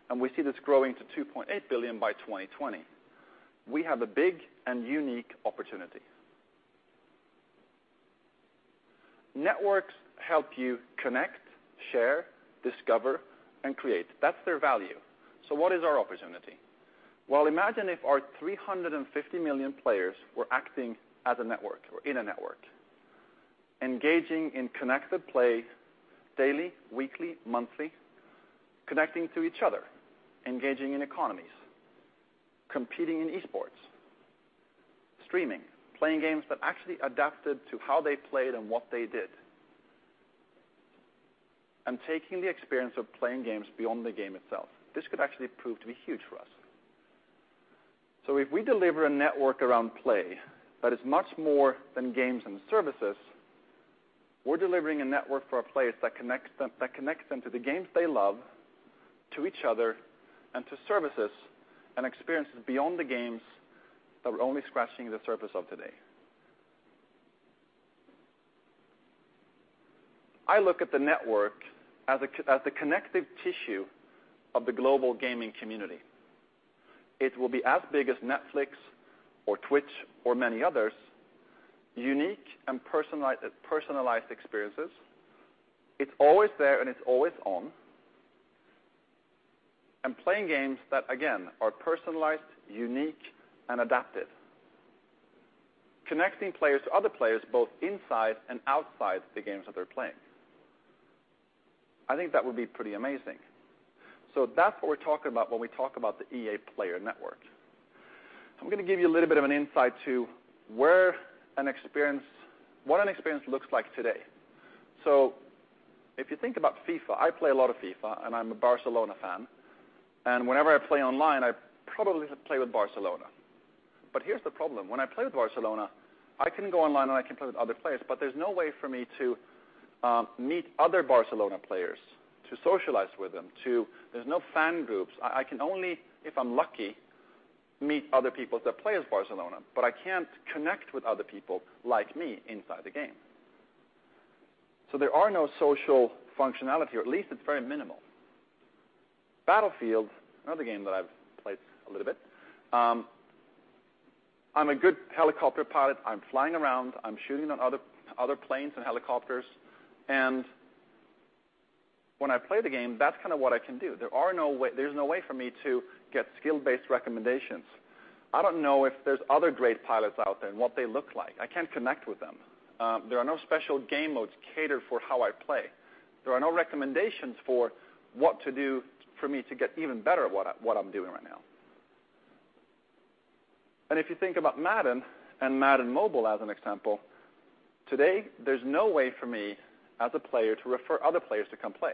S2: and we see this growing to 2.8 billion by 2020. We have a big and unique opportunity. Networks help you connect, share, discover, and create. That's their value. What is our opportunity? Well, imagine if our 350 million players were acting as a network or in a network, engaging in connected play daily, weekly, monthly, connecting to each other, engaging in economies, competing in esports, streaming, playing games that actually adapted to how they played and what they did, and taking the experience of playing games beyond the game itself. This could actually prove to be huge for us. If we deliver a network around play that is much more than games and services, we're delivering a network for our players that connects them to the games they love, to each other, and to services and experiences beyond the games that we're only scratching the surface of today. I look at the network as the connective tissue of the global gaming community. It will be as big as Netflix or Twitch or many others, unique and personalized experiences. It's always there, and it's always on. Playing games that, again, are personalized, unique, and adapted, connecting players to other players both inside and outside the games that they're playing. I think that would be pretty amazing. That's what we're talking about when we talk about the EA Player Network. I'm going to give you a little bit of an insight to what an experience looks like today. If you think about FIFA, I play a lot of FIFA, and I'm a Barcelona fan. Whenever I play online, I probably play with Barcelona. Here's the problem. When I play with Barcelona, I can go online, and I can play with other players, but there's no way for me to meet other Barcelona players, to socialize with them. There's no fan groups. I can only, if I'm lucky, meet other people that play as Barcelona, but I can't connect with other people like me inside the game. There are no social functionality, or at least it's very minimal. Battlefield, another game that I've played a little bit, I'm a good helicopter pilot. I'm flying around. I'm shooting on other planes and helicopters. When I play the game, that's kind of what I can do. There's no way for me to get skill-based recommendations. I don't know if there's other great pilots out there and what they look like. I can't connect with them. There are no special game modes catered for how I play. There are no recommendations for what to do for me to get even better at what I'm doing right now. If you think about Madden and Madden Mobile as an example, today, there's no way for me as a player to refer other players to come play.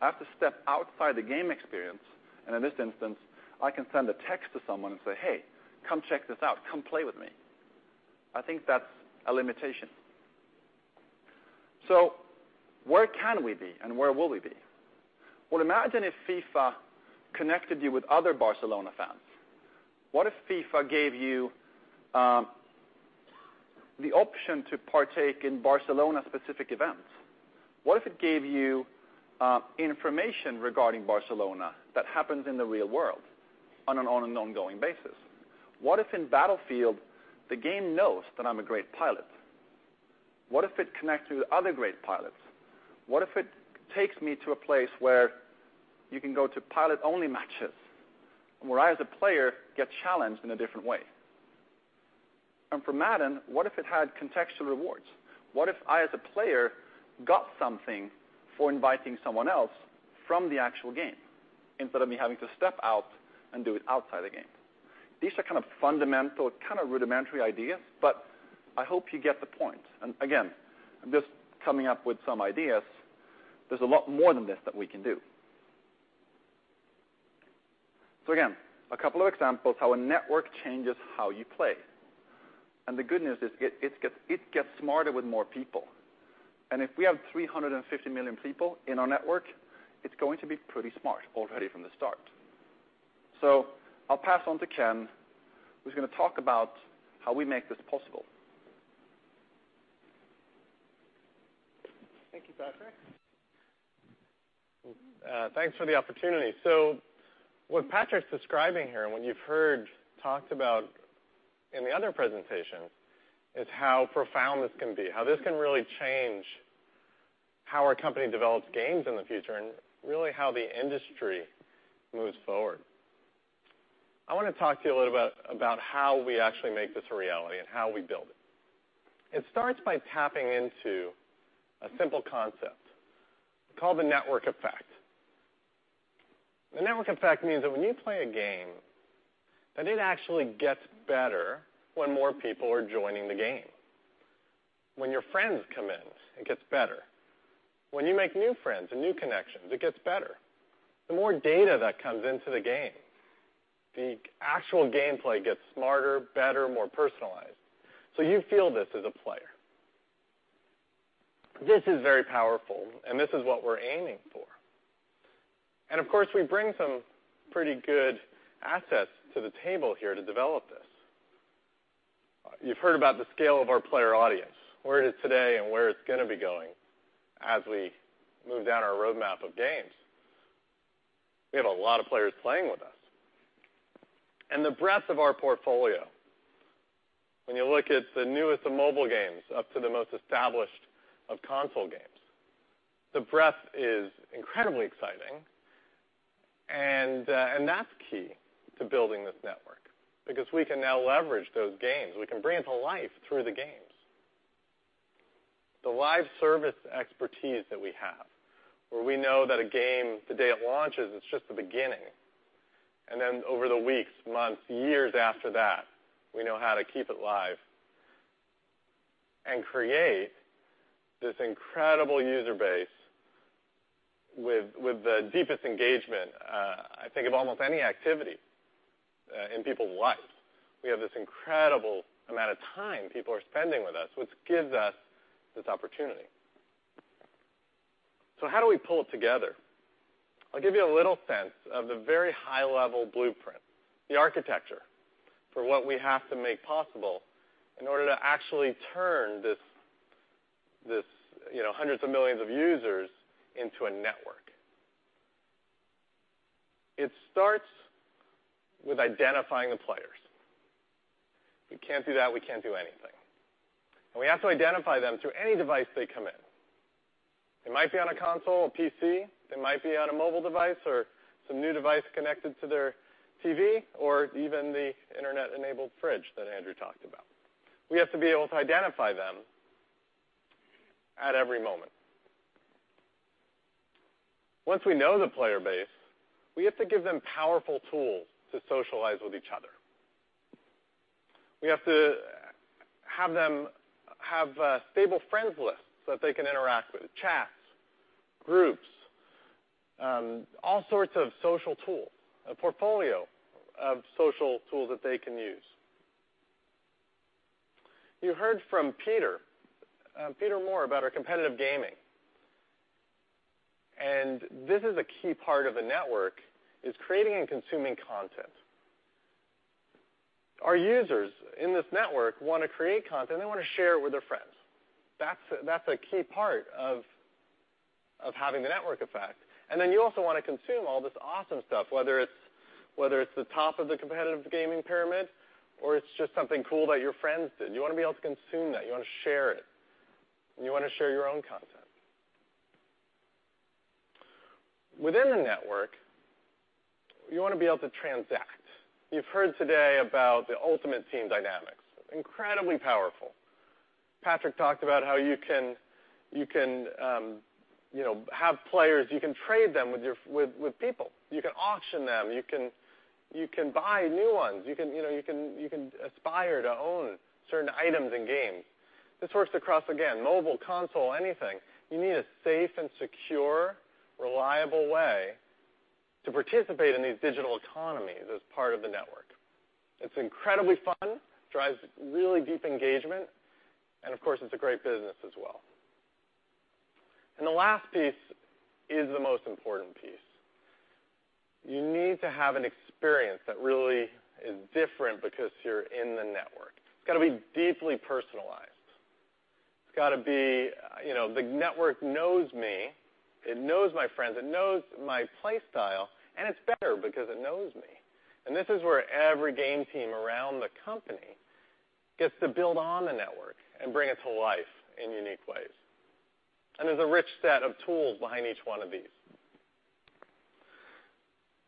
S2: I have to step outside the game experience. In this instance, I can send a text to someone and say, "Hey, come check this out. Come play with me." I think that's a limitation. Where can we be, and where will we be? Well, imagine if FIFA connected you with other Barcelona fans. What if FIFA gave you the option to partake in Barcelona-specific events? What if it gave you information regarding Barcelona that happens in the real world on an ongoing basis? What if in Battlefield, the game knows that I'm a great pilot? What if it connects me with other great pilots? What if it takes me to a place where you can go to pilot-only matches and where I, as a player, get challenged in a different way? For Madden, what if it had contextual rewards? What if I, as a player, got something for inviting someone else from the actual game instead of me having to step out and do it outside the game? These are kind of fundamental, kind of rudimentary ideas, but I hope you get the point. Again, I'm just coming up with some ideas. There's a lot more than this that we can do. Again, a couple of examples how a network changes how you play. The good news is it gets smarter with more people. If we have 350 million people in our network, it's going to be pretty smart already from the start. I'll pass on to Ken, who's going to talk about how we make this possible. Thank you, Patrick. Thanks for the opportunity. What Patrick's describing here and what you've heard talked about in the other presentations is how profound this can be, how this can really change how our company develops games in the future, and really how the industry moves forward. I want to talk to you a little bit about how we actually make this a reality and how we build it. It starts by tapping into a simple concept called the network effect. The network effect means that when you play a game, that it actually gets better when more people are joining the game. When your friends come in, it gets better. When you make new friends and new connections, it gets better.
S11: The more data that comes into the game, the actual gameplay gets smarter, better, more personalized. You feel this as a player. This is very powerful, and this is what we're aiming for. Of course, we bring some pretty good assets to the table here to develop this. You've heard about the scale of our player audience, where it is today and where it's going to be going as we move down our roadmap of games. We have a lot of players playing with us. The breadth of our portfolio, when you look at the newest of mobile games up to the most established of console games, the breadth is incredibly exciting. That's key to building this network because we can now leverage those games. We can bring it to life through the games. The live service expertise that we have, where we know that a game, the day it launches, it's just the beginning. Then over the weeks, months, years after that, we know how to keep it live and create this incredible user base with the deepest engagement, I think, of almost any activity in people's lives. We have this incredible amount of time people are spending with us, which gives us this opportunity. How do we pull it together? I'll give you a little sense of the very high-level blueprint, the architecture for what we have to make possible in order to actually turn these hundreds of millions of users into a network. It starts with identifying the players. If we can't do that, we can't do anything. We have to identify them through any device they come in. They might be on a console, a PC. They might be on a mobile device or some new device connected to their TV or even the internet-enabled fridge that Andrew talked about. We have to be able to identify them at every moment. Once we know the player base, we have to give them powerful tools to socialize with each other. We have to have them have stable friends lists that they can interact with, chats, groups, all sorts of social tools, a portfolio of social tools that they can use. You heard from Peter Moore about our competitive gaming. This is a key part of the network, is creating and consuming content. Our users in this network want to create content. They want to share it with their friends. That's a key part of having the network effect. You also want to consume all this awesome stuff, whether it's the top of the competitive gaming pyramid or it's just something cool that your friends did. You want to be able to consume that. You want to share it. You want to share your own content. Within the network, you want to be able to transact. You've heard today about the Ultimate Team dynamics, incredibly powerful. Patrick talked about how you can have players. You can trade them with people. You can auction them. You can buy new ones. You can aspire to own certain items and games. This works across, again, mobile, console, anything. You need a safe and secure, reliable way to participate in these digital economies as part of the network. It's incredibly fun. It drives really deep engagement. Of course, it's a great business as well. The last piece is the most important piece. You need to have an experience that really is different because you're in the network. It's got to be deeply personalized. It's got to be the network knows me. It knows my friends. It knows my play style. It's better because it knows me. This is where every game team around the company gets to build on the network and bring it to life in unique ways. There's a rich set of tools behind each one of these.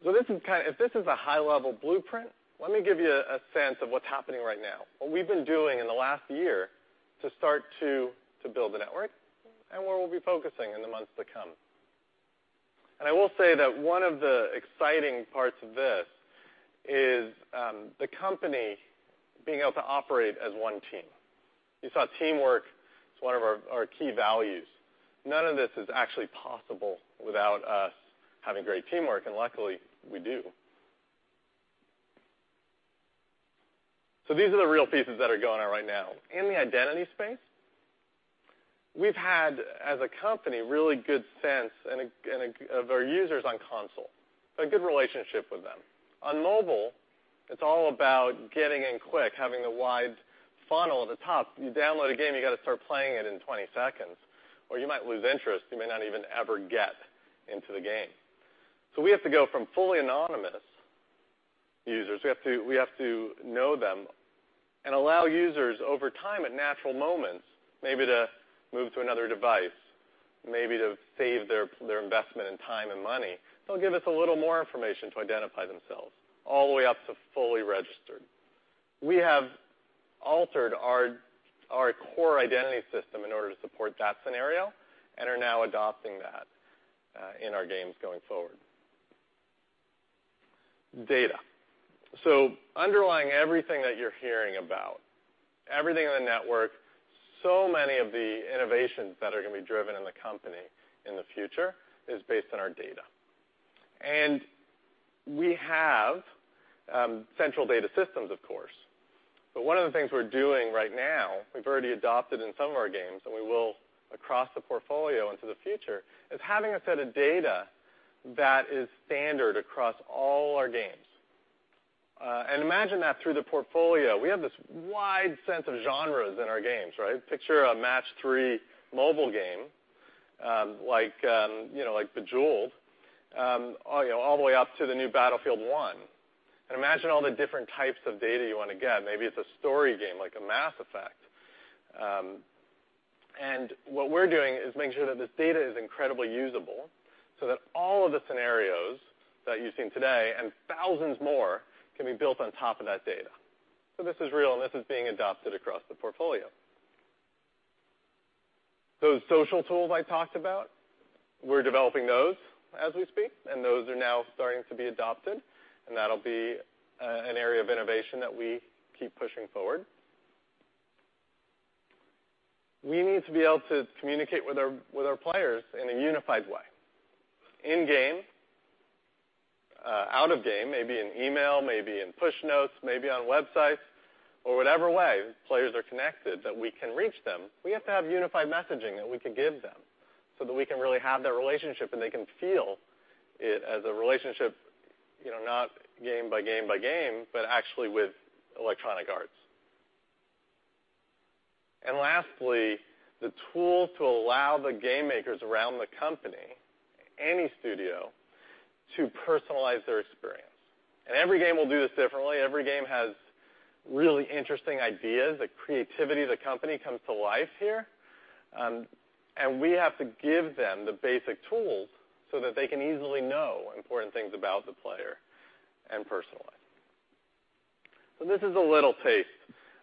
S11: If this is a high-level blueprint, let me give you a sense of what's happening right now, what we've been doing in the last year to start to build the network and where we'll be focusing in the months to come. I will say that one of the exciting parts of this is the company being able to operate as one team. You saw teamwork as one of our key values. None of this is actually possible without us having great teamwork. Luckily, we do. These are the real pieces that are going on right now. In the identity space, we've had, as a company, really good sense of our users on console, a good relationship with them. On mobile, it's all about getting in quick, having the wide funnel at the top. You download a game. You got to start playing it in 20 seconds. You might lose interest. You may not even ever get into the game. We have to go from fully anonymous users. We have to know them and allow users, over time, at natural moments, maybe to move to another device, maybe to save their investment in time and money. They'll give us a little more information to identify themselves, all the way up to fully registered. We have altered our core identity system in order to support that scenario and are now adopting that in our games going forward. Data. Underlying everything that you're hearing about, everything in the network, so many of the innovations that are going to be driven in the company in the future is based on our data. We have central data systems, of course. One of the things we're doing right now, we've already adopted in some of our games, and we will across the portfolio into the future, is having a set of data that is standard across all our games. Imagine that through the portfolio, we have this wide sense of genres in our games, right? Picture a match-three mobile game like Bejeweled, all the way up to the new Battlefield 1. Imagine all the different types of data you want to get. Maybe it's a story game like a Mass Effect. What we're doing is making sure that this data is incredibly usable so that all of the scenarios that you've seen today and thousands more can be built on top of that data. This is real, and this is being adopted across the portfolio. Those social tools I talked about, we're developing those as we speak. Those are now starting to be adopted. That'll be an area of innovation that we keep pushing forward. We need to be able to communicate with our players in a unified way, in game, out of game, maybe in email, maybe in push notes, maybe on websites, or whatever way players are connected that we can reach them. We have to have unified messaging that we can give them so that we can really have that relationship, and they can feel it as a relationship, not game by game by game, but actually with Electronic Arts. Lastly, the tools to allow the game makers around the company, any studio, to personalize their experience. Every game will do this differently. Every game has really interesting ideas, the creativity, the company comes to life here. We have to give them the basic tools so that they can easily know important things about the player and personalize. This is a little taste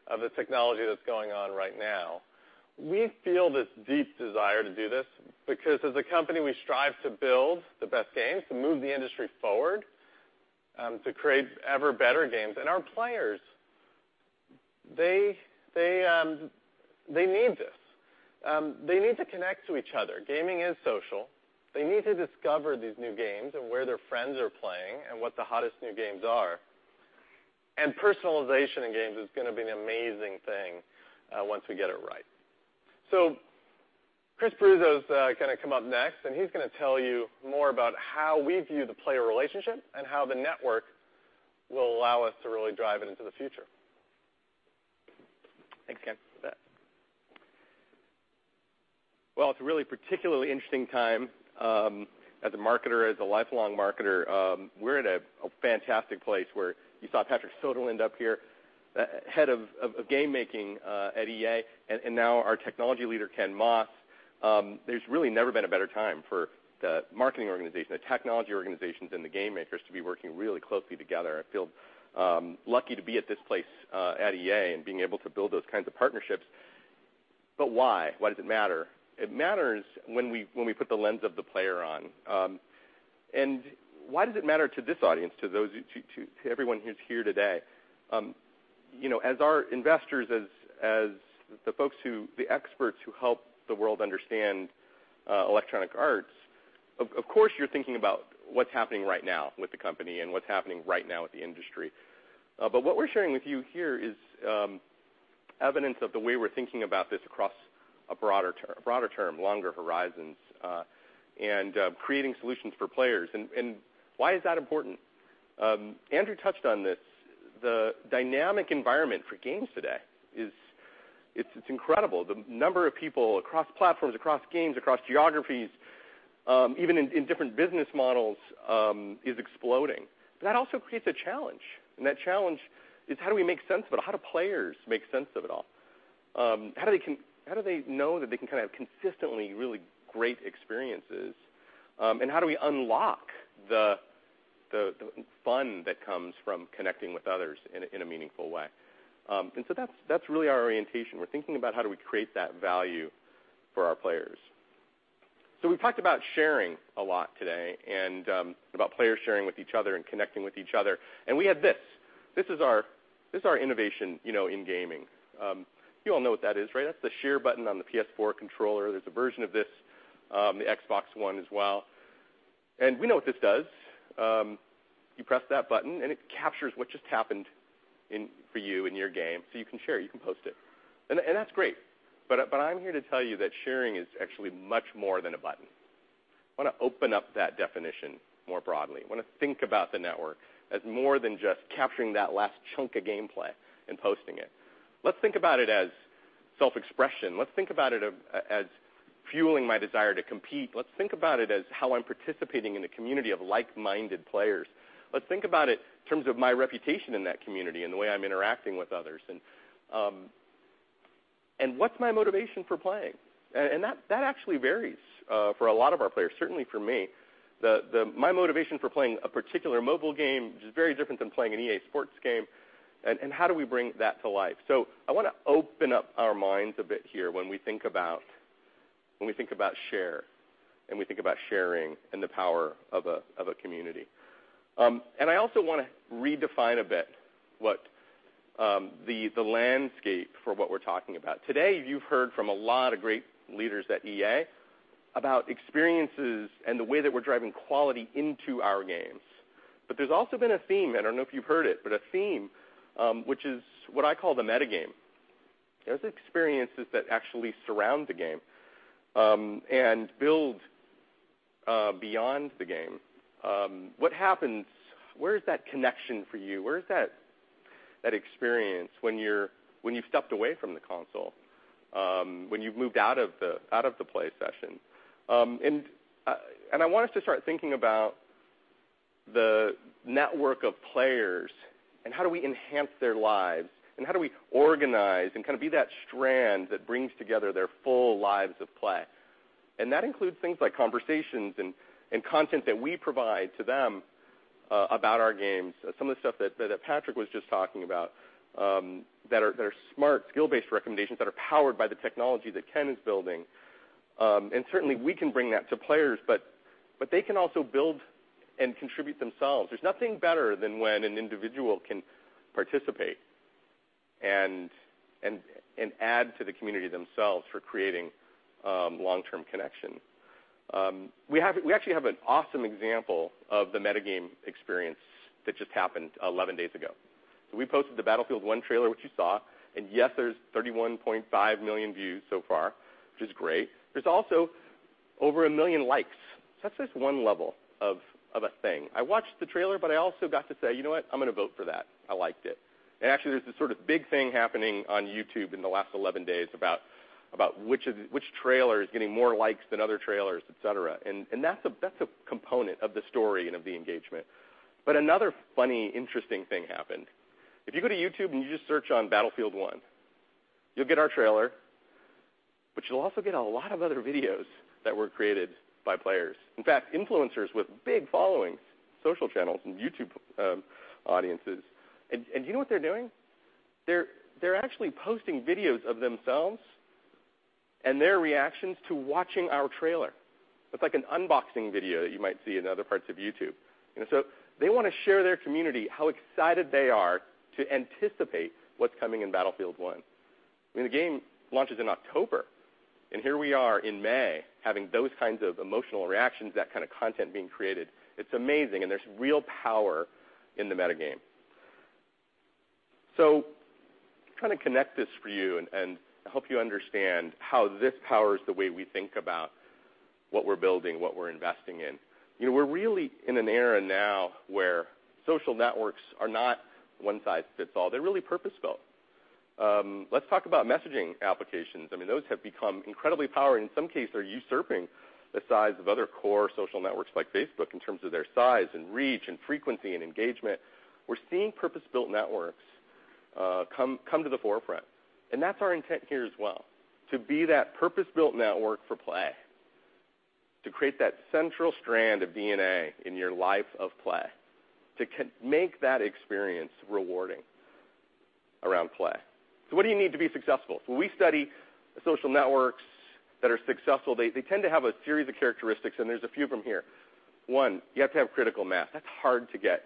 S11: of the technology that's going on right now. We feel this deep desire to do this because, as a company, we strive to build the best games, to move the industry forward, to create ever better games. Our players, they need this. They need to connect to each other. Gaming is social. They need to discover these new games and where their friends are playing and what the hottest new games are. Personalization in games is going to be an amazing thing once we get it right. Chris Bruzzo's going to come up next, he's going to tell you more about how we view the player relationship and how the network will allow us to really drive it into the future.
S15: Thanks, Ken, for that. Well, it's a really particularly interesting time as a marketer, as a lifelong marketer. We're at a fantastic place where you saw Patrick Söderlund up here, head of game making at EA, and now our technology leader, Ken Moss. There's really never been a better time for the marketing organization, the technology organizations, and the game makers to be working really closely together. I feel lucky to be at this place at EA and being able to build those kinds of partnerships. Why? Why does it matter? It matters when we put the lens of the player on. Why does it matter to this audience, to everyone who's here today? As our investors, as the experts who help the world understand Electronic Arts, of course, you're thinking about what's happening right now with the company and what's happening right now with the industry. What we're sharing with you here is evidence of the way we're thinking about this across a broader term, longer horizons, and creating solutions for players. Why is that important? Andrew touched on this. The dynamic environment for games today is incredible. The number of people across platforms, across games, across geographies, even in different business models, is exploding. That also creates a challenge. That challenge is, how do we make sense of it? How do players make sense of it all? How do they know that they can kind of have consistently really great experiences? How do we unlock the fun that comes from connecting with others in a meaningful way? That's really our orientation. We're thinking about, how do we create that value for our players? We've talked about sharing a lot today and about players sharing with each other and connecting with each other. We have this. This is our innovation in gaming. You all know what that is, right? That's the Share button on the PS4 controller. There's a version of this, the Xbox One as well. We know what this does. You press that button, and it captures what just happened for you in your game. You can share it. You can post it. That's great. I'm here to tell you that sharing is actually much more than a button. I want to open up that definition more broadly. I want to think about the network as more than just capturing that last chunk of gameplay and posting it. Let's think about it as self-expression. Let's think about it as fueling my desire to compete. Let's think about it as how I'm participating in a community of like-minded players. Let's think about it in terms of my reputation in that community and the way I'm interacting with others. What's my motivation for playing? That actually varies for a lot of our players, certainly for me. My motivation for playing a particular mobile game is very different than playing an EA Sports game. How do we bring that to life? I want to open up our minds a bit here when we think about Share and we think about sharing and the power of a community. I also want to redefine a bit the landscape for what we're talking about. Today, you've heard from a lot of great leaders at EA about experiences and the way that we're driving quality into our games. There's also been a theme I don't know if you've heard it, but a theme which is what I call the metagame. Those experiences that actually surround the game and build beyond the game, where is that connection for you? Where is that experience when you've stepped away from the console, when you've moved out of the play session? I want us to start thinking about the network of players and how do we enhance their lives and how do we organize and kind of be that strand that brings together their full lives of play? That includes things like conversations and content that we provide to them about our games, some of the stuff that Patrick was just talking about, that are smart, skill-based recommendations that are powered by the technology that Ken is building. Certainly, we can bring that to players, but they can also build and contribute themselves. There's nothing better than when an individual can participate and add to the community themselves for creating long-term connection. We actually have an awesome example of the metagame experience that just happened 11 days ago. We posted the Battlefield 1 trailer, which you saw. Yes, there's 31.5 million views so far, which is great. There's also over 1 million likes. That's just one level of a thing. I watched the trailer, but I also got to say, "You know what? I'm going to vote for that. I liked it." Actually, there's this sort of big thing happening on YouTube in the last 11 days about which trailer is getting more likes than other trailers, etc. That's a component of the story and of the engagement. Another funny, interesting thing happened. If you go to YouTube and you just search on Battlefield 1, you'll get our trailer, but you'll also get a lot of other videos that were created by players, in fact, influencers with big followings, social channels, and YouTube audiences. Do you know what they're doing? They're actually posting videos of themselves and their reactions to watching our trailer. It's like an unboxing video that you might see in other parts of YouTube. They want to share their community, how excited they are to anticipate what's coming in Battlefield 1. I mean, the game launches in October. Here we are in May having those kinds of emotional reactions, that kind of content being created. It's amazing. There's real power in the metagame. I'm trying to connect this for you and help you understand how this powers the way we think about what we're building, what we're investing in. We're really in an era now where social networks are not one-size-fits-all. They're really purpose-built. Let's talk about messaging applications. I mean, those have become incredibly powerful. In some cases, they're usurping the size of other core social networks like Facebook in terms of their size and reach and frequency and engagement. We're seeing purpose-built networks come to the forefront. That's our intent here as well, to be that purpose-built network for play, to create that central strand of DNA in your life of play, to make that experience rewarding around play. What do you need to be successful? When we study social networks that are successful, they tend to have a series of characteristics. There's a few of them here. One, you have to have critical mass. That's hard to get.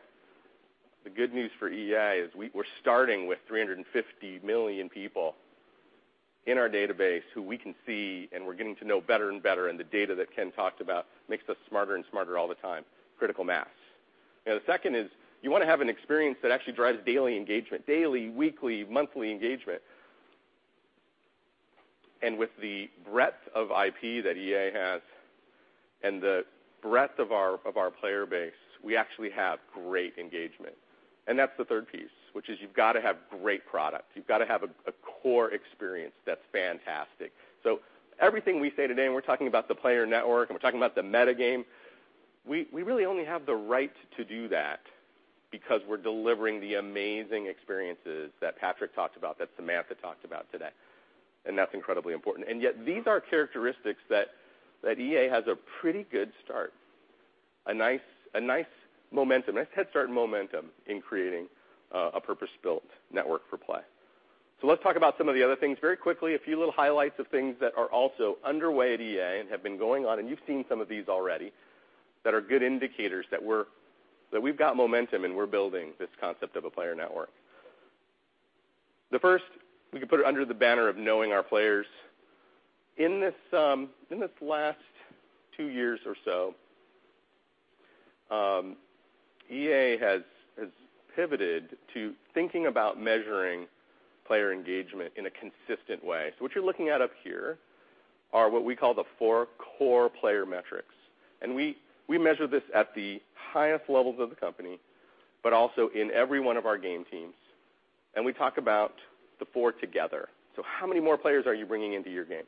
S15: The good news for EA is we're starting with 350 million people in our database who we can see, and we're getting to know better and better. The data that Ken talked about makes us smarter and smarter all the time, critical mass. The second is you want to have an experience that actually drives daily engagement, daily, weekly, monthly engagement. With the breadth of IP that EA has and the breadth of our player base, we actually have great engagement. That's the third piece, which is you've got to have great product. You've got to have a core experience that's fantastic. Everything we say today, and we're talking about the player network, and we're talking about the metagame, we really only have the right to do that because we're delivering the amazing experiences that Patrick talked about, that Samantha talked about today. That's incredibly important. Yet, these are characteristics that EA has a pretty good start, a nice momentum, a nice head start momentum in creating a purpose-built network for play. Let's talk about some of the other things very quickly, a few little highlights of things that are also underway at EA and have been going on. You've seen some of these already that are good indicators that we've got momentum, and we're building this concept of a player network. The first, we could put it under the banner of knowing our players. In this last two years or so, EA has pivoted to thinking about measuring player engagement in a consistent way. What you're looking at up here are what we call the four core player metrics. We measure this at the highest levels of the company but also in every one of our game teams. We talk about the four together. How many more players are you bringing into your game?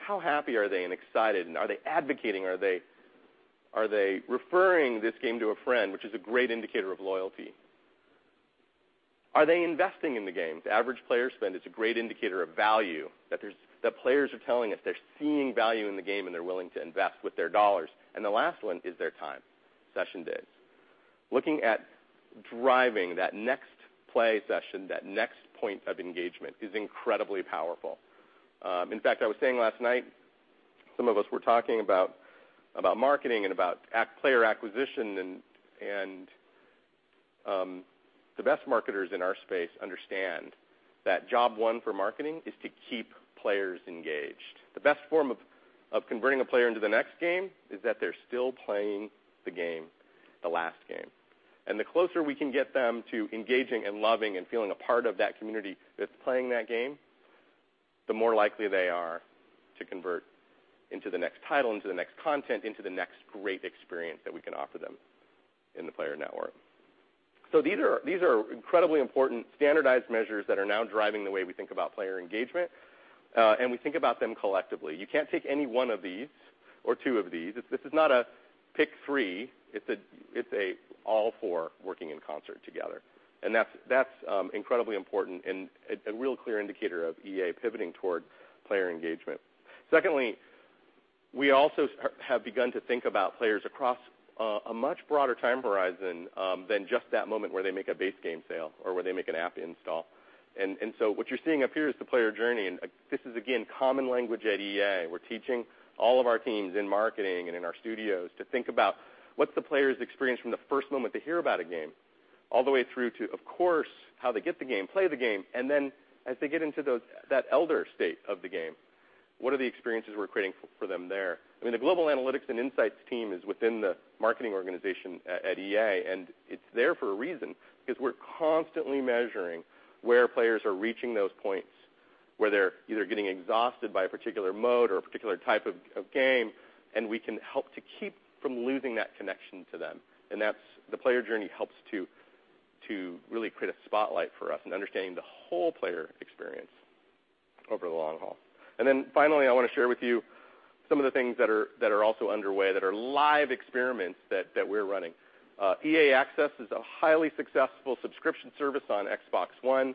S15: How happy are they and excited? Are they advocating? Are they referring this game to a friend, which is a great indicator of loyalty? Are they investing in the game? The average player spend, it's a great indicator of value that players are telling us they're seeing value in the game, and they're willing to invest with their dollars. The last one is their time, session days. Looking at driving that next play session, that next point of engagement is incredibly powerful. In fact, I was saying last night, some of us were talking about marketing and about player acquisition. The best marketers in our space understand that job one for marketing is to keep players engaged. The best form of converting a player into the next game is that they're still playing the game, the last game. The closer we can get them to engaging and loving and feeling a part of that community that's playing that game, the more likely they are to convert into the next title, into the next content, into the next great experience that we can offer them in the player network. These are incredibly important standardized measures that are now driving the way we think about player engagement, and we think about them collectively. You can't take any one of these or two of these. This is not a pick three. It's an all four working in concert together. That's incredibly important and a real clear indicator of EA pivoting toward player engagement. Secondly, we also have begun to think about players across a much broader time horizon than just that moment where they make a base game sale or where they make an app install. What you're seeing up here is the player journey. This is, again, common language at EA. We're teaching all of our teams in marketing and in our studios to think about what's the player's experience from the first moment they hear about a game all the way through to, of course, how they get the game, play the game, and then as they get into that elder state of the game, what are the experiences we're creating for them there? I mean, the Global Analytics and Insights team is within the marketing organization at EA. It's there for a reason because we're constantly measuring where players are reaching those points, where they're either getting exhausted by a particular mode or a particular type of game. We can help to keep from losing that connection to them. The player journey helps to really create a spotlight for us in understanding the whole player experience over the long haul. Finally, I want to share with you some of the things that are also underway, that are live experiments that we're running. EA Access is a highly successful subscription service on Xbox One.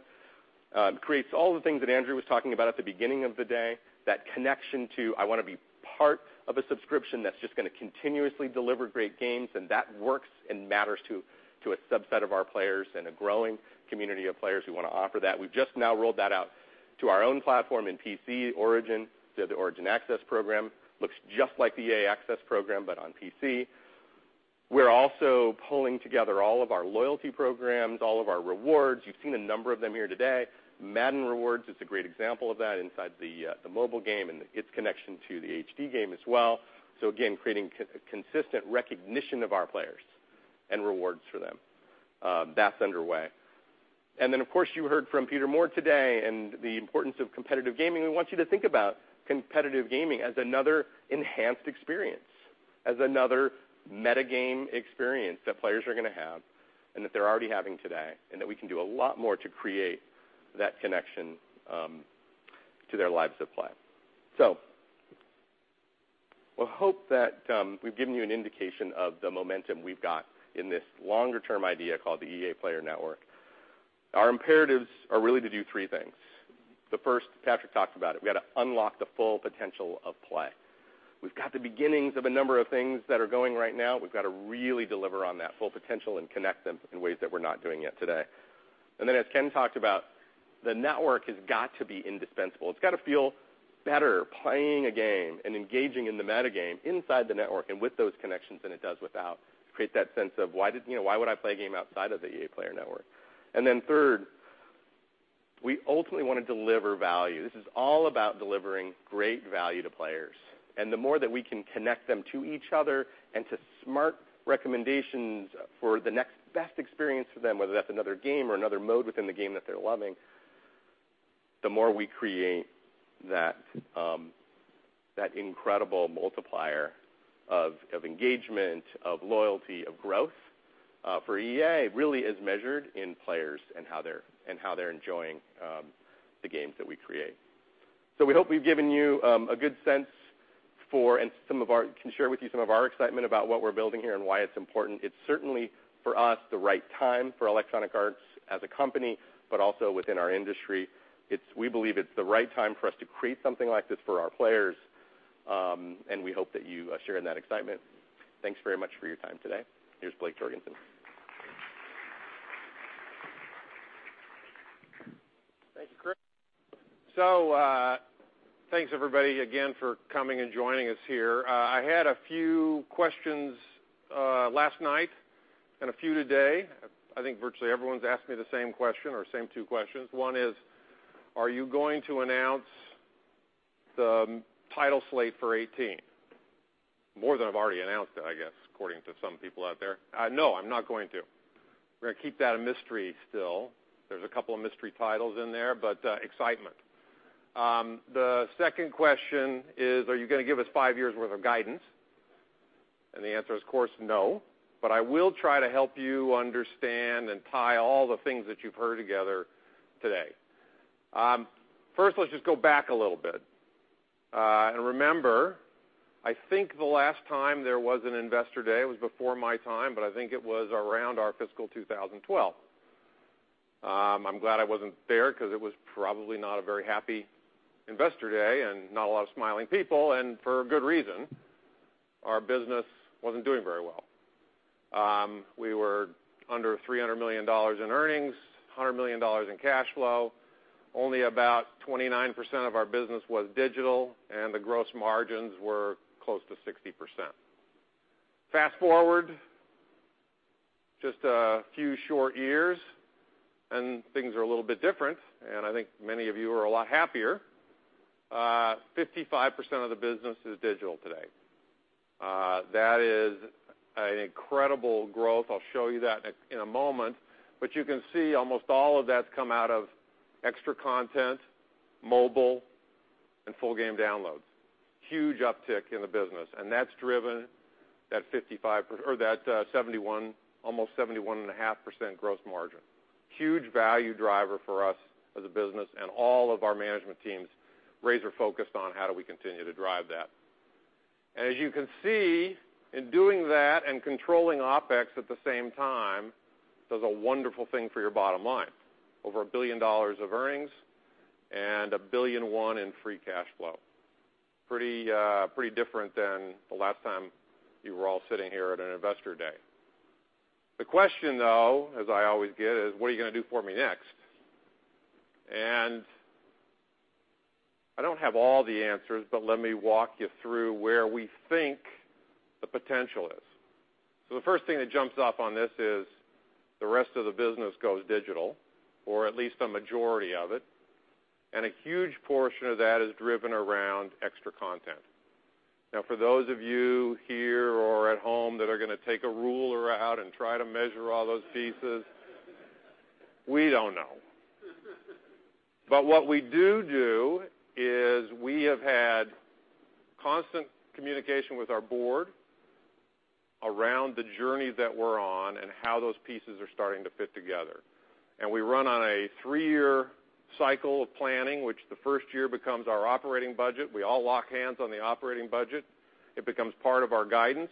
S15: It creates all the things that Andrew was talking about at the beginning of the day, that connection to, "I want to be part of a subscription that's just going to continuously deliver great games." That works and matters to a subset of our players and a growing community of players who want to offer that. We've just now rolled that out to our own platform in PC, Origin. The Origin Access program looks just like the EA Access program but on PC. We're also pulling together all of our loyalty programs, all of our rewards. You've seen a number of them here today. Madden Rewards is a great example of that inside the mobile game and its connection to the HD game as well. Again, creating consistent recognition of our players and rewards for them. That's underway. Then, of course, you heard from Peter Moore today and the importance of competitive gaming. We want you to think about competitive gaming as another enhanced experience, as another metagame experience that players are going to have and that they're already having today, and that we can do a lot more to create that connection to their lives of play. I hope that we've given you an indication of the momentum we've got in this longer-term idea called the EA Player Network. Our imperatives are really to do three things. The first, Patrick talked about it. We got to unlock the full potential of play. We've got the beginnings of a number of things that are going right now. We've got to really deliver on that full potential and connect them in ways that we're not doing yet today. Then, as Ken talked about, the network has got to be indispensable. It's got to feel better playing a game and engaging in the metagame inside the network and with those connections than it does without, create that sense of, "Why would I play a game outside of the EA Player Network?" Then third, we ultimately want to deliver value. This is all about delivering great value to players. The more that we can connect them to each other and to smart recommendations for the next best experience for them, whether that's another game or another mode within the game that they're loving, the more we create that incredible multiplier of engagement, of loyalty, of growth for EA really is measured in players and how they're enjoying the games that we create. We hope we've given you a good sense for and can share with you some of our excitement about what we're building here and why it's important. It's certainly for us the right time for Electronic Arts as a company but also within our industry. We believe it's the right time for us to create something like this for our players. We hope that you share in that excitement. Thanks very much for your time today. Here's Blake Jorgensen.
S4: Thank you, Chris. Thanks, everybody, again, for coming and joining us here. I had a few questions last night and a few today. I think virtually everyone's asked me the same question or same two questions. One is, are you going to announce the title slate for 2018? More than I've already announced it, I guess, according to some people out there. No, I'm not going to. We're going to keep that a mystery still. There's a couple of mystery titles in there, but excitement. The second question is, are you going to give us five years' worth of guidance? The answer is, of course, no. I will try to help you understand and tie all the things that you've heard together today. First, let's just go back a little bit. Remember, I think the last time there was an Investor Day was before my time, but I think it was around our fiscal 2012. I'm glad I wasn't there because it was probably not a very happy Investor Day and not a lot of smiling people, and for good reason. Our business wasn't doing very well. We were under $300 million in earnings, $100 million in cash flow. Only about 29% of our business was digital, and the gross margins were close to 60%. Fast forward just a few short years, and things are a little bit different. I think many of you are a lot happier. 55% of the business is digital today. That is an incredible growth. I'll show you that in a moment. You can see almost all of that's come out of extra content, mobile, and full-game downloads, huge uptick in the business. That's driven that 71.5% gross margin, huge value driver for us as a business. All of our management teams raise their focus on, "How do we continue to drive that?" As you can see, in doing that and controlling OpEx at the same time, it does a wonderful thing for your bottom line, over $1 billion of earnings and $1.1 billion in free cash flow, pretty different than the last time you were all sitting here at an Investor Day. The question, though, as I always get, is, "What are you going to do for me next?" I don't have all the answers, but let me walk you through where we think the potential is. The first thing that jumps off on this is the rest of the business goes digital, or at least a majority of it. A huge portion of that is driven around extra content. For those of you here or at home that are going to take a ruler out and try to measure all those pieces, we don't know. What we do is we have had constant communication with our board around the journey that we're on and how those pieces are starting to fit together. We run on a three-year cycle of planning, which the first year becomes our operating budget. We all lock hands on the operating budget. It becomes part of our guidance.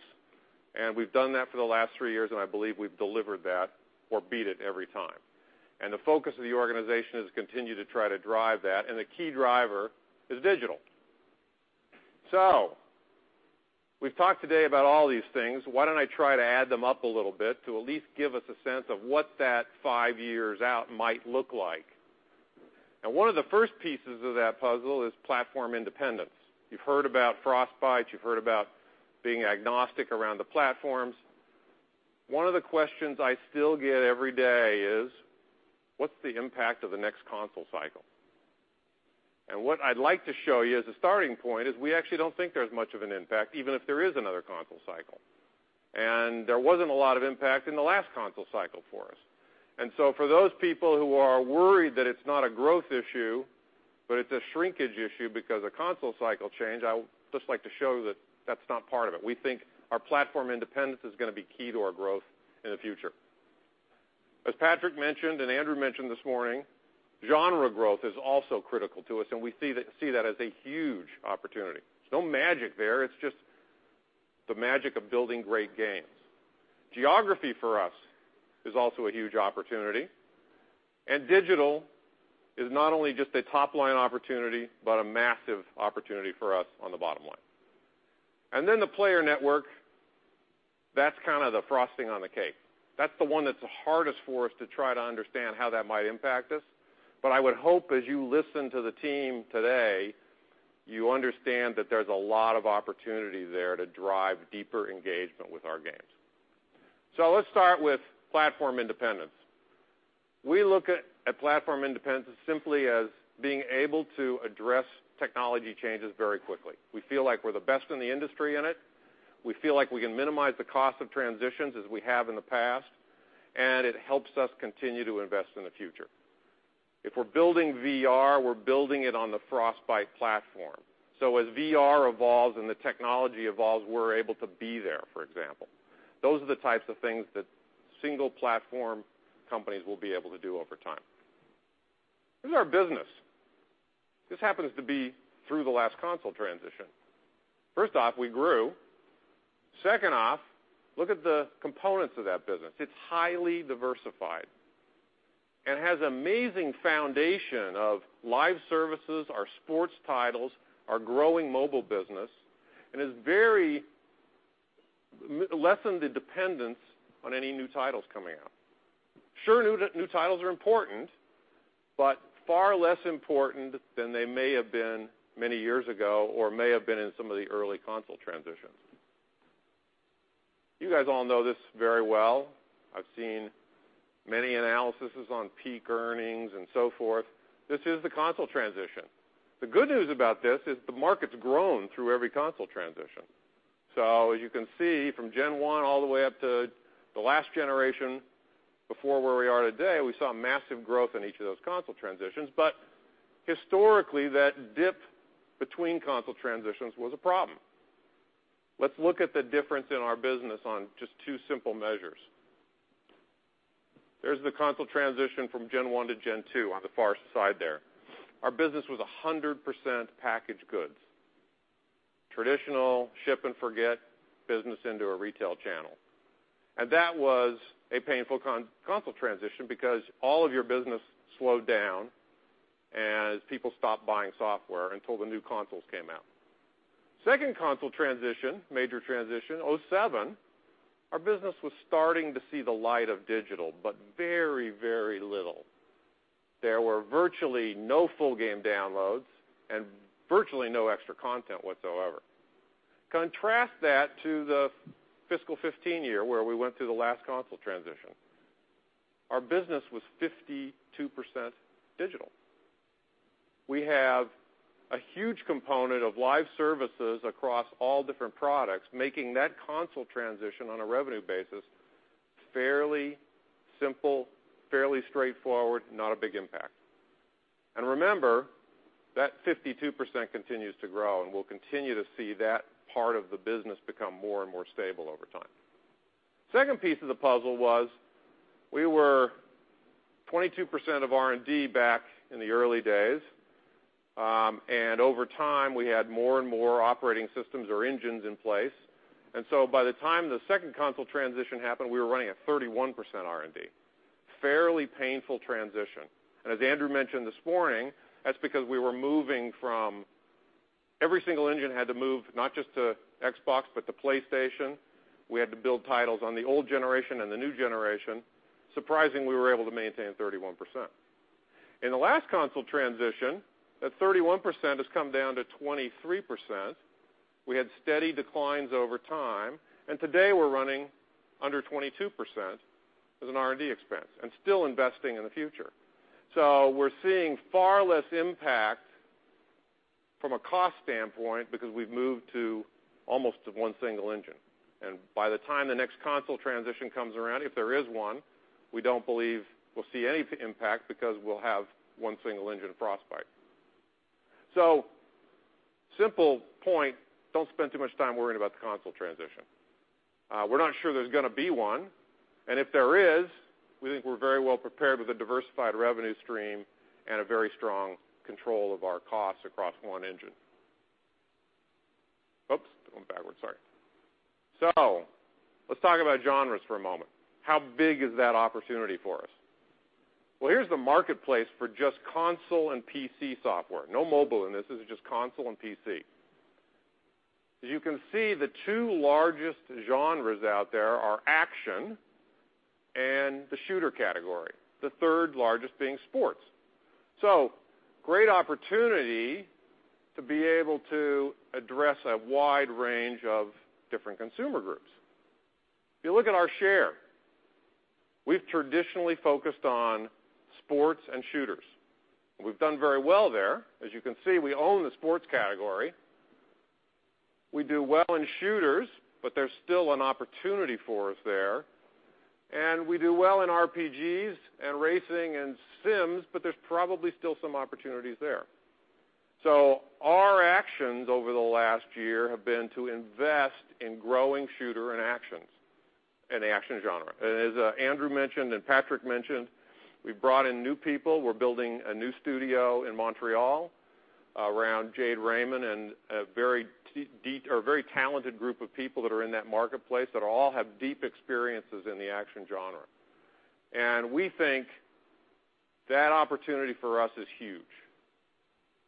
S4: We've done that for the last three years, and I believe we've delivered that or beat it every time. The focus of the organization is to continue to try to drive that. The key driver is digital. We've talked today about all these things. Why don't I try to add them up a little bit to at least give us a sense of what that five years out might look like? One of the first pieces of that puzzle is platform independence. You've heard about Frostbite. You've heard about being agnostic around the platforms. One of the questions I still get every day is, "What's the impact of the next console cycle?" What I'd like to show you as a starting point is we actually don't think there's much of an impact, even if there is another console cycle. There wasn't a lot of impact in the last console cycle for us. For those people who are worried that it's not a growth issue but it's a shrinkage issue because of console cycle change, I'd just like to show that that's not part of it. We think our platform independence is going to be key to our growth in the future. As Patrick mentioned and Andrew mentioned this morning, genre growth is also critical to us, we see that as a huge opportunity. There's no magic there. It's just the magic of building great games. Geography for us is also a huge opportunity. Digital is not only just a top-line opportunity but a massive opportunity for us on the bottom line. The player network, that's kind of the frosting on the cake. That's the one that's the hardest for us to try to understand how that might impact us. I would hope, as you listen to the team today, you understand that there's a lot of opportunity there to drive deeper engagement with our games. Let's start with platform independence. We look at platform independence simply as being able to address technology changes very quickly. We feel like we're the best in the industry in it. We feel like we can minimize the cost of transitions as we have in the past. It helps us continue to invest in the future. If we're building VR, we're building it on the Frostbite platform. As VR evolves and the technology evolves, we're able to be there, for example. Those are the types of things that single-platform companies will be able to do over time. Here's our business. This happens to be through the last console transition. First off, we grew. Second off, look at the components of that business. It's highly diversified and has amazing foundation of live services, our sports titles, our growing mobile business, and has very lessened the dependence on any new titles coming out. Sure, new titles are important but far less important than they may have been many years ago or may have been in some of the early console transitions. You guys all know this very well. I've seen many analyses on peak earnings and so forth. This is the console transition. The good news about this is the market's grown through every console transition. As you can see, from Gen 1 all the way up to the last generation before where we are today, we saw massive growth in each of those console transitions. Historically, that dip between console transitions was a problem. Let's look at the difference in our business on just two simple measures. There's the console transition from Gen 1 to Gen 2 on the far side there. Our business was 100% packaged goods, traditional ship-and-forget business into a retail channel. That was a painful console transition because all of your business slowed down as people stopped buying software until the new consoles came out. Second console transition, major transition, 2007, our business was starting to see the light of digital but very, very little. There were virtually no full-game downloads and virtually no extra content whatsoever. Contrast that to the fiscal 2015 year where we went through the last console transition. Our business was 52% digital. We have a huge component of live services across all different products making that console transition on a revenue basis fairly simple, fairly straightforward, not a big impact. Remember, that 52% continues to grow, and we'll continue to see that part of the business become more and more stable over time. Second piece of the puzzle was we were 22% of R&D back in the early days. Over time, we had more and more operating systems or engines in place. By the time the second console transition happened, we were running at 31% R&D, fairly painful transition. As Andrew mentioned this morning, that's because we were moving from every single engine had to move not just to Xbox but to PlayStation. We had to build titles on the old generation and the new generation. Surprising, we were able to maintain 31%. In the last console transition, that 31% has come down to 23%. We had steady declines over time. Today, we're running under 22% as an R&D expense and still investing in the future. We're seeing far less impact from a cost standpoint because we've moved to almost one single engine. By the time the next console transition comes around, if there is one, we don't believe we'll see any impact because we'll have one single engine, Frostbite. Simple point, don't spend too much time worrying about the console transition. We're not sure there's going to be one. If there is, we think we're very well prepared with a diversified revenue stream and a very strong control of our costs across one engine. Oops, going backwards. Sorry. Let's talk about genres for a moment. How big is that opportunity for us? Well, here's the marketplace for just console and PC software, no mobile in this. This is just console and PC. As you can see, the two largest genres out there are action and the shooter category, the third largest being sports. Great opportunity to be able to address a wide range of different consumer groups. We've traditionally focused on sports and shooters. We've done very well there. As you can see, we own the sports category. We do well in shooters, but there's still an opportunity for us there. We do well in RPGs and racing and sims, but there's probably still some opportunities there. Our actions over the last year have been to invest in growing shooter and action genre. As Andrew mentioned and Patrick mentioned, we've brought in new people. We're building a new studio in Montreal around Jade Raymond and a very talented group of people that are in that marketplace that all have deep experiences in the action genre. We think that opportunity for us is huge.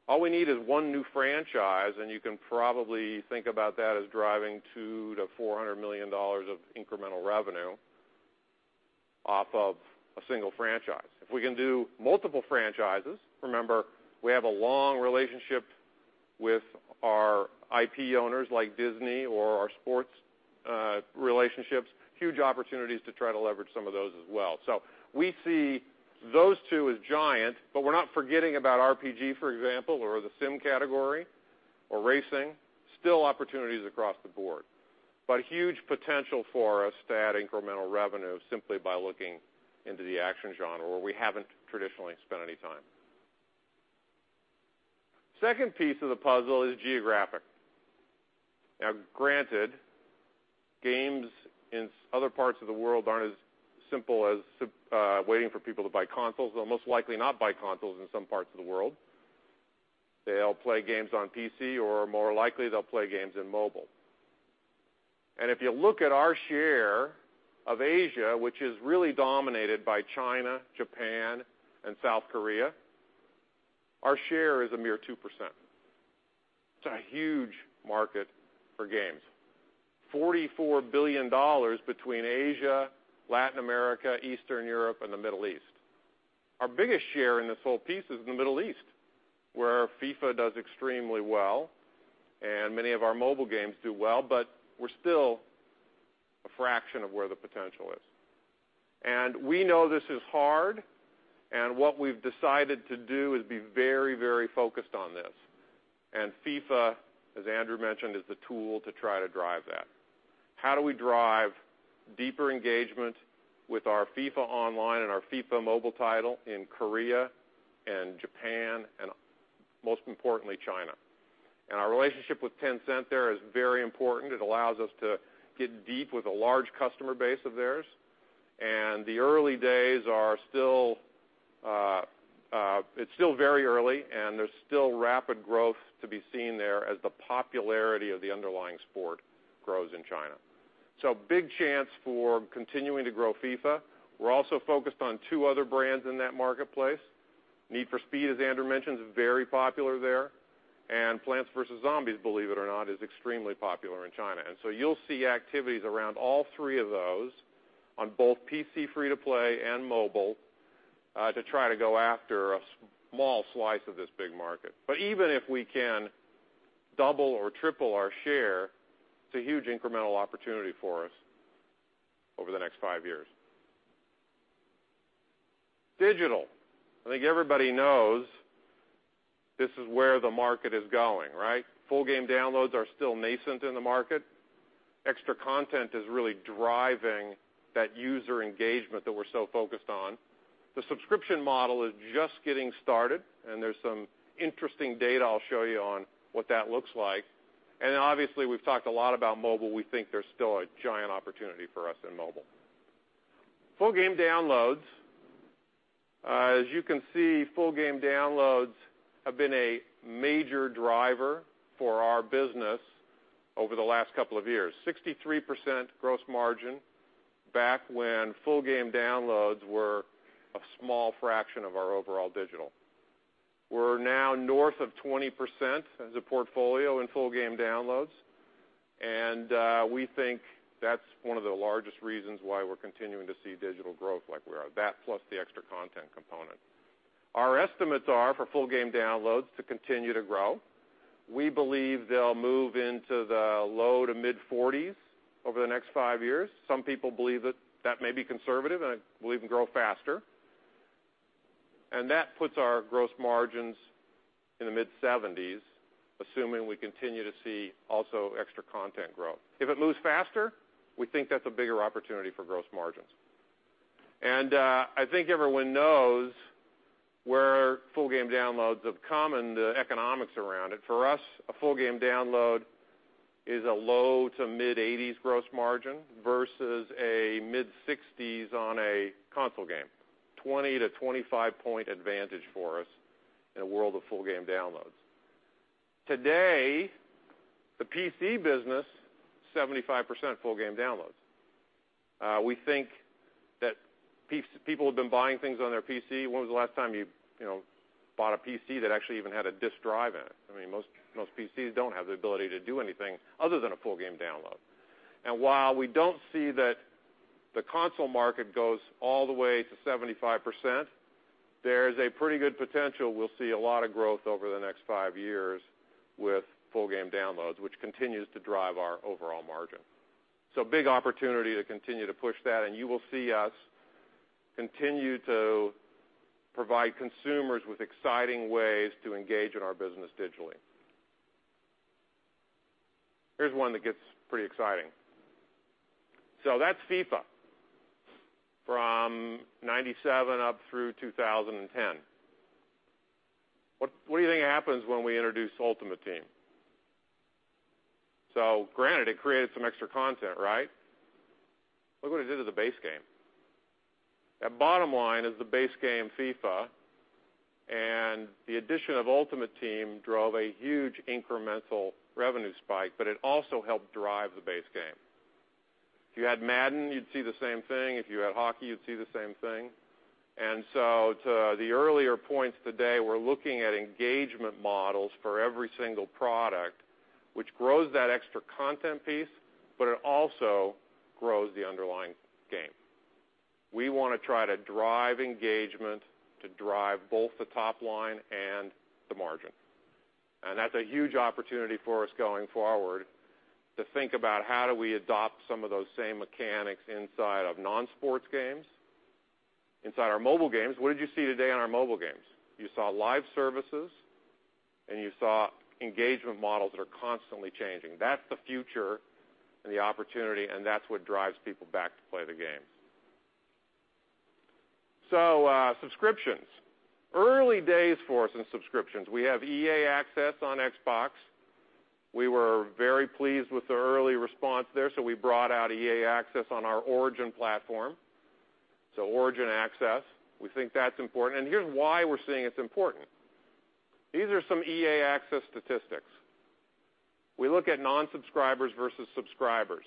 S4: All we need is one new franchise, and you can probably think about that as driving $2 million-$400 million of incremental revenue off of a single franchise. If we can do multiple franchises, remember, we have a long relationship with our IP owners like Disney or our sports relationships, huge opportunities to try to leverage some of those as well. We see those two as giant, but we're not forgetting about RPG, for example, or the sim category or racing, still opportunities across the board but huge potential for us to add incremental revenue simply by looking into the action genre where we haven't traditionally spent any time. Second piece of the puzzle is geographic. Now, granted, games in other parts of the world aren't as simple as waiting for people to buy consoles. They'll most likely not buy consoles in some parts of the world. They'll play games on PC, or more likely, they'll play games in mobile. If you look at our share of Asia, which is really dominated by China, Japan, and South Korea, our share is a mere 2%. It's a huge market for games, $44 billion between Asia, Latin America, Eastern Europe, and the Middle East. Our biggest share in this whole piece is in the Middle East where FIFA does extremely well, and many of our mobile games do well. We're still a fraction of where the potential is. We know this is hard. What we've decided to do is be very, very focused on this. FIFA, as Andrew mentioned, is the tool to try to drive that. How do we drive deeper engagement with our FIFA Online and our FIFA Mobile title in Korea and Japan and, most importantly, China? Our relationship with Tencent there is very important. It allows us to get deep with a large customer base of theirs. The early days are still it's still very early, and there's still rapid growth to be seen there as the popularity of the underlying sport grows in China. Big chance for continuing to grow FIFA. We're also focused on two other brands in that marketplace. Need for Speed, as Andrew mentioned, is very popular there. Plants vs. Zombies, believe it or not, is extremely popular in China. You'll see activities around all three of those on both PC free-to-play and mobile to try to go after a small slice of this big market. Even if we can double or triple our share, it's a huge incremental opportunity for us over the next five years. Digital, I think everybody knows this is where the market is going, right? Full-game downloads are still nascent in the market. Extra content is really driving that user engagement that we're so focused on. The subscription model is just getting started, there's some interesting data I'll show you on what that looks like. Obviously, we've talked a lot about mobile. We think there's still a giant opportunity for us in mobile. Full-game downloads, as you can see, full-game downloads have been a major driver for our business over the last couple of years, 63% gross margin back when full-game downloads were a small fraction of our overall digital. We're now north of 20% as a portfolio in full-game downloads. We think that's one of the largest reasons why we're continuing to see digital growth like we are, that plus the extra content component. Our estimates are for full-game downloads to continue to grow. We believe they'll move into the low to mid-40s over the next five years. Some people believe that that may be conservative, I believe we can grow faster. That puts our gross margins in the mid-70s, assuming we continue to see also extra content growth. If it moves faster, we think that's a bigger opportunity for gross margins. I think everyone knows where full-game downloads have come and the economics around it. For us, a full-game download is a low to mid-80s gross margin versus a mid-60s on a console game, 20 to 25-point advantage for us in a world of full-game downloads. Today, the PC business, 75% full-game downloads. We think that people have been buying things on their PC. When was the last time you bought a PC that actually even had a disk drive in it? I mean, most PCs don't have the ability to do anything other than a full-game download. While we don't see that the console market goes all the way to 75%, there's a pretty good potential we'll see a lot of growth over the next five years with full-game downloads, which continues to drive our overall margin. Big opportunity to continue to push that. You will see us continue to provide consumers with exciting ways to engage in our business digitally. Here's one that gets pretty exciting. That's FIFA from '97 up through 2010. What do you think happens when we introduce Ultimate Team? Granted, it created some extra content, right? Look what it did to the base game. That bottom line is the base game FIFA. The addition of Ultimate Team drove a huge incremental revenue spike, but it also helped drive the base game. If you had Madden, you'd see the same thing. If you had hockey, you'd see the same thing. To the earlier points today, we're looking at engagement models for every single product, which grows that extra content piece, but it also grows the underlying game. We want to try to drive engagement to drive both the top line and the margin. That's a huge opportunity for us going forward to think about how do we adopt some of those same mechanics inside of non-sports games, inside our mobile games. What did you see today in our mobile games? You saw live services, you saw engagement models that are constantly changing. That's the future and the opportunity, that's what drives people back to play the games. Subscriptions, early days for us in subscriptions, we have EA Access on Xbox. We were very pleased with the early response there, we brought out EA Access on our Origin platform. Origin Access, we think that's important. Here's why we're seeing it's important. These are some EA Access statistics. We look at non-subscribers versus subscribers.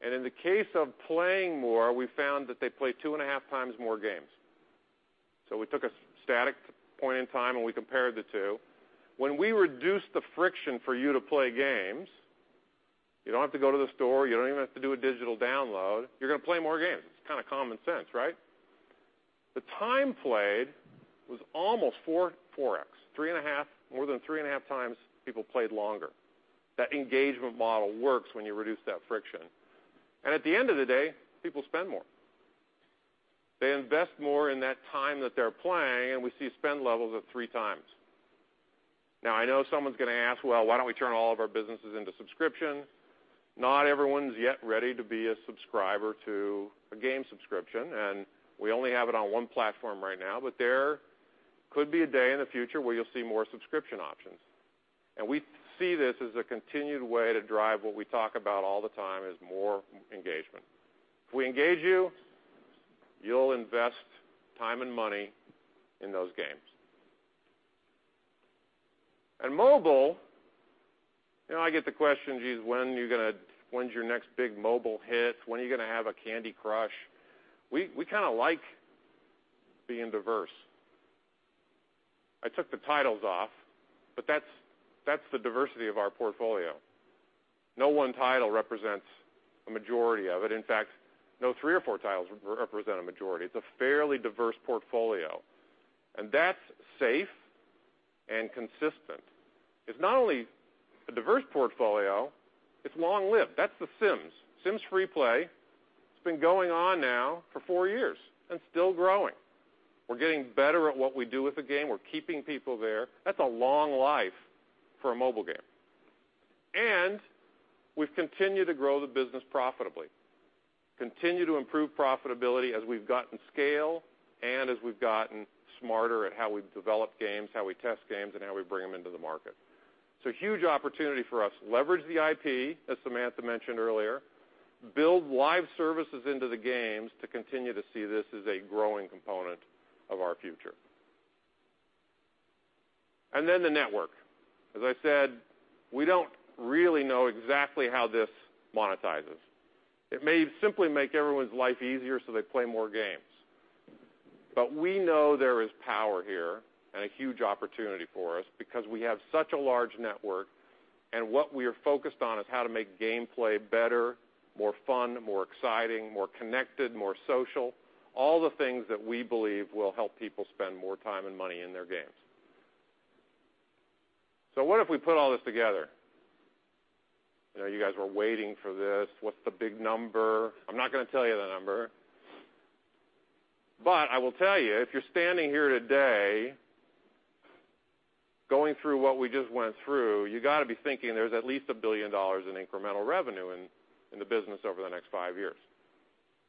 S4: In the case of playing more, we found that they played 2.5 times more games. We took a static point in time, and we compared the two. When we reduced the friction for you to play games, you don't have to go to the store. You don't even have to do a digital download. You're going to play more games. It's kind of common sense, right? The time played was almost 4x, 3.5, more than 3.5 times people played longer. That engagement model works when you reduce that friction. At the end of the day, people spend more. They invest more in that time that they're playing, and we see spend levels at 3 times. I know someone's going to ask, "Well, why don't we turn all of our businesses into subscription?" Not everyone's yet ready to be a subscriber to a game subscription. We only have it on one platform right now. There could be a day in the future where you'll see more subscription options. We see this as a continued way to drive what we talk about all the time as more engagement. If we engage you'll invest time and money in those games. Mobile, I get the question, "Geez, when's your next big mobile hit? When are you going to have a Candy Crush?" We kind of like being diverse. I took the titles off, but that's the diversity of our portfolio. No one title represents a majority of it. In fact, no three or four titles represent a majority. It's a fairly diverse portfolio. That's safe and consistent. It's not only a diverse portfolio, it's long-lived. That's The Sims, The Sims FreePlay. It's been going on now for four years and still growing. We're getting better at what we do with the game. We're keeping people there. That's a long life for a mobile game. We've continued to grow the business profitably, continue to improve profitability as we've gotten scale and as we've gotten smarter at how we develop games, how we test games, and how we bring them into the market. Huge opportunity for us. Leverage the IP, as Samantha mentioned earlier, build live services into the games to continue to see this as a growing component of our future. Then the network. As I said, we don't really know exactly how this monetizes. It may simply make everyone's life easier so they play more games. We know there is power here and a huge opportunity for us because we have such a large network. What we are focused on is how to make gameplay better, more fun, more exciting, more connected, more social, all the things that we believe will help people spend more time and money in their games. What if we put all this together? You guys were waiting for this. What's the big number? I'm not going to tell you the number. I will tell you, if you're standing here today going through what we just went through, you got to be thinking there's at least $1 billion in incremental revenue in the business over the next five years.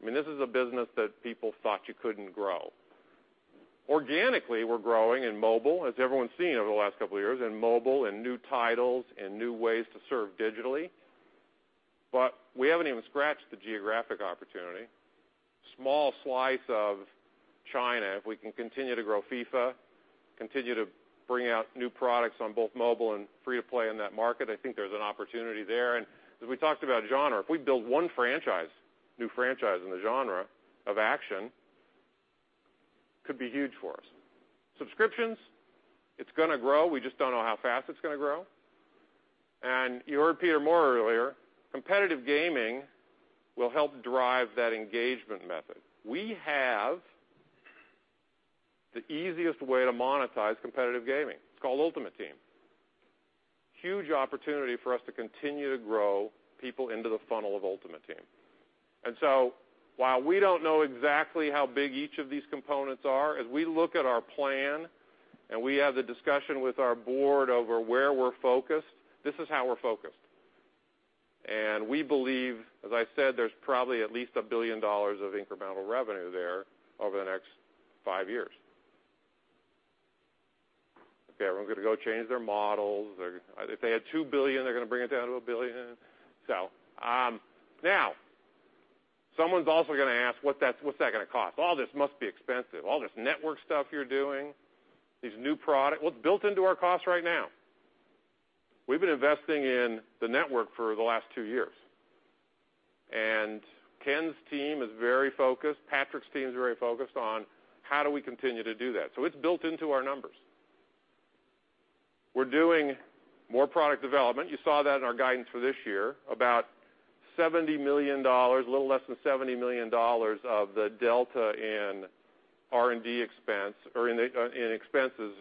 S4: I mean, this is a business that people thought you couldn't grow. Organically, we're growing in mobile, as everyone's seen over the last couple of years, in mobile and new titles and new ways to serve digitally. We haven't even scratched the geographic opportunity, small slice of China. If we can continue to grow FIFA, continue to bring out new products on both mobile and free-to-play in that market, I think there's an opportunity there. As we talked about genre, if we build one franchise, new franchise in the genre of action, could be huge for us. Subscriptions, it's going to grow. We just don't know how fast it's going to grow. You heard Peter Moore earlier, competitive gaming will help drive that engagement method. We have the easiest way to monetize competitive gaming. It's called Ultimate Team, huge opportunity for us to continue to grow people into the funnel of Ultimate Team. While we don't know exactly how big each of these components are, as we look at our plan and we have the discussion with our board over where we're focused, this is how we're focused. We believe, as I said, there's probably at least $1 billion of incremental revenue there over the next five years. Okay, everyone's going to go change their models. If they had $2 billion, they're going to bring it down to $1 billion. Someone's also going to ask, "What's that going to cost? All this must be expensive. All this network stuff you're doing, these new products, what's built into our costs right now?" We've been investing in the network for the last two years. Ken's team is very focused. Patrick's team's very focused on how do we continue to do that. It's built into our numbers. We're doing more product development. You saw that in our guidance for this year about $70 million, a little less than $70 million of the delta in R&D expense or in expenses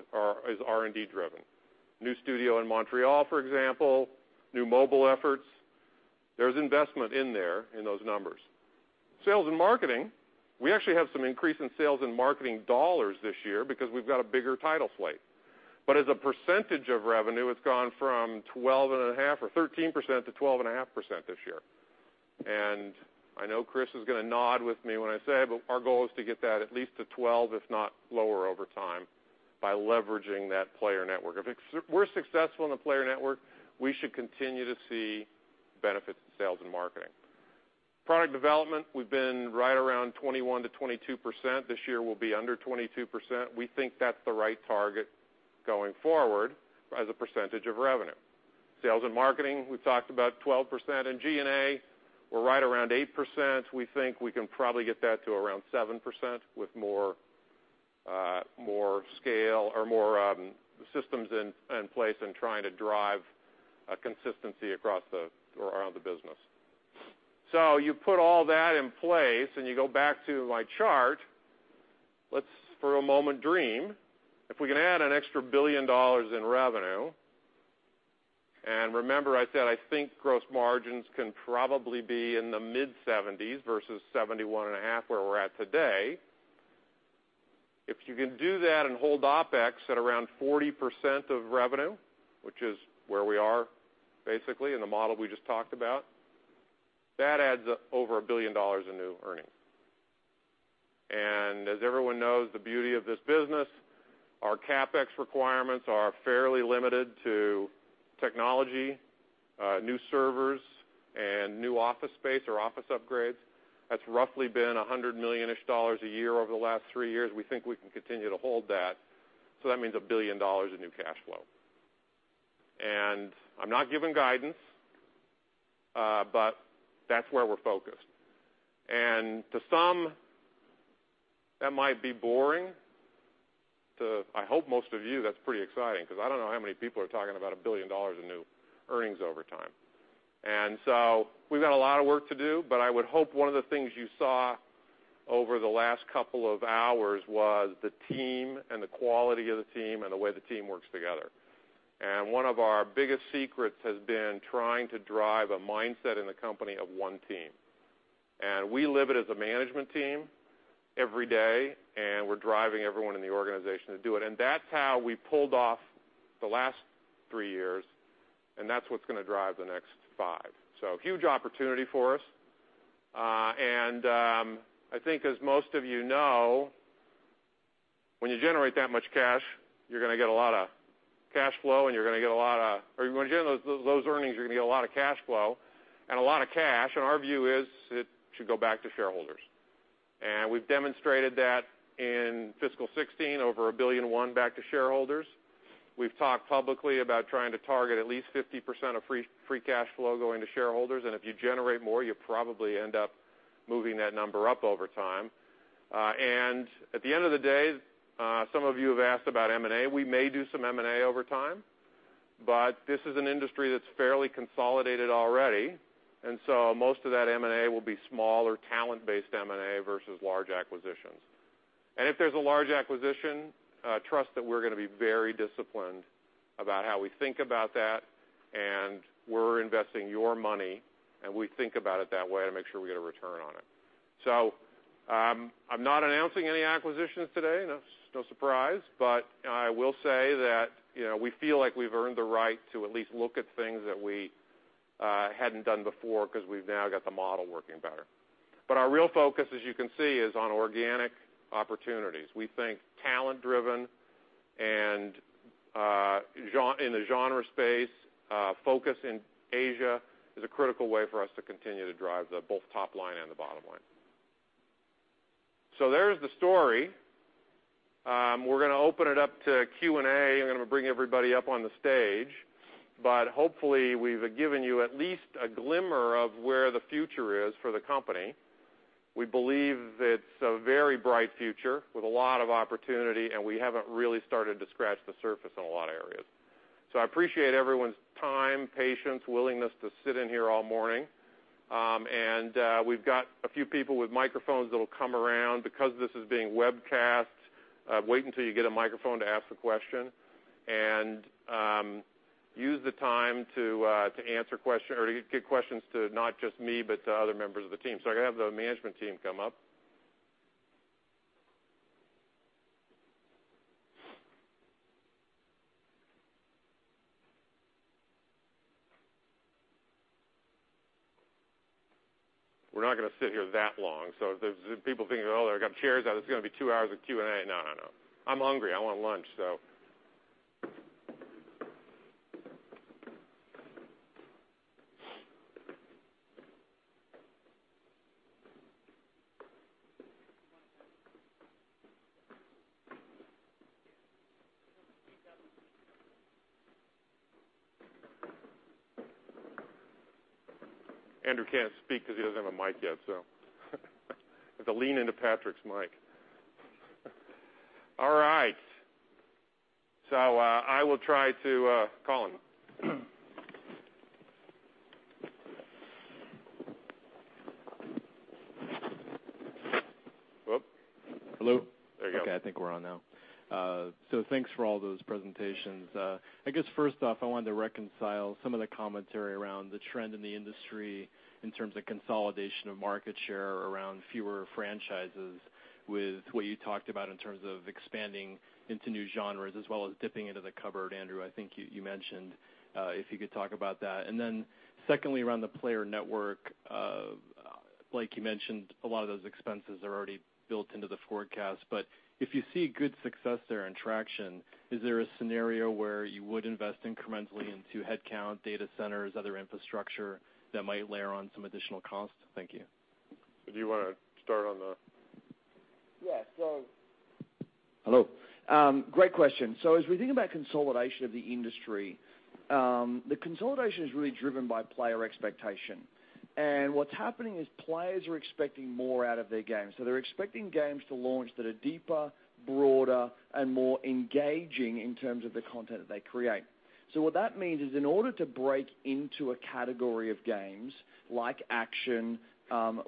S4: is R&D driven. New studio in Montreal, for example, new mobile efforts, there's investment in there in those numbers. Sales and marketing, we actually have some increase in sales and marketing dollars this year because we've got a bigger title slate. As a percentage of revenue, it's gone from 12.5% or 13% to 12.5% this year. I know Chris is going to nod with me when I say, "Our goal is to get that at least to 12%, if not lower over time by leveraging that player network." If we're successful in the player network, we should continue to see benefits in sales and marketing. Product development, we've been right around 21%-22%. This year, we'll be under 22%. We think that's the right target going forward as a percentage of revenue. Sales and marketing, we've talked about 12%. In G&A, we're right around 8%. We think we can probably get that to around 7% with more scale or more systems in place and trying to drive consistency across the or around the business. You put all that in place, you go back to my chart, let's for a moment dream if we can add an extra $1 billion in revenue. Remember, I said I think gross margins can probably be in the mid-70s versus 71.5% where we're at today. If you can do that and hold OpEx at around 40% of revenue, which is where we are basically in the model we just talked about, that adds over $1 billion in new earnings. As everyone knows, the beauty of this business, our CapEx requirements are fairly limited to technology, new servers, and new office space or office upgrades. That's roughly been $100 million-ish a year over the last three years. We think we can continue to hold that. That means $1 billion in new cash flow. I'm not giving guidance, but that's where we're focused. To some, that might be boring. I hope most of you, that's pretty exciting because I don't know how many people are talking about $1 billion in new earnings over time. We've got a lot of work to do, but I would hope one of the things you saw over the last couple of hours was the team and the quality of the team and the way the team works together. One of our biggest secrets has been trying to drive a mindset in the company of one team. We live it as a management team every day, and we're driving everyone in the organization to do it. That's how we pulled off the last three years, and that's what's going to drive the next five. Huge opportunity for us. I think, as most of you know, when you generate that much cash, you're going to get a lot of cash flow, and you're going to get a lot of or when you generate those earnings, you're going to get a lot of cash flow and a lot of cash. Our view is it should go back to shareholders. We've demonstrated that in FY 2016, over $1.1 billion back to shareholders. We've talked publicly about trying to target at least 50% of free cash flow going to shareholders. If you generate more, you probably end up moving that number up over time. At the end of the day, some of you have asked about M&A. We may do some M&A over time, but this is an industry that's fairly consolidated already. Most of that M&A will be small or talent-based M&A versus large acquisitions. If there's a large acquisition, trust that we're going to be very disciplined about how we think about that. We're investing your money, and we think about it that way to make sure we get a return on it. I'm not announcing any acquisitions today, no surprise. I will say that we feel like we've earned the right to at least look at things that we hadn't done before because we've now got the model working better. Our real focus, as you can see, is on organic opportunities. We think talent-driven and in the genre space, focus in Asia is a critical way for us to continue to drive both top line and the bottom line. There's the story. We're going to open it up to Q&A. I'm going to bring everybody up on the stage. Hopefully, we've given you at least a glimmer of where the future is for the company. We believe it's a very bright future with a lot of opportunity, and we haven't really started to scratch the surface in a lot of areas. I appreciate everyone's time, patience, willingness to sit in here all morning. We've got a few people with microphones that'll come around because this is being webcast. Wait until you get a microphone to ask a question and use the time to answer questions or to get questions to not just me but to other members of the team. I'm going to have the management team come up. We're not going to sit here that long. If people think, "Oh, they've got chairs out. It's going to be 2 hours of Q&A." No, no. I'm hungry. I want lunch, so. Andrew can't speak because he doesn't have a mic yet, so I have to lean into Patrick's mic. All right. I will try to call him. Whoop. Hello.
S2: There you go.
S16: I think we're on now. Thanks for all those presentations. I guess, first off, I wanted to reconcile some of the commentary around the trend in the industry in terms of consolidation of market share around fewer franchises with what you talked about in terms of expanding into new genres as well as dipping into the cupboard, Andrew, I think you mentioned, if you could talk about that. Then secondly, around the Player Network, like you mentioned, a lot of those expenses are already built into the forecast. If you see good success there and traction, is there a scenario where you would invest incrementally into headcount, data centers, other infrastructure that might layer on some additional cost? Thank you.
S4: Do you want to start on the.
S2: Yeah. Hello. Great question. As we think about consolidation of the industry, the consolidation is really driven by player expectation. What's happening is players are expecting more out of their games. They're expecting games to launch that are deeper, broader, and more engaging in terms of the content that they create. What that means is in order to break into a category of games like action,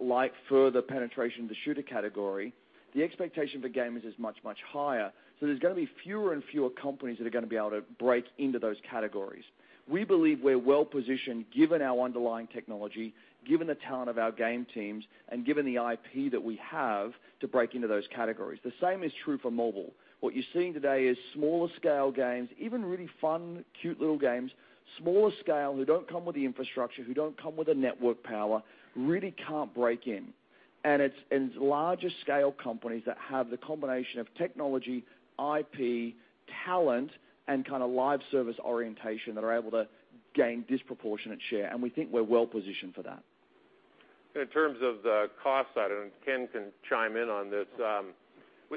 S2: like further penetration into shooter category, the expectation for gamers is much, much higher. There's going to be fewer and fewer companies that are going to be able to break into those categories. We believe we're well-positioned given our underlying technology, given the talent of our game teams, and given the IP that we have to break into those categories. The same is true for mobile. What you're seeing today is smaller-scale games, even really fun, cute little games, smaller scale who don't come with the infrastructure, who don't come with the network power, really can't break in. It's larger-scale companies that have the combination of technology, IP, talent, and kind of live service orientation that are able to gain disproportionate share. We think we're well-positioned for that.
S4: In terms of the cost side, Ken can chime in on this,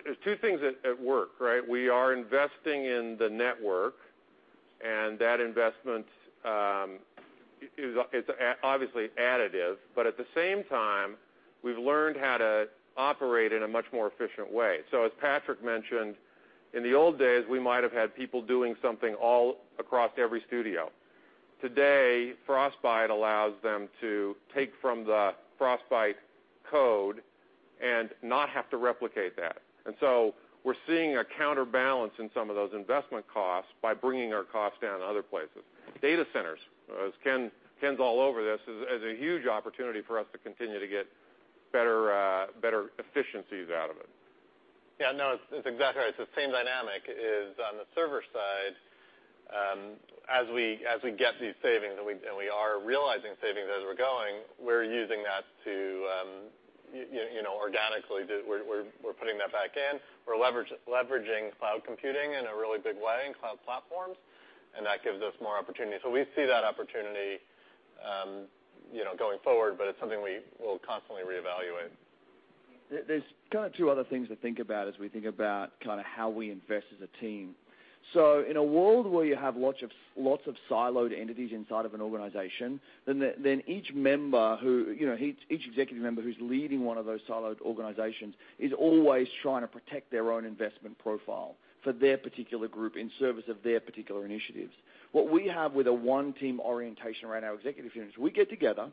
S4: there's two things at work, right? We are investing in the network, that investment is obviously additive. At the same time, we've learned how to operate in a much more efficient way. As Patrick mentioned, in the old days, we might have had people doing something all across every studio. Today, Frostbite allows them to take from the Frostbite code and not have to replicate that. We're seeing a counterbalance in some of those investment costs by bringing our costs down to other places. Data centers, as Ken's all over this, is a huge opportunity for us to continue to get better efficiencies out of it.
S11: Yeah, no, it's exactly right. Same dynamic is on the server side. As we get these savings and we are realizing savings as we're going, we're using that to organically, we're putting that back in. We're leveraging cloud computing in a really big way and cloud platforms, that gives us more opportunity. We see that opportunity going forward, it's something we will constantly reevaluate.
S2: There's kind of two other things to think about as we think about kind of how we invest as a team. In a world where you have lots of siloed entities inside of an organization, then each executive member who's leading one of those siloed organizations is always trying to protect their own investment profile for their particular group in service of their particular initiatives. What we have with a one-team orientation around our executive unit is we get together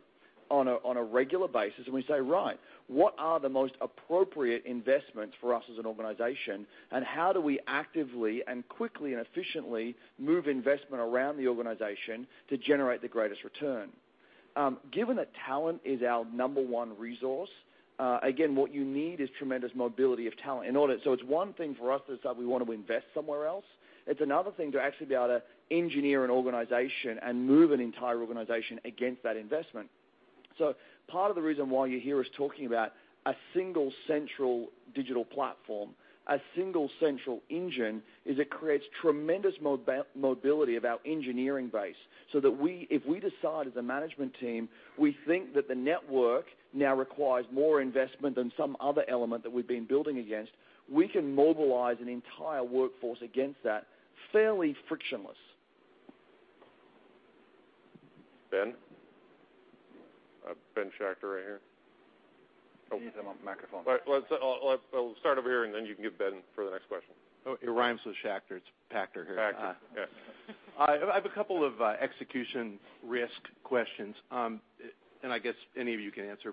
S2: on a regular basis, we say, "Right, what are the most appropriate investments for us as an organization, how do we actively and quickly and efficiently move investment around the organization to generate the greatest return?" Given that talent is our number one resource, again, what you need is tremendous mobility of talent. It's one thing for us to decide we want to invest somewhere else. It's another thing to actually be able to engineer an organization and move an entire organization against that investment. Part of the reason why you hear us talking about a single central Digital Platform, a single central engine, is it creates tremendous mobility of our engineering base so that if we decide as a management team, we think that the network now requires more investment than some other element that we've been building against, we can mobilize an entire workforce against that fairly frictionless.
S4: Ben? Ben Schachter right here.
S16: He's on my microphone.
S4: All right. Well, I'll start over here, then you can give Ben for the next question.
S17: It rhymes with Schachter. It's Pachter here.
S4: Pachter, yeah.
S17: I have a couple of execution risk questions. I guess any of you can answer.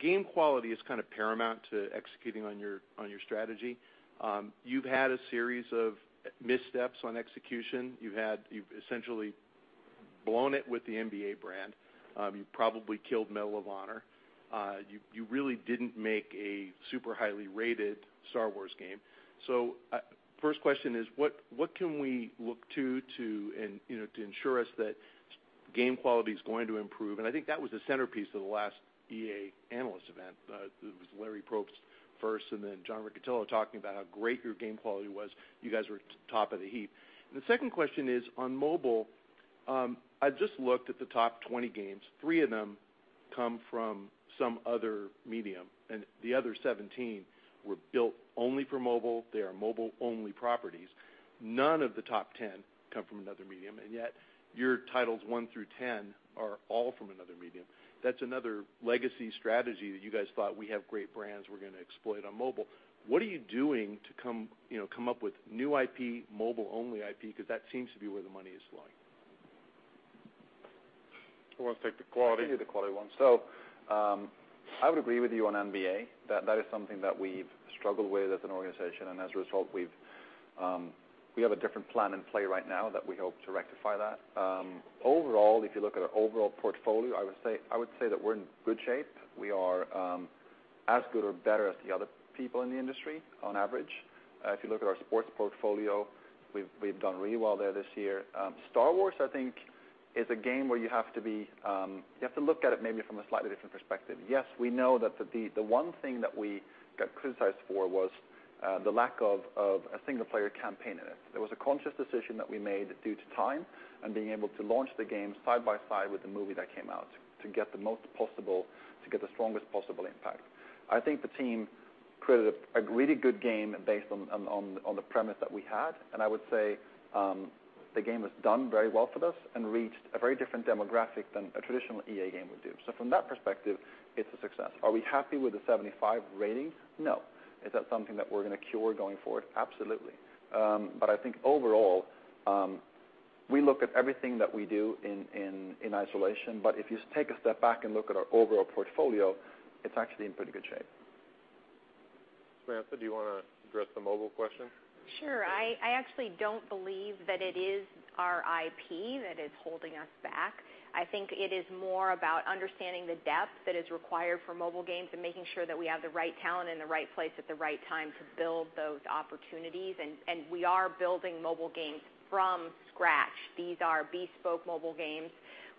S17: Game quality is kind of paramount to executing on your strategy. You've had a series of missteps on execution. You've essentially blown it with the NBA brand. You've probably killed Medal of Honor. You really didn't make a super highly rated Star Wars game. First question is, what can we look to to ensure us that game quality is going to improve? I think that was the centerpiece of the last EA analyst event. It was Larry Probst first and then John Riccitiello talking about how great your game quality was. You guys were top of the heap. The second question is, on mobile, I just looked at the top 20 games. Three of them come from some other medium, and the other 17 were built only for mobile.
S3: They are mobile-only properties. None of the top 10 come from another medium, yet your titles 1 through 10 are all from another medium. That's another legacy strategy that you guys thought, "We have great brands. We're going to exploit on mobile." What are you doing to come up with new IP, mobile-only IP? That seems to be where the money is flowing.
S7: I want to take the quality. I'll give you the quality one. I would agree with you on NBA. That is something that we've struggled with as an organization, and as a result, we have a different plan in play right now that we hope to rectify that. Overall, if you look at our overall portfolio, I would say that we're in good shape. We are as good or better as the other people in the industry on average. If you look at our sports portfolio, we've done really well there this year. Star Wars, I think, is a game where you have to look at it maybe from a slightly different perspective. Yes, we know that the one thing that we got criticized for was the lack of a single-player campaign in it. There was a conscious decision that we made due to time and being able to launch the game side by side with the movie that came out to get the strongest possible impact. I think the team created a really good game based on the premise that we had. I would say the game was done very well for us and reached a very different demographic than a traditional EA game would do. From that perspective, it's a success. Are we happy with the 75 rating? No. Is that something that we're going to cure going forward? Absolutely. I think overall, we look at everything that we do in isolation. If you take a step back and look at our overall portfolio, it's actually in pretty good shape.
S4: Samantha, do you want to address the mobile question?
S9: Sure. I actually don't believe that it is our IP that is holding us back. I think it is more about understanding the depth that is required for mobile games and making sure that we have the right talent in the right place at the right time to build those opportunities. We are building mobile games from scratch. These are bespoke mobile games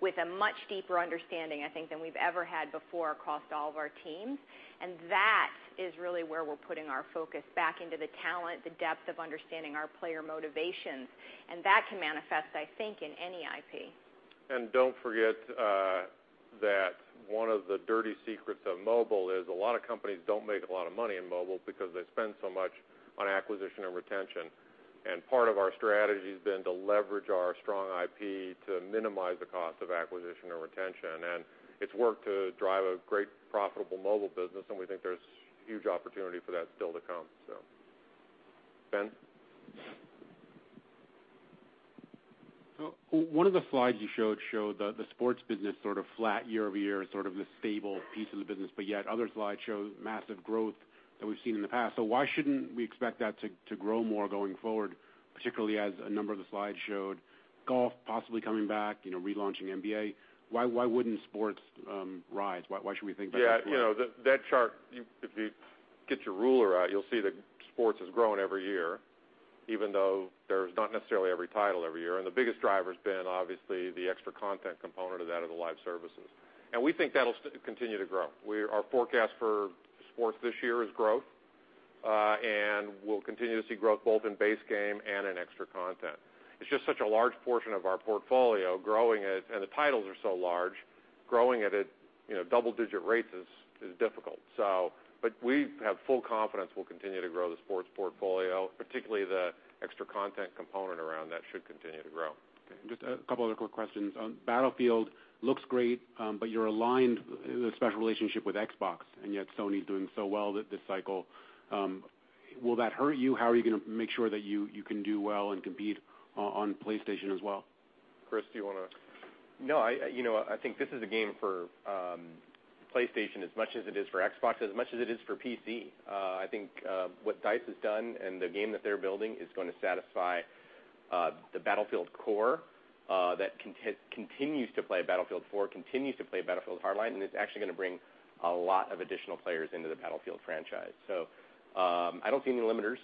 S9: with a much deeper understanding, I think, than we've ever had before across all of our teams. That is really where we're putting our focus back into the talent, the depth of understanding our player motivations. That can manifest, I think, in any IP.
S4: Don't forget that one of the dirty secrets of mobile is a lot of companies don't make a lot of money in mobile because they spend so much on acquisition and retention. Part of our strategy has been to leverage our strong IP to minimize the cost of acquisition and retention. It's worked to drive a great profitable mobile business, and we think there's huge opportunity for that still to come, so. Ben?
S16: One of the slides you showed showed the sports business sort of flat year-over-year, sort of the stable piece of the business. Yet, other slides show massive growth that we've seen in the past. Why shouldn't we expect that to grow more going forward, particularly as a number of the slides showed, golf possibly coming back, relaunching NBA? Why wouldn't sports rise? Why should we think about that?
S4: That chart, if you get your ruler out, you'll see that sports is growing every year, even though there's not necessarily every title every year. The biggest driver has been, obviously, the extra content component of that are the live services. We think that'll continue to grow. Our forecast for sports this year is growth, and we'll continue to see growth both in base game and in extra content. It's just such a large portion of our portfolio growing it, and the titles are so large, growing it at double-digit rates is difficult. We have full confidence we'll continue to grow the sports portfolio, particularly the extra content component around that should continue to grow.
S16: Okay. Just a couple other quick questions. Battlefield looks great, you're aligned in a special relationship with Xbox, and yet Sony is doing so well this cycle. Will that hurt you? How are you going to make sure that you can do well and compete on PlayStation as well?
S15: Chris, do you want to?
S7: I think this is a game for PlayStation as much as it is for Xbox, as much as it is for PC. I think what DICE has done and the game that they're building is going to satisfy the Battlefield core that continues to play Battlefield 4, continues to play Battlefield: Hardline, and it's actually going to bring a lot of additional players into the Battlefield franchise. I don't see any limiters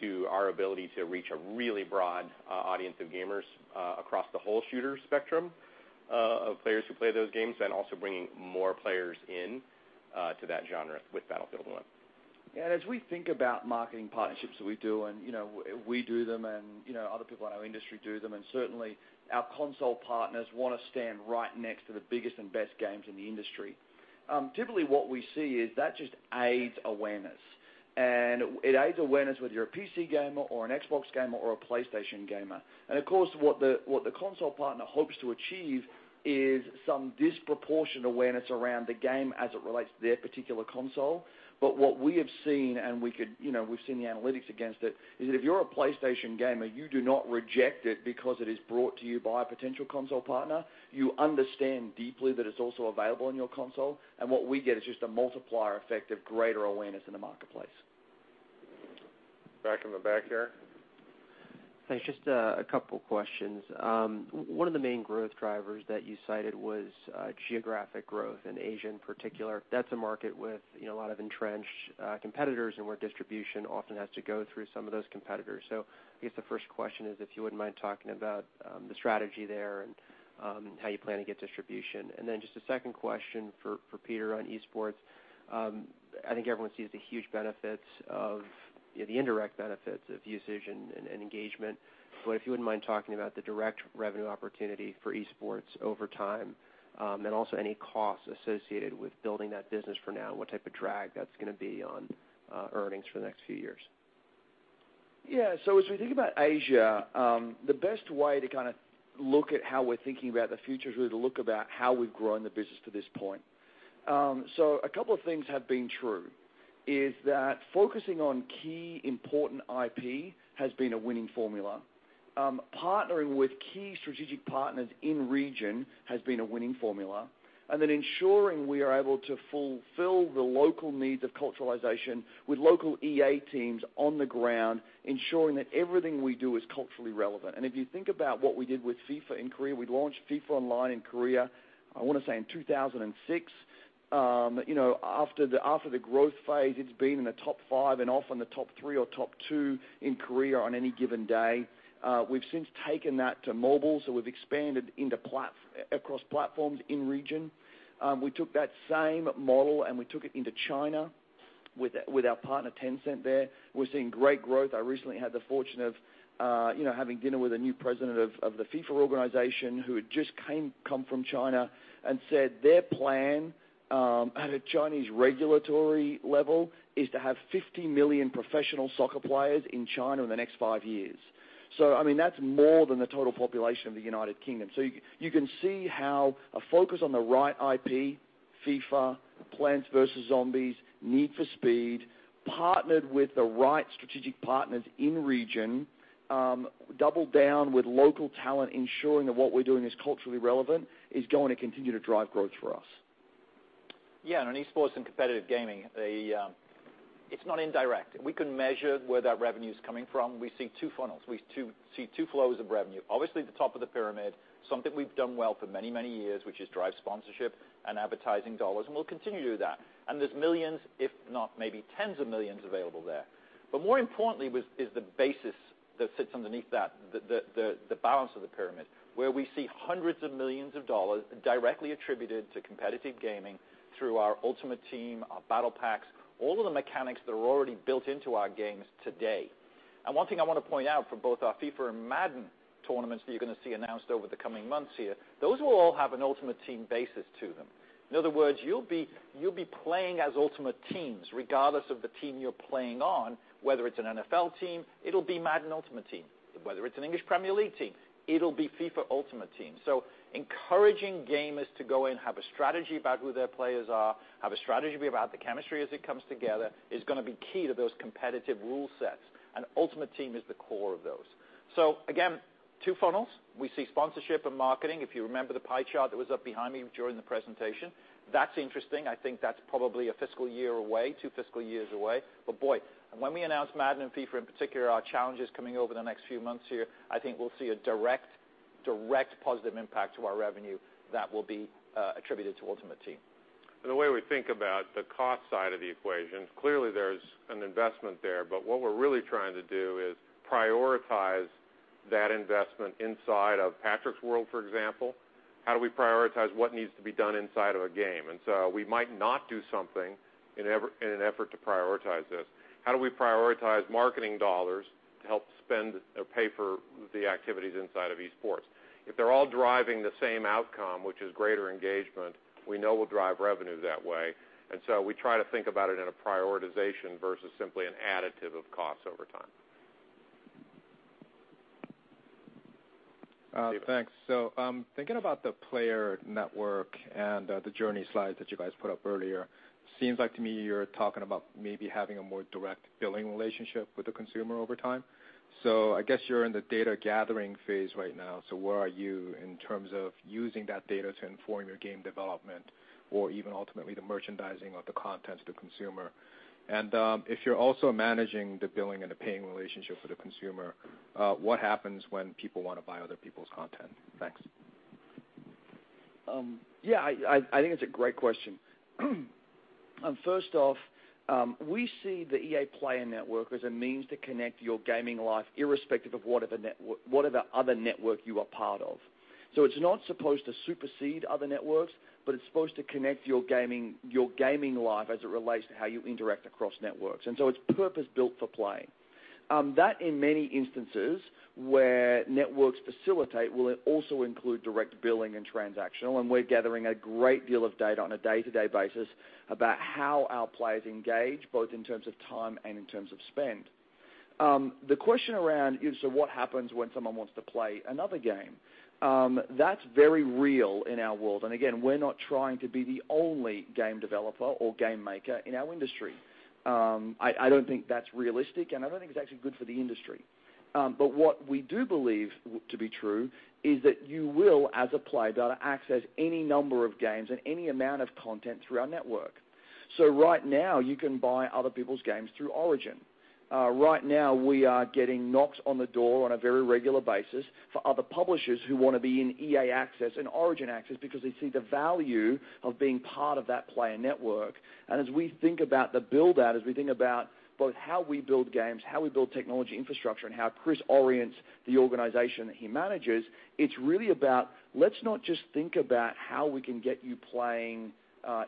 S7: to our ability to reach a really broad audience of gamers across the whole shooter spectrum of players who play those games and also bringing more players into that genre with Battlefield 1.
S2: Yeah, as we think about marketing partnerships that we do, and we do them, and other people in our industry do them, and certainly our console partners want to stand right next to the biggest and best games in the industry, typically what we see is that just aids awareness. It aids awareness whether you're a PC gamer or an Xbox gamer or a PlayStation gamer. Of course, what the console partner hopes to achieve is some disproportionate awareness around the game as it relates to their particular console. What we have seen, and we've seen the analytics against it, is that if you're a PlayStation gamer, you do not reject it because it is brought to you by a potential console partner. You understand deeply that it's also available on your console. What we get is just a multiplier effect of greater awareness in the marketplace.
S4: Back in the back here.
S10: There's just a couple questions. One of the main growth drivers that you cited was geographic growth in Asia in particular. That's a market with a lot of entrenched competitors, and where distribution often has to go through some of those competitors. I guess the first question is if you wouldn't mind talking about the strategy there and how you plan to get distribution. Just a second question for Peter on esports. I think everyone sees the huge benefits of the indirect benefits of usage and engagement. If you wouldn't mind talking about the direct revenue opportunity for esports over time and also any costs associated with building that business for now, what type of drag that's going to be on earnings for the next few years.
S2: As we think about Asia, the best way to kind of look at how we're thinking about the future is really to look about how we've grown the business to this point. A couple of things have been true, is that focusing on key important IP has been a winning formula. Partnering with key strategic partners in region has been a winning formula. Ensuring we are able to fulfill the local needs of culturalization with local EA teams on the ground, ensuring that everything we do is culturally relevant. If you think about what we did with FIFA in Korea, we launched FIFA Online in Korea, I want to say in 2006. After the growth phase, it's been in the top five and often the top three or top two in Korea on any given day.
S3: We've since taken that to mobile, we've expanded across platforms in region. We took that same model, we took it into China with our partner Tencent there. We're seeing great growth. I recently had the fortune of having dinner with a new president of the FIFA organization who had just come from China and said their plan at a Chinese regulatory level is to have 50 million professional soccer players in China in the next five years. I mean, that's more than the total population of the United Kingdom. You can see how a focus on the right IP, FIFA, Plants vs. Zombies, Need for Speed, partnered with the right strategic partners in region, doubled down with local talent, ensuring that what we're doing is culturally relevant, is going to continue to drive growth for us. On esports and competitive gaming, it's not indirect. We can measure where that revenue is coming from. We see two funnels. We see two flows of revenue. Obviously, the top of the pyramid, something we've done well for many, many years, which is drive sponsorship and advertising dollars, and we'll continue to do that. There's millions, if not maybe tens of millions available there. More importantly is the basis that sits underneath that, the balance of the pyramid, where we see hundreds of millions of dollars directly attributed to competitive gaming through our Ultimate Team, our Battlepacks, all of the mechanics that are already built into our games today. One thing I want to point out for both our FIFA and Madden tournaments that you're going to see announced over the coming months here, those will all have an Ultimate Team basis to them. In other words, you'll be playing as Ultimate Teams regardless of the team you're playing on, whether it's an NFL team, it'll be Madden Ultimate Team. Whether it's an English Premier League team, it'll be FIFA Ultimate Team. Encouraging gamers to go in, have a strategy about who their players are, have a strategy about the chemistry as it comes together, is going to be key to those competitive rule sets. Ultimate Team is the core of those. Again, two funnels. We see sponsorship and marketing. If you remember the pie chart that was up behind me during the presentation, that's interesting. I think that's probably a fiscal year away, two fiscal years away. Boy, when we announce Madden and FIFA in particular, our challenges coming over the next few months here, I think we'll see a direct positive impact to our revenue that will be attributed to Ultimate Team.
S4: The way we think about the cost side of the equation, clearly there's an investment there, but what we're really trying to do is prioritize that investment inside of Patrick's World, for example. How do we prioritize what needs to be done inside of a game? We might not do something in an effort to prioritize this. How do we prioritize marketing dollars to help spend or pay for the activities inside of esports? If they're all driving the same outcome, which is greater engagement, we know we'll drive revenue that way. We try to think about it in a prioritization versus simply an additive of costs over time.
S10: Thank you. Thinking about the EA Player Network and the journey slides that you guys put up earlier, it seems like to me you're talking about maybe having a more direct billing relationship with the consumer over time. I guess you're in the data gathering phase right now. Where are you in terms of using that data to inform your game development or even ultimately the merchandising of the content to the consumer? If you're also managing the billing and the paying relationship for the consumer, what happens when people want to buy other people's content? Thank you.
S2: I think it's a great question. First off, we see the EA Player Network as a means to connect your gaming life irrespective of whatever other network you are part of. It's not supposed to supersede other networks, but it's supposed to connect your gaming life as it relates to how you interact across networks. It's purpose-built for play. That, in many instances where networks facilitate, will also include direct billing and transactional. We're gathering a great deal of data on a day-to-day basis about how our players engage, both in terms of time and in terms of spend. The question around, "What happens when someone wants to play another game?" That's very real in our world. Again, we're not trying to be the only game developer or game maker in our industry. I don't think that's realistic, and I don't think it's actually good for the industry. What we do believe to be true is that you will, as a player, access any number of games and any amount of content through our network. Right now, you can buy other people's games through Origin. Right now, we are getting knocks on the door on a very regular basis for other publishers who want to be in EA Access and Origin Access because they see the value of being part of that EA Player Network. As we think about the build-out, as we think about both how we build games, how we build technology infrastructure, and how Chris orients the organization that he manages, it's really about, "Let's not just think about how we can get you playing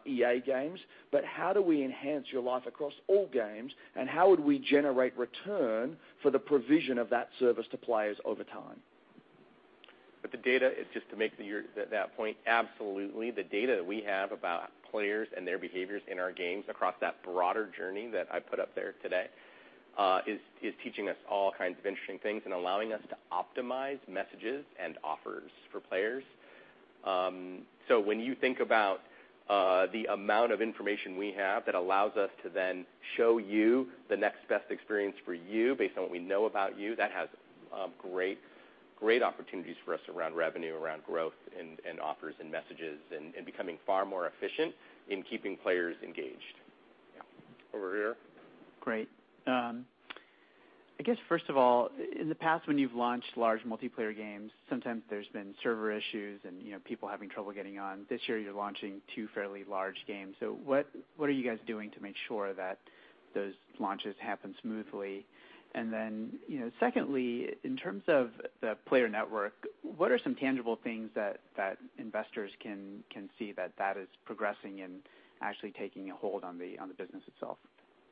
S2: EA games, but how do we enhance your life across all games, and how would we generate return for the provision of that service to players over time?" The data, just to make that point, absolutely. The data that we have about players and their behaviors in our games across that broader journey that I put up there today is teaching us all kinds of interesting things and allowing us to optimize messages and offers for players. When you think about the amount of information we have that allows us to then show you the next best experience for you based on what we know about you, that has great opportunities for us around revenue, around growth, and offers and messages, and becoming far more efficient in keeping players engaged.
S4: Yeah. Over here.
S10: Great. I guess, first of all, in the past, when you've launched large multiplayer games, sometimes there's been server issues and people having trouble getting on. This year, you're launching two fairly large games. What are you guys doing to make sure that those launches happen smoothly? Then secondly, in terms of the EA Player Network, what are some tangible things that investors can see that that is progressing and actually taking a hold on the business itself?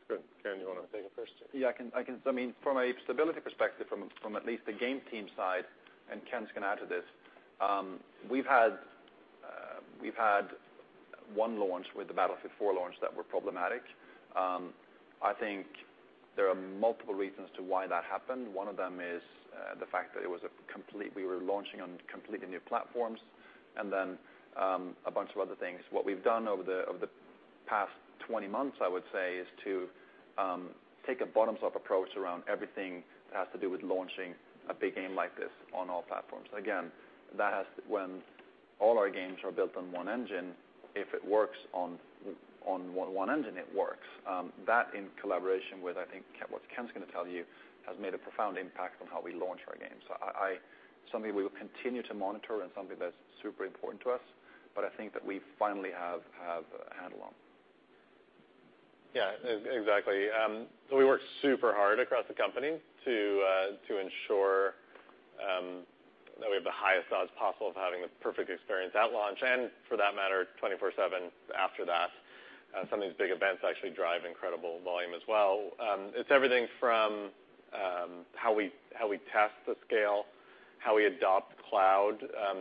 S4: Good. Ken, do you want to take it first?
S7: Yeah, I can. I mean, from a stability perspective, from at least the game team side, and Ken's going to add to this, we've had one launch with the Battlefield 4 launch that were problematic. I think there are multiple reasons to why that happened. One of them is the fact that we were launching on completely new platforms and then a bunch of other things. What we've done over the past 20 months, I would say, is to take a bottom-stop approach around everything that has to do with launching a big game like this on all platforms. When all our games are built on one engine, if it works on one engine, it works. That, in collaboration with, I think, what Ken's going to tell you, has made a profound impact on how we launch our games. It's something we will continue to monitor and something that's super important to us, but I think that we finally have a handle on.
S11: Yeah, exactly. We work super hard across the company to ensure that we have the highest odds possible of having the perfect experience at launch and, for that matter, 24/7 after that. Some of these big events actually drive incredible volume as well. It's everything from how we test the scale, how we adopt cloud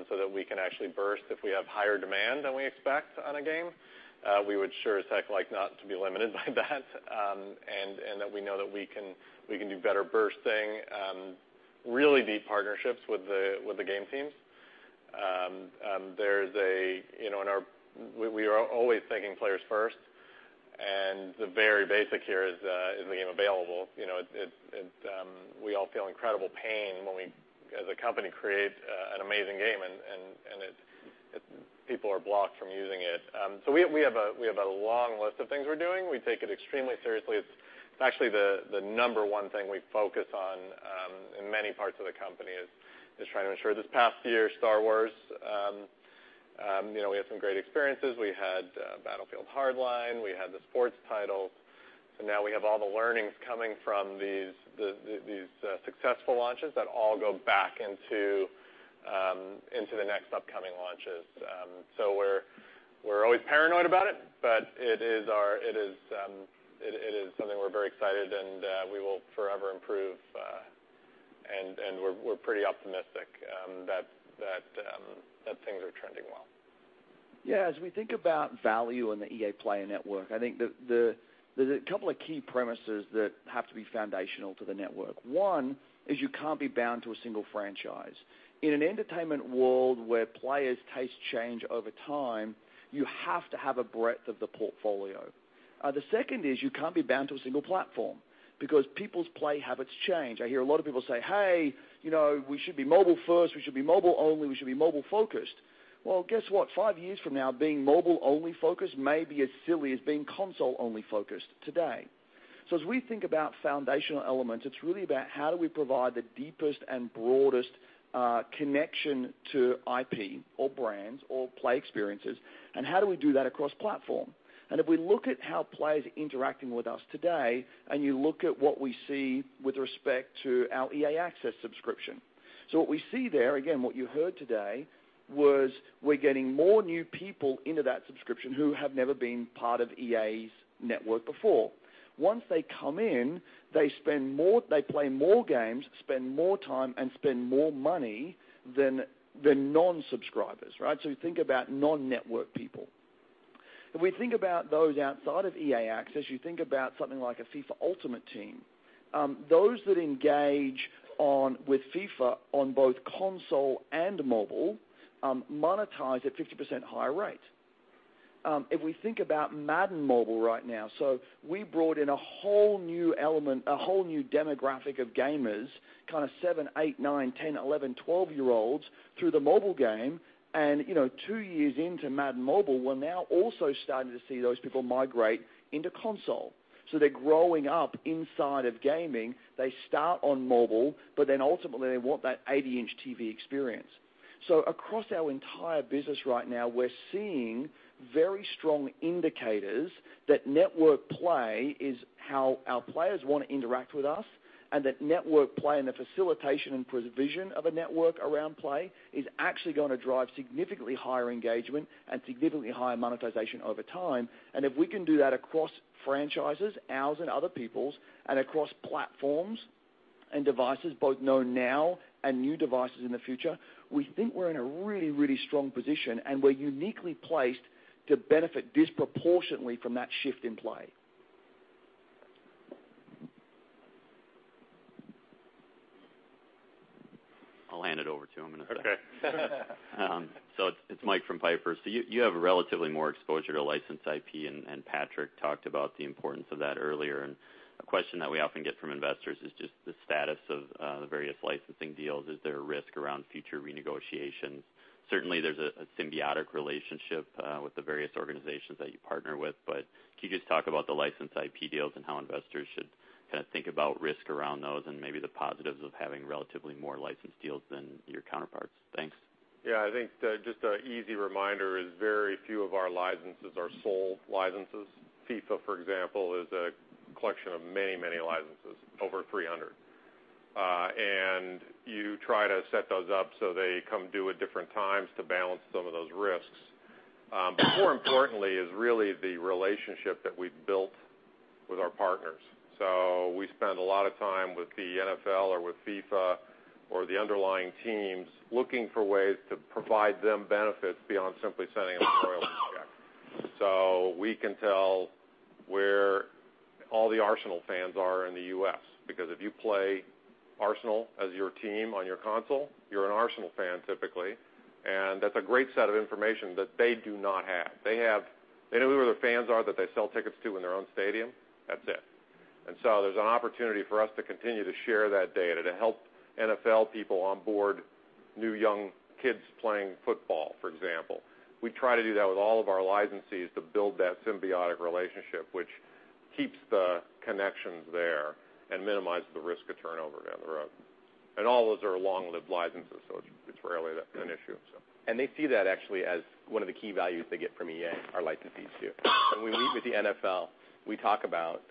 S11: so that we can actually burst if we have higher demand than we expect on a game. We would sure as heck like not to be limited by that we know that we can do better bursting, really deep partnerships with the game teams. We are always thinking players first. The very basic here is the game available. We all feel incredible pain when we, as a company, create an amazing game, and people are blocked from using it. We have a long list of things we're doing. We take it extremely seriously. It's actually the number one thing we focus on in many parts of the company is trying to ensure this past year, Star Wars, we had some great experiences. We had Battlefield Hardline. We had the sports title. Now we have all the learnings coming from these successful launches that all go back into the next upcoming launches. We're always paranoid about it is something we're very excited about, we will forever improve. We're pretty optimistic that things are trending well.
S2: Yeah, as we think about value in the EA Player Network, I think there's a couple of key premises that have to be foundational to the network. One is you can't be bound to a single franchise. In an entertainment world where players taste change over time, you have to have a breadth of the portfolio. The second is you can't be bound to a single platform because people's play habits change. I hear a lot of people say, "Hey, we should be mobile first. We should be mobile only. We should be mobile-focused." Well, guess what? Five years from now, being mobile-only-focused may be as silly as being console-only-focused today. As we think about foundational elements, it's really about how do we provide the deepest and broadest connection to IP or brands or play experiences, and how do we do that across platform? If we look at how players are interacting with us today, and you look at what we see with respect to our EA Access subscription. What we see there, again, what you heard today, was we're getting more new people into that subscription who have never been part of EA's network before. Once they come in, they play more games, spend more time, and spend more money than non-subscribers. You think about non-network people. If we think about those outside of EA Access, you think about something like a FIFA Ultimate Team. Those that engage with FIFA on both console and mobile monetize at a 50% higher rate. If we think about Madden Mobile right now. We brought in a whole new element, a whole new demographic of gamers, kind of seven, eight, nine, 10, 11, 12-year-olds through the mobile game, and two years into Madden Mobile, we're now also starting to see those people migrate into console. They're growing up inside of gaming. They start on mobile, but then ultimately, they want that 80-inch TV experience. Across our entire business right now, we're seeing very strong indicators that network play is how our players want to interact with us, and that network play and the facilitation and provision of a network around play is actually going to drive significantly higher engagement and significantly higher monetization over time. If we can do that across franchises, ours and other people's, and across platforms and devices, both known now and new devices in the future, we think we're in a really, really strong position and we're uniquely placed to benefit disproportionately from that shift in play.
S17: I'll hand it over to him in a sec.
S4: Okay.
S17: It's Mike from Piper Jaffray. You have relatively more exposure to licensed IP, and Patrick Söderlund talked about the importance of that earlier. A question that we often get from investors is just the status of the various licensing deals. Is there a risk around future renegotiations? Certainly, there's a symbiotic relationship with the various organizations that you partner with, can you just talk about the licensed IP deals and how investors should kind of think about risk around those and maybe the positives of having relatively more licensed deals than your counterparts? Thanks.
S4: I think just an easy reminder is very few of our licenses are sold licenses. FIFA, for example, is a collection of many licenses, over 300. You try to set those up so they come due at different times to balance some of those risks. More importantly is really the relationship that we've built with our partners. We spend a lot of time with the NFL or with FIFA or the underlying teams looking for ways to provide them benefits beyond simply sending them a royalty check. We can tell where all the Arsenal fans are in the U.S. because if you play Arsenal as your team on your console, you're an Arsenal fan, typically. That's a great set of information that they do not have. They know who their fans are that they sell tickets to in their own stadium. That's it. There's an opportunity for us to continue to share that data to help NFL people onboard new young kids playing football, for example. We try to do that with all of our licensees to build that symbiotic relationship, which keeps the connections there and minimizes the risk of turnover down the road. All those are long-lived licenses, it's rarely an issue.
S3: They see that actually as one of the key values they get from EA, our licensees too. When we meet with the NFL, we talk about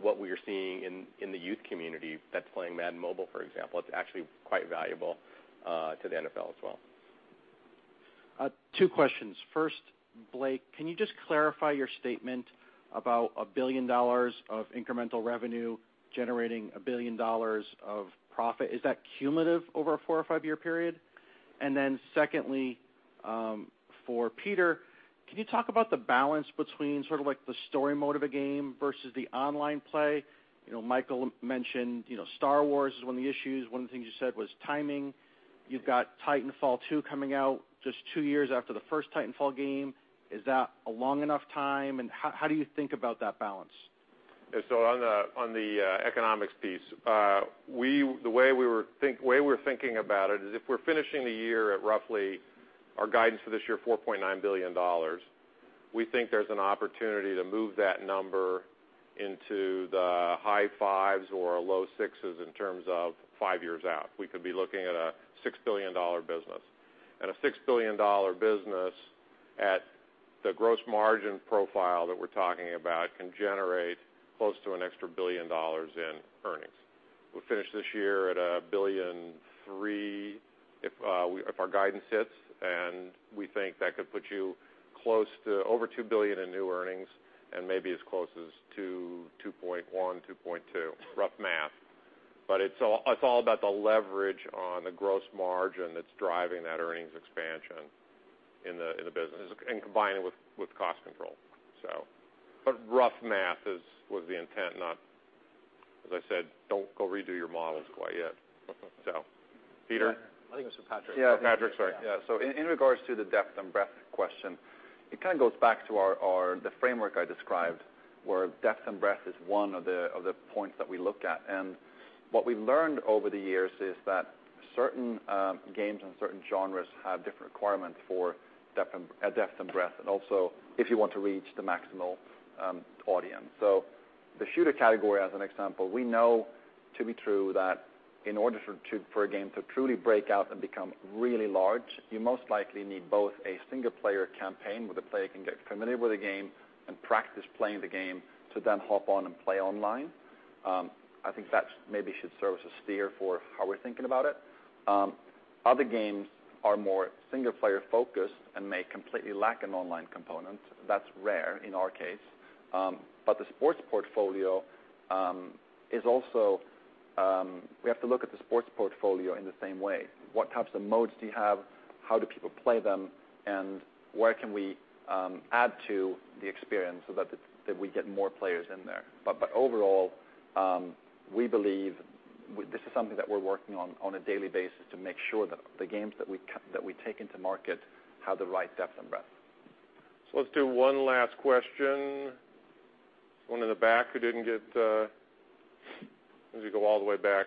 S3: what we are seeing in the youth community that's playing Madden Mobile, for example. It's actually quite valuable to the NFL as well.
S17: Two questions. First, Blake, can you just clarify your statement about $1 billion of incremental revenue generating $1 billion of profit? Is that cumulative over a four or five-year period? Secondly, for Peter, can you talk about the balance between sort of the story mode of a game versus the online play? Michael mentioned Star Wars is one of the issues. One of the things you said was timing. You've got Titanfall 2 coming out just two years after the first Titanfall game. Is that a long enough time? How do you think about that balance?
S4: On the economics piece, the way we were thinking about it is if we're finishing the year at roughly our guidance for this year, $4.9 billion, we think there's an opportunity to move that number into the high fives or low sixes in terms of five years out. We could be looking at a $6 billion business. A $6 billion business at the gross margin profile that we're talking about can generate close to an extra $1 billion in earnings. We'll finish this year at $1.3 billion if our guidance hits, we think that could put you close to over $2 billion in new earnings and maybe as close as $2.1 billion, $2.2 billion, rough math. It's all about the leverage on the gross margin that's driving that earnings expansion in the business and combining it with cost control. Rough math was the intent, not, as I said, "Don't go redo your models quite yet." Peter?
S7: I think it was for Patrick.
S4: Yeah, Patrick, sorry.
S7: In regards to the depth and breadth question, it kind of goes back to the framework I described where depth and breadth is one of the points that we look at. What we've learned over the years is that certain games and certain genres have different requirements for depth and breadth and also if you want to reach the maximal audience. The shooter category, as an example, we know to be true that in order for a game to truly break out and become really large, you most likely need both a single-player campaign where the player can get familiar with the game and practice playing the game to then hop on and play online. I think that maybe should serve as a steer for how we're thinking about it. Other games are more single-player-focused and may completely lack an online component. That's rare in our case. The sports portfolio is also we have to look at the sports portfolio in the same way. What types of modes do you have? How do people play them? Where can we add to the experience so that we get more players in there? Overall, we believe this is something that we're working on on a daily basis to make sure that the games that we take into market have the right depth and breadth.
S4: Let's do one last question. One in the back who didn't get as you go all the way back.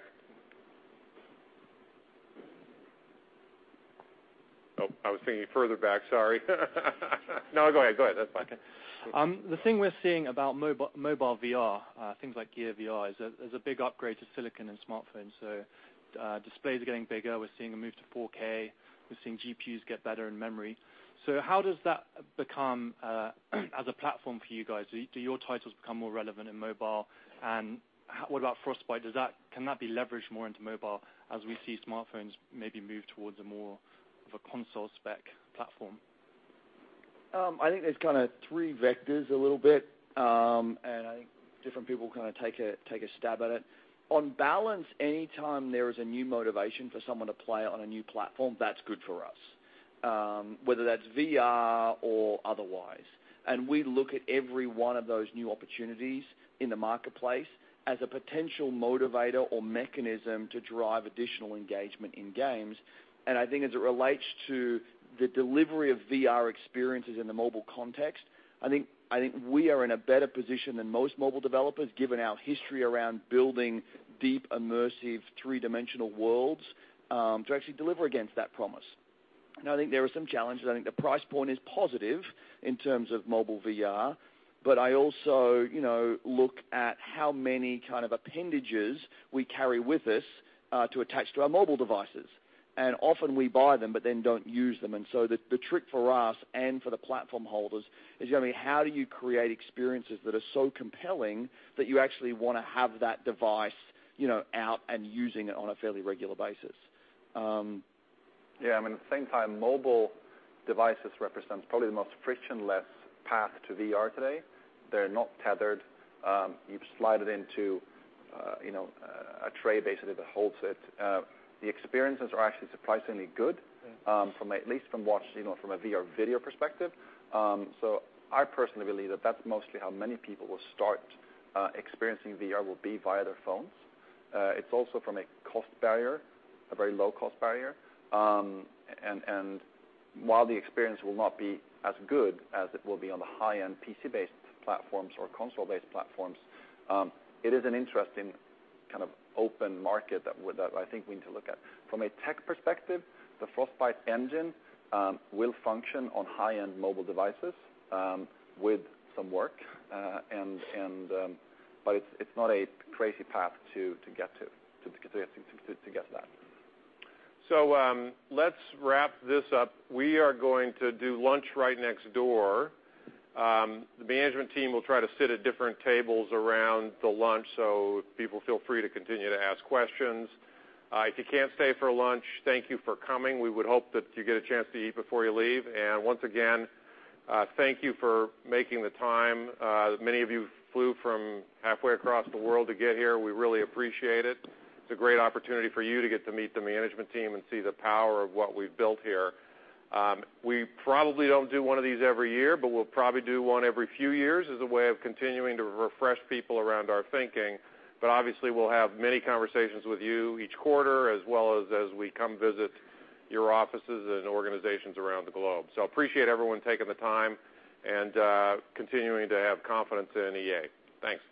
S4: Oh, I was thinking further back. Sorry. No, go ahead. Go ahead. That's fine.
S10: The thing we're seeing about mobile VR, things like Gear VR, is a big upgrade to silicon in smartphones. Displays are getting bigger. We're seeing a move to 4K. We're seeing GPUs get better in memory. How does that become as a platform for you guys? Do your titles become more relevant in mobile? What about Frostbite? Can that be leveraged more into mobile as we see smartphones maybe move towards more of a console spec platform?
S2: I think there's kind of three vectors a little bit, and I think different people kind of take a stab at it. On balance, anytime there is a new motivation for someone to play on a new platform, that's good for us, whether that's VR or otherwise. We look at every one of those new opportunities in the marketplace as a potential motivator or mechanism to drive additional engagement in games. I think as it relates to the delivery of VR experiences in the mobile context, I think we are in a better position than most mobile developers given our history around building deep, immersive, three-dimensional worlds to actually deliver against that promise. I think there are some challenges. I think the price point is positive in terms of mobile VR, but I also look at how many kind of appendages we carry with us to attach to our mobile devices. Often, we buy them but then don't use them. The trick for us and for the platform holders is going to be, "How do you create experiences that are so compelling that you actually want to have that device out and using it on a fairly regular basis?
S4: Yeah, I mean, at the same time, mobile devices represent probably the most frictionless path to VR today. They're not tethered. You've slid into a tray, basically, that holds it. The experiences are actually surprisingly good, at least from a VR video perspective. I personally believe that that's mostly how many people will start experiencing VR will be via their phones. It's also from a cost barrier, a very low-cost barrier. While the experience will not be as good as it will be on the high-end PC-based platforms or console-based platforms, it is an interesting kind of open market that I think we need to look at. From a tech perspective, the Frostbite engine will function on high-end mobile devices with some work, but it's not a crazy path to get to that. Let's wrap this up. We are going to do lunch right next door. The management team will try to sit at different tables around the lunch, people feel free to continue to ask questions. If you can't stay for lunch, thank you for coming. We would hope that you get a chance to eat before you leave. Once again, thank you for making the time. Many of you flew from halfway across the world to get here. We really appreciate it. It's a great opportunity for you to get to meet the management team and see the power of what we've built here. We probably don't do one of these every year, but we'll probably do one every few years as a way of continuing to refresh people around our thinking. Obviously, we'll have many conversations with you each quarter as well as as we come visit your offices and organizations around the globe. Appreciate everyone taking the time and continuing to have confidence in EA. Thanks.